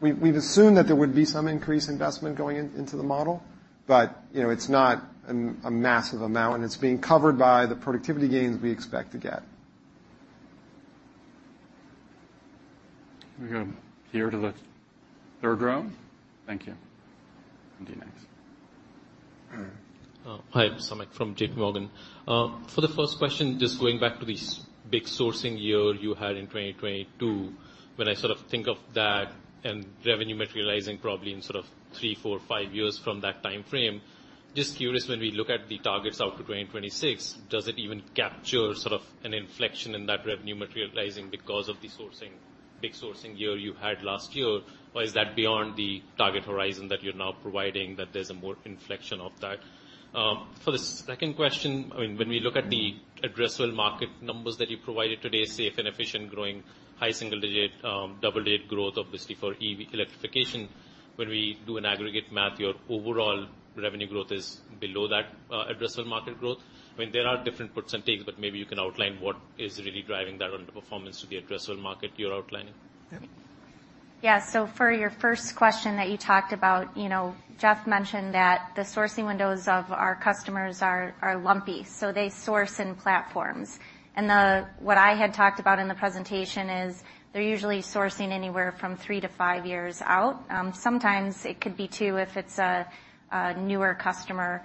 We've assumed that there would be some increased investment going in, into the model, but, you know, it's not a massive amount, and it's being covered by the productivity gains we expect to get. We go here to the third row. Thank you. You're next. Hi, Samik from JPMorgan. For the first question, just going back to the big sourcing year you had in 2022, when I sort of think of that and revenue materializing probably in sort of three, four, five years from that time frame... Just curious, when we look at the targets out to 2026, does it even capture sort of an inflection in that revenue materializing because of the sourcing, big sourcing year you had last year? Or is that beyond the target horizon that you're now providing, that there's a more inflection of that? For the second question, I mean, when we look at the addressable market numbers that you provided today, safe and efficient, growing high single digit, double-digit growth, obviously, for EV electrification, when we do an aggregate math, your overall revenue growth is below that, addressable market growth. I mean, there are different puts and takes, but maybe you can outline what is really driving that underperformance to the addressable market you're outlining? Yeah. So for your first question that you talked about, you know, Jeff mentioned that the sourcing windows of our customers are lumpy, so they source in platforms. And what I had talked about in the presentation is they're usually sourcing anywhere from three to five years out. Sometimes it could be two, if it's a newer customer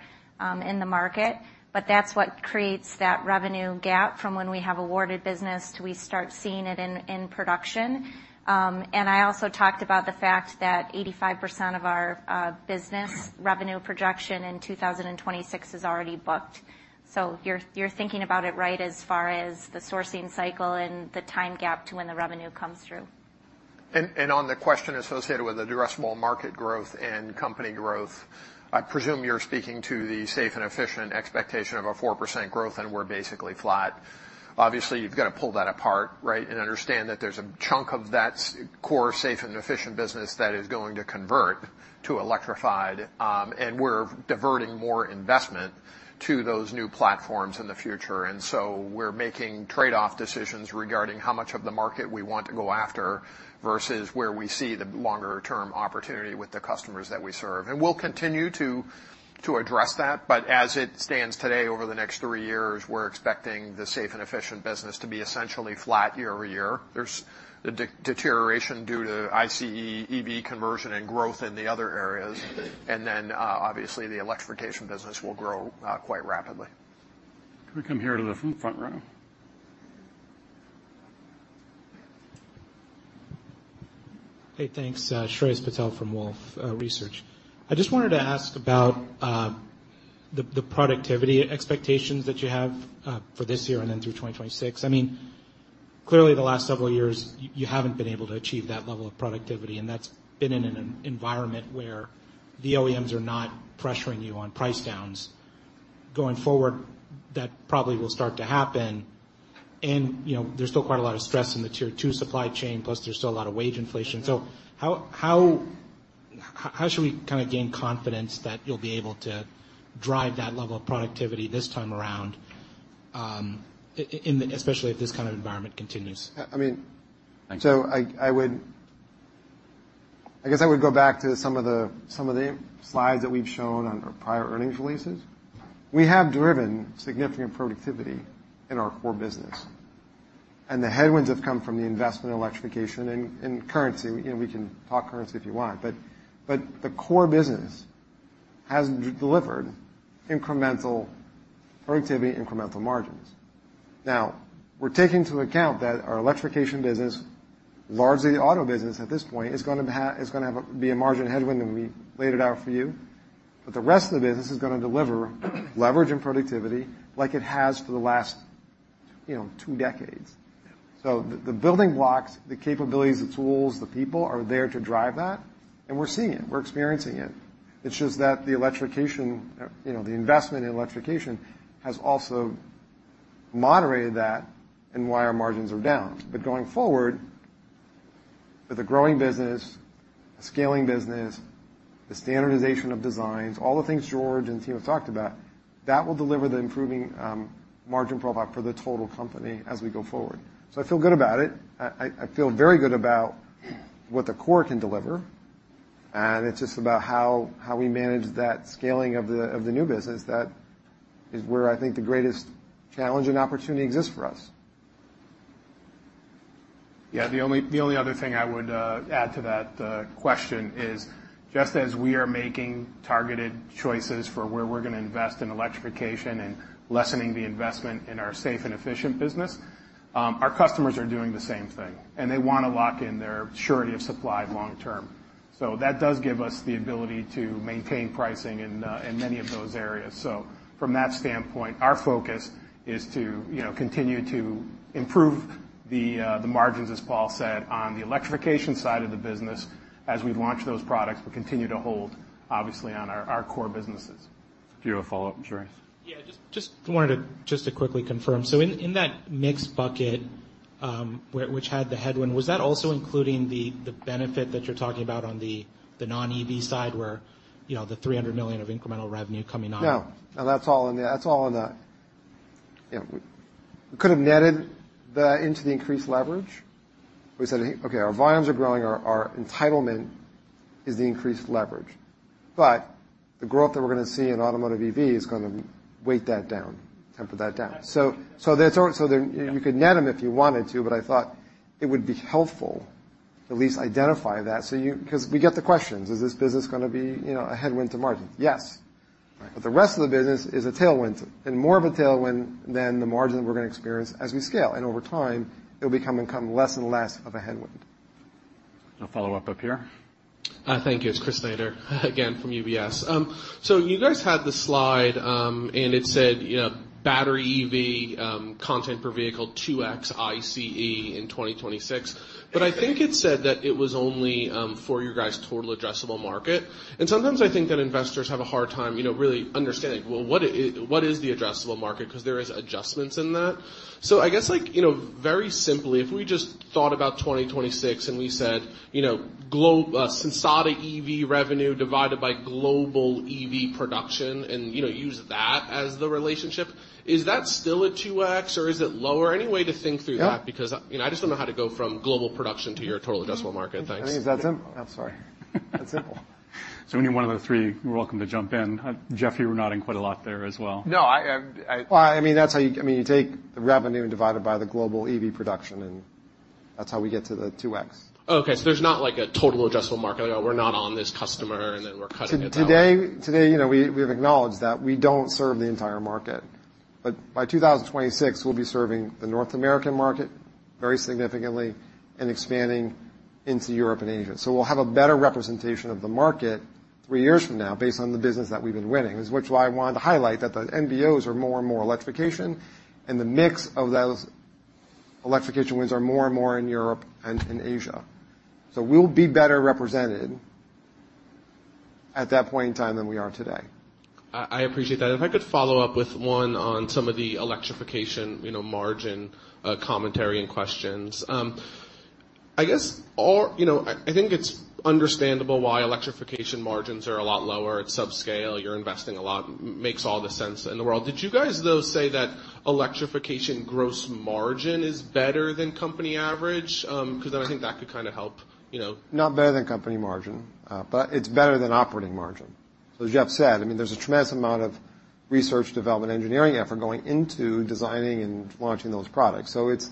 in the market, but that's what creates that revenue gap from when we have awarded business to we start seeing it in production. And I also talked about the fact that 85% of our business revenue projection in 2026 is already booked. So you're thinking about it right, as far as the sourcing cycle and the time gap to when the revenue comes through. On the question associated with the addressable market growth and company growth, I presume you're speaking to the safe and efficient expectation of a 4% growth, and we're basically flat. Obviously, you've got to pull that apart, right? And understand that there's a chunk of that core safe and efficient business that is going to convert to electrified, and we're diverting more investment to those new platforms in the future. And so we're making trade-off decisions regarding how much of the market we want to go after versus where we see the longer-term opportunity with the customers that we serve. And we'll continue to address that, but as it stands today, over the next three years, we're expecting the safe and efficient business to be essentially flat year over year. There's the deterioration due to ICE, EV conversion and growth in the other areas. And then, obviously, the electrification business will grow quite rapidly. Can we come here to the front row? Hey, thanks. Shreyas Patil from Wolfe Research. I just wanted to ask about the productivity expectations that you have for this year and then through 2026. I mean, clearly, the last several years, you haven't been able to achieve that level of productivity, and that's been in an environment where the OEMs are not pressuring you on price downs. Going forward, that probably will start to happen, and, you know, there's still quite a lot of stress in the tier two supply chain, plus there's still a lot of wage inflation. So how should we kind of gain confidence that you'll be able to drive that level of productivity this time around, in especially if this kind of environment continues? I mean- Thank you. So I guess I would go back to some of the slides that we've shown on our prior earnings releases. We have driven significant productivity in our core business, and the headwinds have come from the investment in electrification and currency. You know, we can talk currency if you want, but the core business has delivered incremental productivity, incremental margins. Now, we're taking into account that our electrification business, largely the auto business at this point, is gonna have a margin headwind, and we've laid it out for you. But the rest of the business is gonna deliver leverage and productivity like it has for the last, you know, two decades. So the building blocks, the capabilities, the tools, the people are there to drive that, and we're seeing it. We're experiencing it. It's just that the electrification, you know, the investment in electrification has also moderated that and why our margins are down. But going forward, with a growing business, a scaling business, the standardization of designs, all the things George and team have talked about, that will deliver the improving margin profile for the total company as we go forward. So I feel good about it. I feel very good about what the core can deliver, and it's just about how we manage that scaling of the new business that is where I think the greatest challenge and opportunity exists for us. Yeah, the only, the only other thing I would add to that question is, just as we are making targeted choices for where we're gonna invest in electrification and lessening the investment in our safe and efficient business, our customers are doing the same thing, and they wanna lock in their surety of supply long term. So that does give us the ability to maintain pricing in, in many of those areas. So from that standpoint, our focus is to, you know, continue to improve the, the margins, as Paul said, on the electrification side of the business. As we launch those products, we continue to hold, obviously, on our, our core businesses. Do you have a follow-up, Shreyas? Yeah, just wanted to quickly confirm. So in that mixed bucket, where which had the headwind, was that also including the benefit that you're talking about on the non-EV side, where, you know, the $300 million of incremental revenue coming on? No. No, that's all in the, that's all in the, you know... We could have netted that into the increased leverage. We said, "Okay, our volumes are growing, our, our entitlement is the increased leverage." But the growth that we're gonna see in automotive EV is gonna weigh that down, temper that down. So, so there's all. So there, you could net them if you wanted to, but I thought it would be helpful to at least identify that, so you... Because we get the questions, "Is this business gonna be, you know, a headwind to margin?" Yes. Right. The rest of the business is a tailwind, and more of a tailwind than the margin we're gonna experience as we scale. Over time, it'll become and come less and less of a headwind.... A follow-up here. Thank you. It's Chris Snyder again from UBS. So you guys had the slide, and it said, you know, battery EV content per vehicle, 2x ICE in 2026. But I think it said that it was only for your guys' total addressable market. And sometimes I think that investors have a hard time, you know, really understanding, well, what is, what is the addressable market? Because there is adjustments in that. So I guess, like, you know, very simply, if we just thought about 2026, and we said, you know, global Sensata EV revenue divided by global EV production and, you know, use that as the relationship, is that still a 2x, or is it lower? Any way to think through that? Yeah. Because, you know, I just don't know how to go from global production to your total addressable market. Thanks. I think it's that simple. I'm sorry. That simple. So any one of the three, you're welcome to jump in. Jeff, you were nodding quite a lot there as well. No, I Well, I mean, that's how you... I mean, you take the revenue divided by the global EV production, and that's how we get to the 2x. Oh, okay. There's not, like, a total adjustable market. We're not on this customer, and then we're cutting it out. Today, you know, we, we've acknowledged that we don't serve the entire market. But by 2026, we'll be serving the North American market very significantly and expanding into Europe and Asia. So we'll have a better representation of the market three years from now, based on the business that we've been winning. Which is why I wanted to highlight that the NBOs are more and more electrification, and the mix of those electrification wins are more and more in Europe and in Asia. So we'll be better represented at that point in time than we are today. I appreciate that. If I could follow up with one on some of the electrification, you know, margin, commentary and questions. I guess, you know, I think it's understandable why electrification margins are a lot lower at subscale. You're investing a lot, makes all the sense in the world. Did you guys, though, say that electrification gross margin is better than company average? 'Cause then I think that could kinda help, you know. Not better than company margin, but it's better than operating margin. So as Jeff said, I mean, there's a tremendous amount of research, development, engineering effort going into designing and launching those products. So it's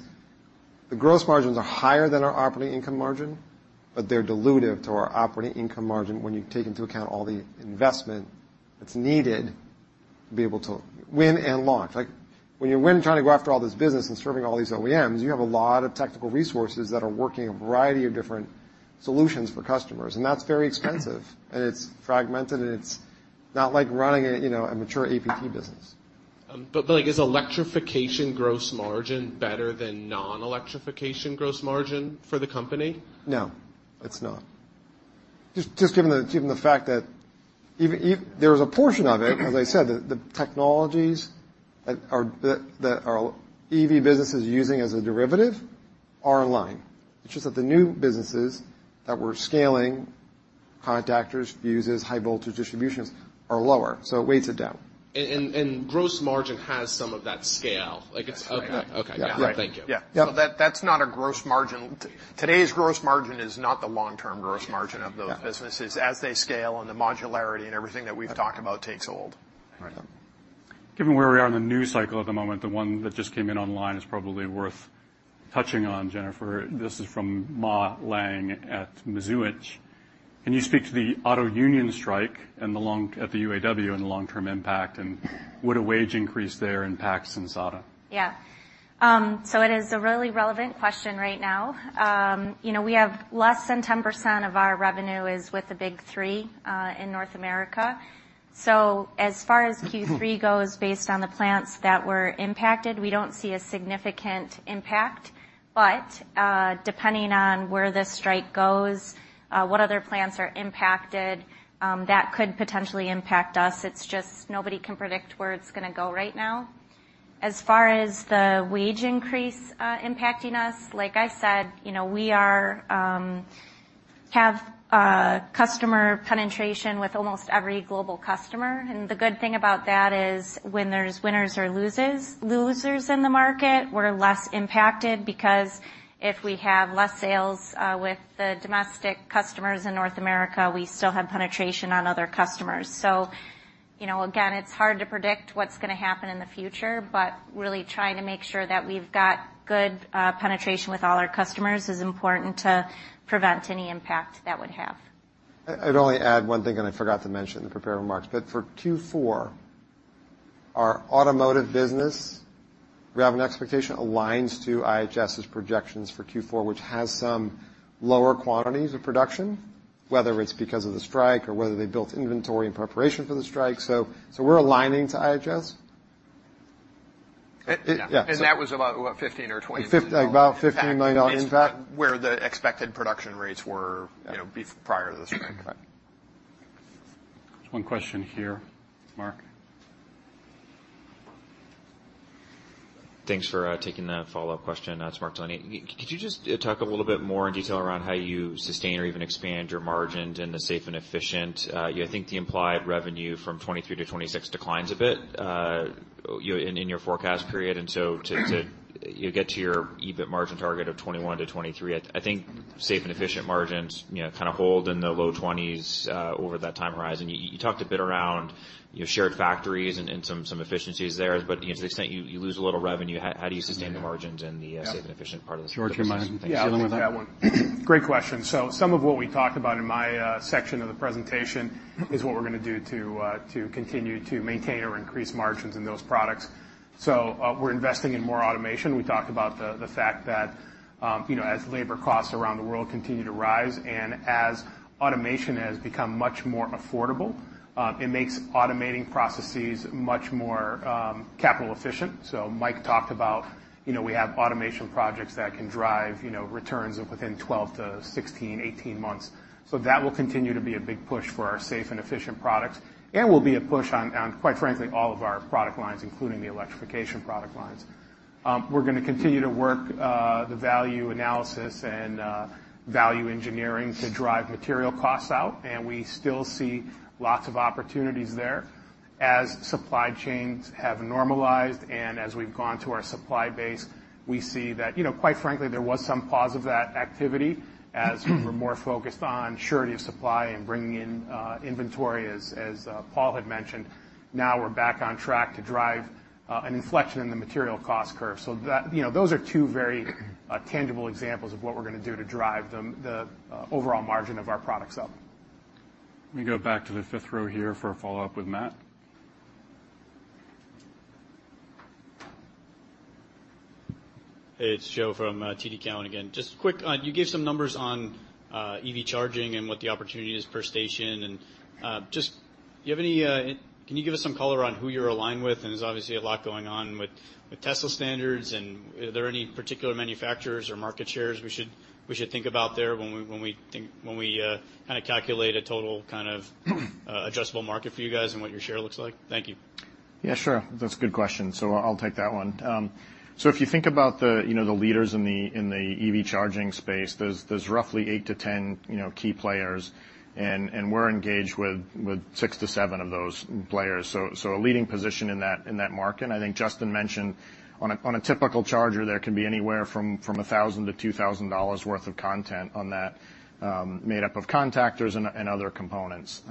the gross margins are higher than our operating income margin, but they're dilutive to our operating income margin when you take into account all the investment that's needed to be able to win and launch. Like, when you win, trying to go after all this business and serving all these OEMs, you have a lot of technical resources that are working a variety of different solutions for customers, and that's very expensive, and it's fragmented, and it's not like running a, you know, a mature APT business. But, like, is electrification gross margin better than non-electrification gross margin for the company? No, it's not. Just given the fact that there is a portion of it, as I said, the technologies that our EV business is using as a derivative are in line. It's just that the new businesses that we're scaling, contactors, fuses, high voltage distributions, are lower, so it weighs it down. Gross margin has some of that scale. Like, it's- Okay. Okay. Yeah. Right. Thank you. Yeah. So that, that's not a gross margin. Today's gross margin is not the long-term gross margin of those businesses- Yeah. as they scale, and the modularity and everything that we've talked about takes hold. Right. Given where we are in the news cycle at the moment, the one that just came in online is probably worth touching on, Jennifer. This is from Ma Lang at Muzinich. "Can you speak to the auto union strike and the long-term impact at the UAW, and would a wage increase there impact Sensata? Yeah. So it is a really relevant question right now. You know, we have less than 10% of our revenue with the Big Three in North America. So as far as Q3 goes, based on the plants that were impacted, we don't see a significant impact. But depending on where this strike goes, what other plants are impacted, that could potentially impact us. It's just nobody can predict where it's gonna go right now. As far as the wage increase impacting us, like I said, you know, we have customer penetration with almost every global customer. And the good thing about that is, when there's winners or losers in the market, we're less impacted, because if we have less sales with the domestic customers in North America, we still have penetration on other customers. You know, again, it's hard to predict what's gonna happen in the future, but really trying to make sure that we've got good penetration with all our customers is important to prevent any impact that would have. I'd only add one thing, and I forgot to mention in the prepared remarks, but for Q4, our automotive business, we have an expectation, aligns to IHS's projections for Q4, which has some lower quantities of production, whether it's because of the strike or whether they built inventory in preparation for the strike. So we're aligning to IHS. And- Yeah. That was about, what, 15 or 20- About $15 million impact. Where the expected production rates were, you know, prior to the strike. Right. One question here. Mark? Thanks for taking the follow-up question. It's Mark Delaney. Could you just talk a little bit more in detail around how you sustain or even expand your margins in the safe and efficient? I think the implied revenue from 2023 to 2026 declines a bit, you in your forecast period. And so to, to... you get to your EBIT margin target of 21%-23%. I think safe and efficient margins, you know, kind of hold in the low 20s over that time horizon. You talked a bit around your shared factories and some efficiencies there, but, you know, to the extent you lose a little revenue, how do you sustain the margins and the safe and efficient part of this? George, you mind dealing with that? Yeah, I'll take that one. Great question. So some of what we talked about in my section of the presentation is what we're gonna do to continue to maintain or increase margins in those products. So we're investing in more automation. We talked about the fact that, you know, as labor costs around the world continue to rise and as automation has become much more affordable, it makes automating processes much more capital efficient. So Mike talked about, you know, we have automation projects that can drive returns of within 12 to 16, 18 months. So that will continue to be a big push for our safe and efficient products, and will be a push on, quite frankly, all of our product lines, including the electrification product lines. We're gonna continue to work the value analysis and value engineering to drive material costs out, and we still see lots of opportunities there. As supply chains have normalized and as we've gone to our supply base, we see that, you know, quite frankly, there was some pause of that activity as we were more focused on surety of supply and bringing in inventory, as Paul had mentioned. Now we're back on track to drive an inflection in the material cost curve. So that... You know, those are two very tangible examples of what we're gonna do to drive the overall margin of our products up. Let me go back to the fifth row here for a follow-up with Matt. Hey, it's Joe from TD Cowen again. Just quick, you gave some numbers on EV charging and what the opportunity is per station, and just, do you have any, can you give us some color on who you're aligned with? And there's obviously a lot going on with Tesla standards, and are there any particular manufacturers or market shares we should think about there when we kind of calculate a total kind of adjustable market for you guys and what your share looks like? Thank you. Yeah, sure. That's a good question, so I'll take that one. So if you think about the, you know, the leaders in the EV charging space, there's roughly eight to 10 key players, and we're engaged with six to seven of those players, so a leading position in that market. I think Justin mentioned on a typical charger, there can be anywhere from $1,000-$2,000 worth of content on that, made up of contactors and other components.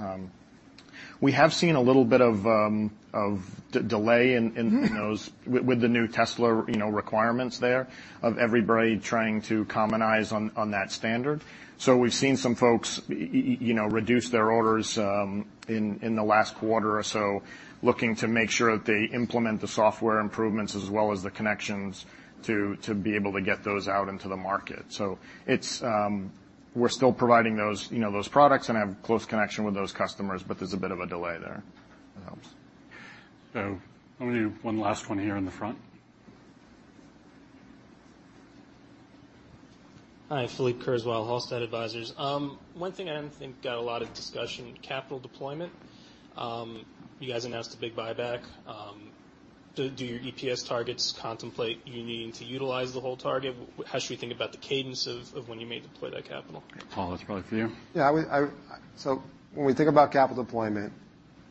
We have seen a little bit of delay in those with the new Tesla requirements there, of everybody trying to commonize on that standard. So we've seen some folks you know, reduce their orders in the last quarter or so, looking to make sure that they implement the software improvements as well as the connections to be able to get those out into the market. So it's... We're still providing those, you know, those products and have close connection with those customers, but there's a bit of a delay there. If that helps. Let me do one last one here in the front. Hi, Philippe Kurzweil, Hallstatt Advisors. One thing I didn't think got a lot of discussion, capital deployment. You guys announced a big buyback. Do your EPS targets contemplate you needing to utilize the whole target? How should we think about the cadence of when you may deploy that capital? Paul, that's probably for you. Yeah, I would. So when we think about capital deployment,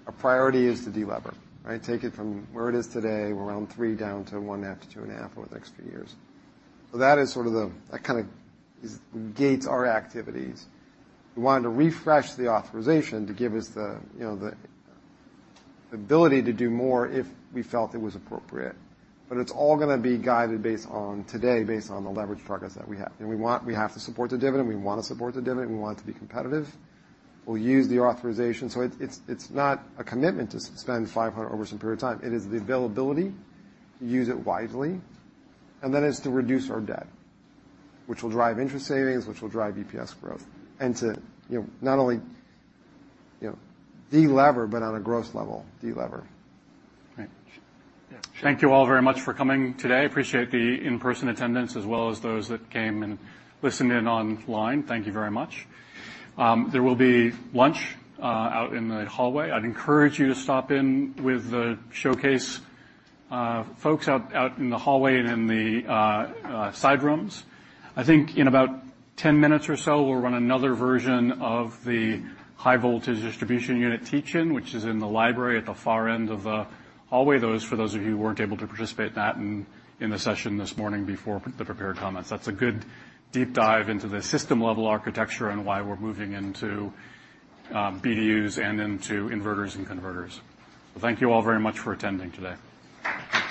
our priority is to delever, right? Take it from where it is today, around three, down to 1.5-2.5 over the next few years. So that is sort of the kind of gates our activities. We wanted to refresh the authorization to give us the, you know, the ability to do more if we felt it was appropriate. But it's all gonna be guided based on, today, based on the leverage targets that we have. And we want—we have to support the dividend, we want to support the dividend, we want it to be competitive. We'll use the authorization. So it's not a commitment to spend $500 million over some period of time. It is the availability to use it wisely, and then it's to reduce our debt, which will drive interest savings, which will drive EPS growth, and to, you know, not only, you know, delever, but on a growth level, delever. Great. Thank you all very much for coming today. Appreciate the in-person attendance as well as those that came and listened in online. Thank you very much. There will be lunch out in the hallway. I'd encourage you to stop in with the showcase folks out in the hallway and in the side rooms. I think in about 10 minutes or so, we'll run another version of the High Voltage Distribution Unit teach-in, which is in the library at the far end of the hallway. For those of you who weren't able to participate in that in the session this morning before the prepared comments, that's a good deep dive into the system-level architecture and why we're moving into BDUs and into inverters and converters. Thank you all very much for attending today.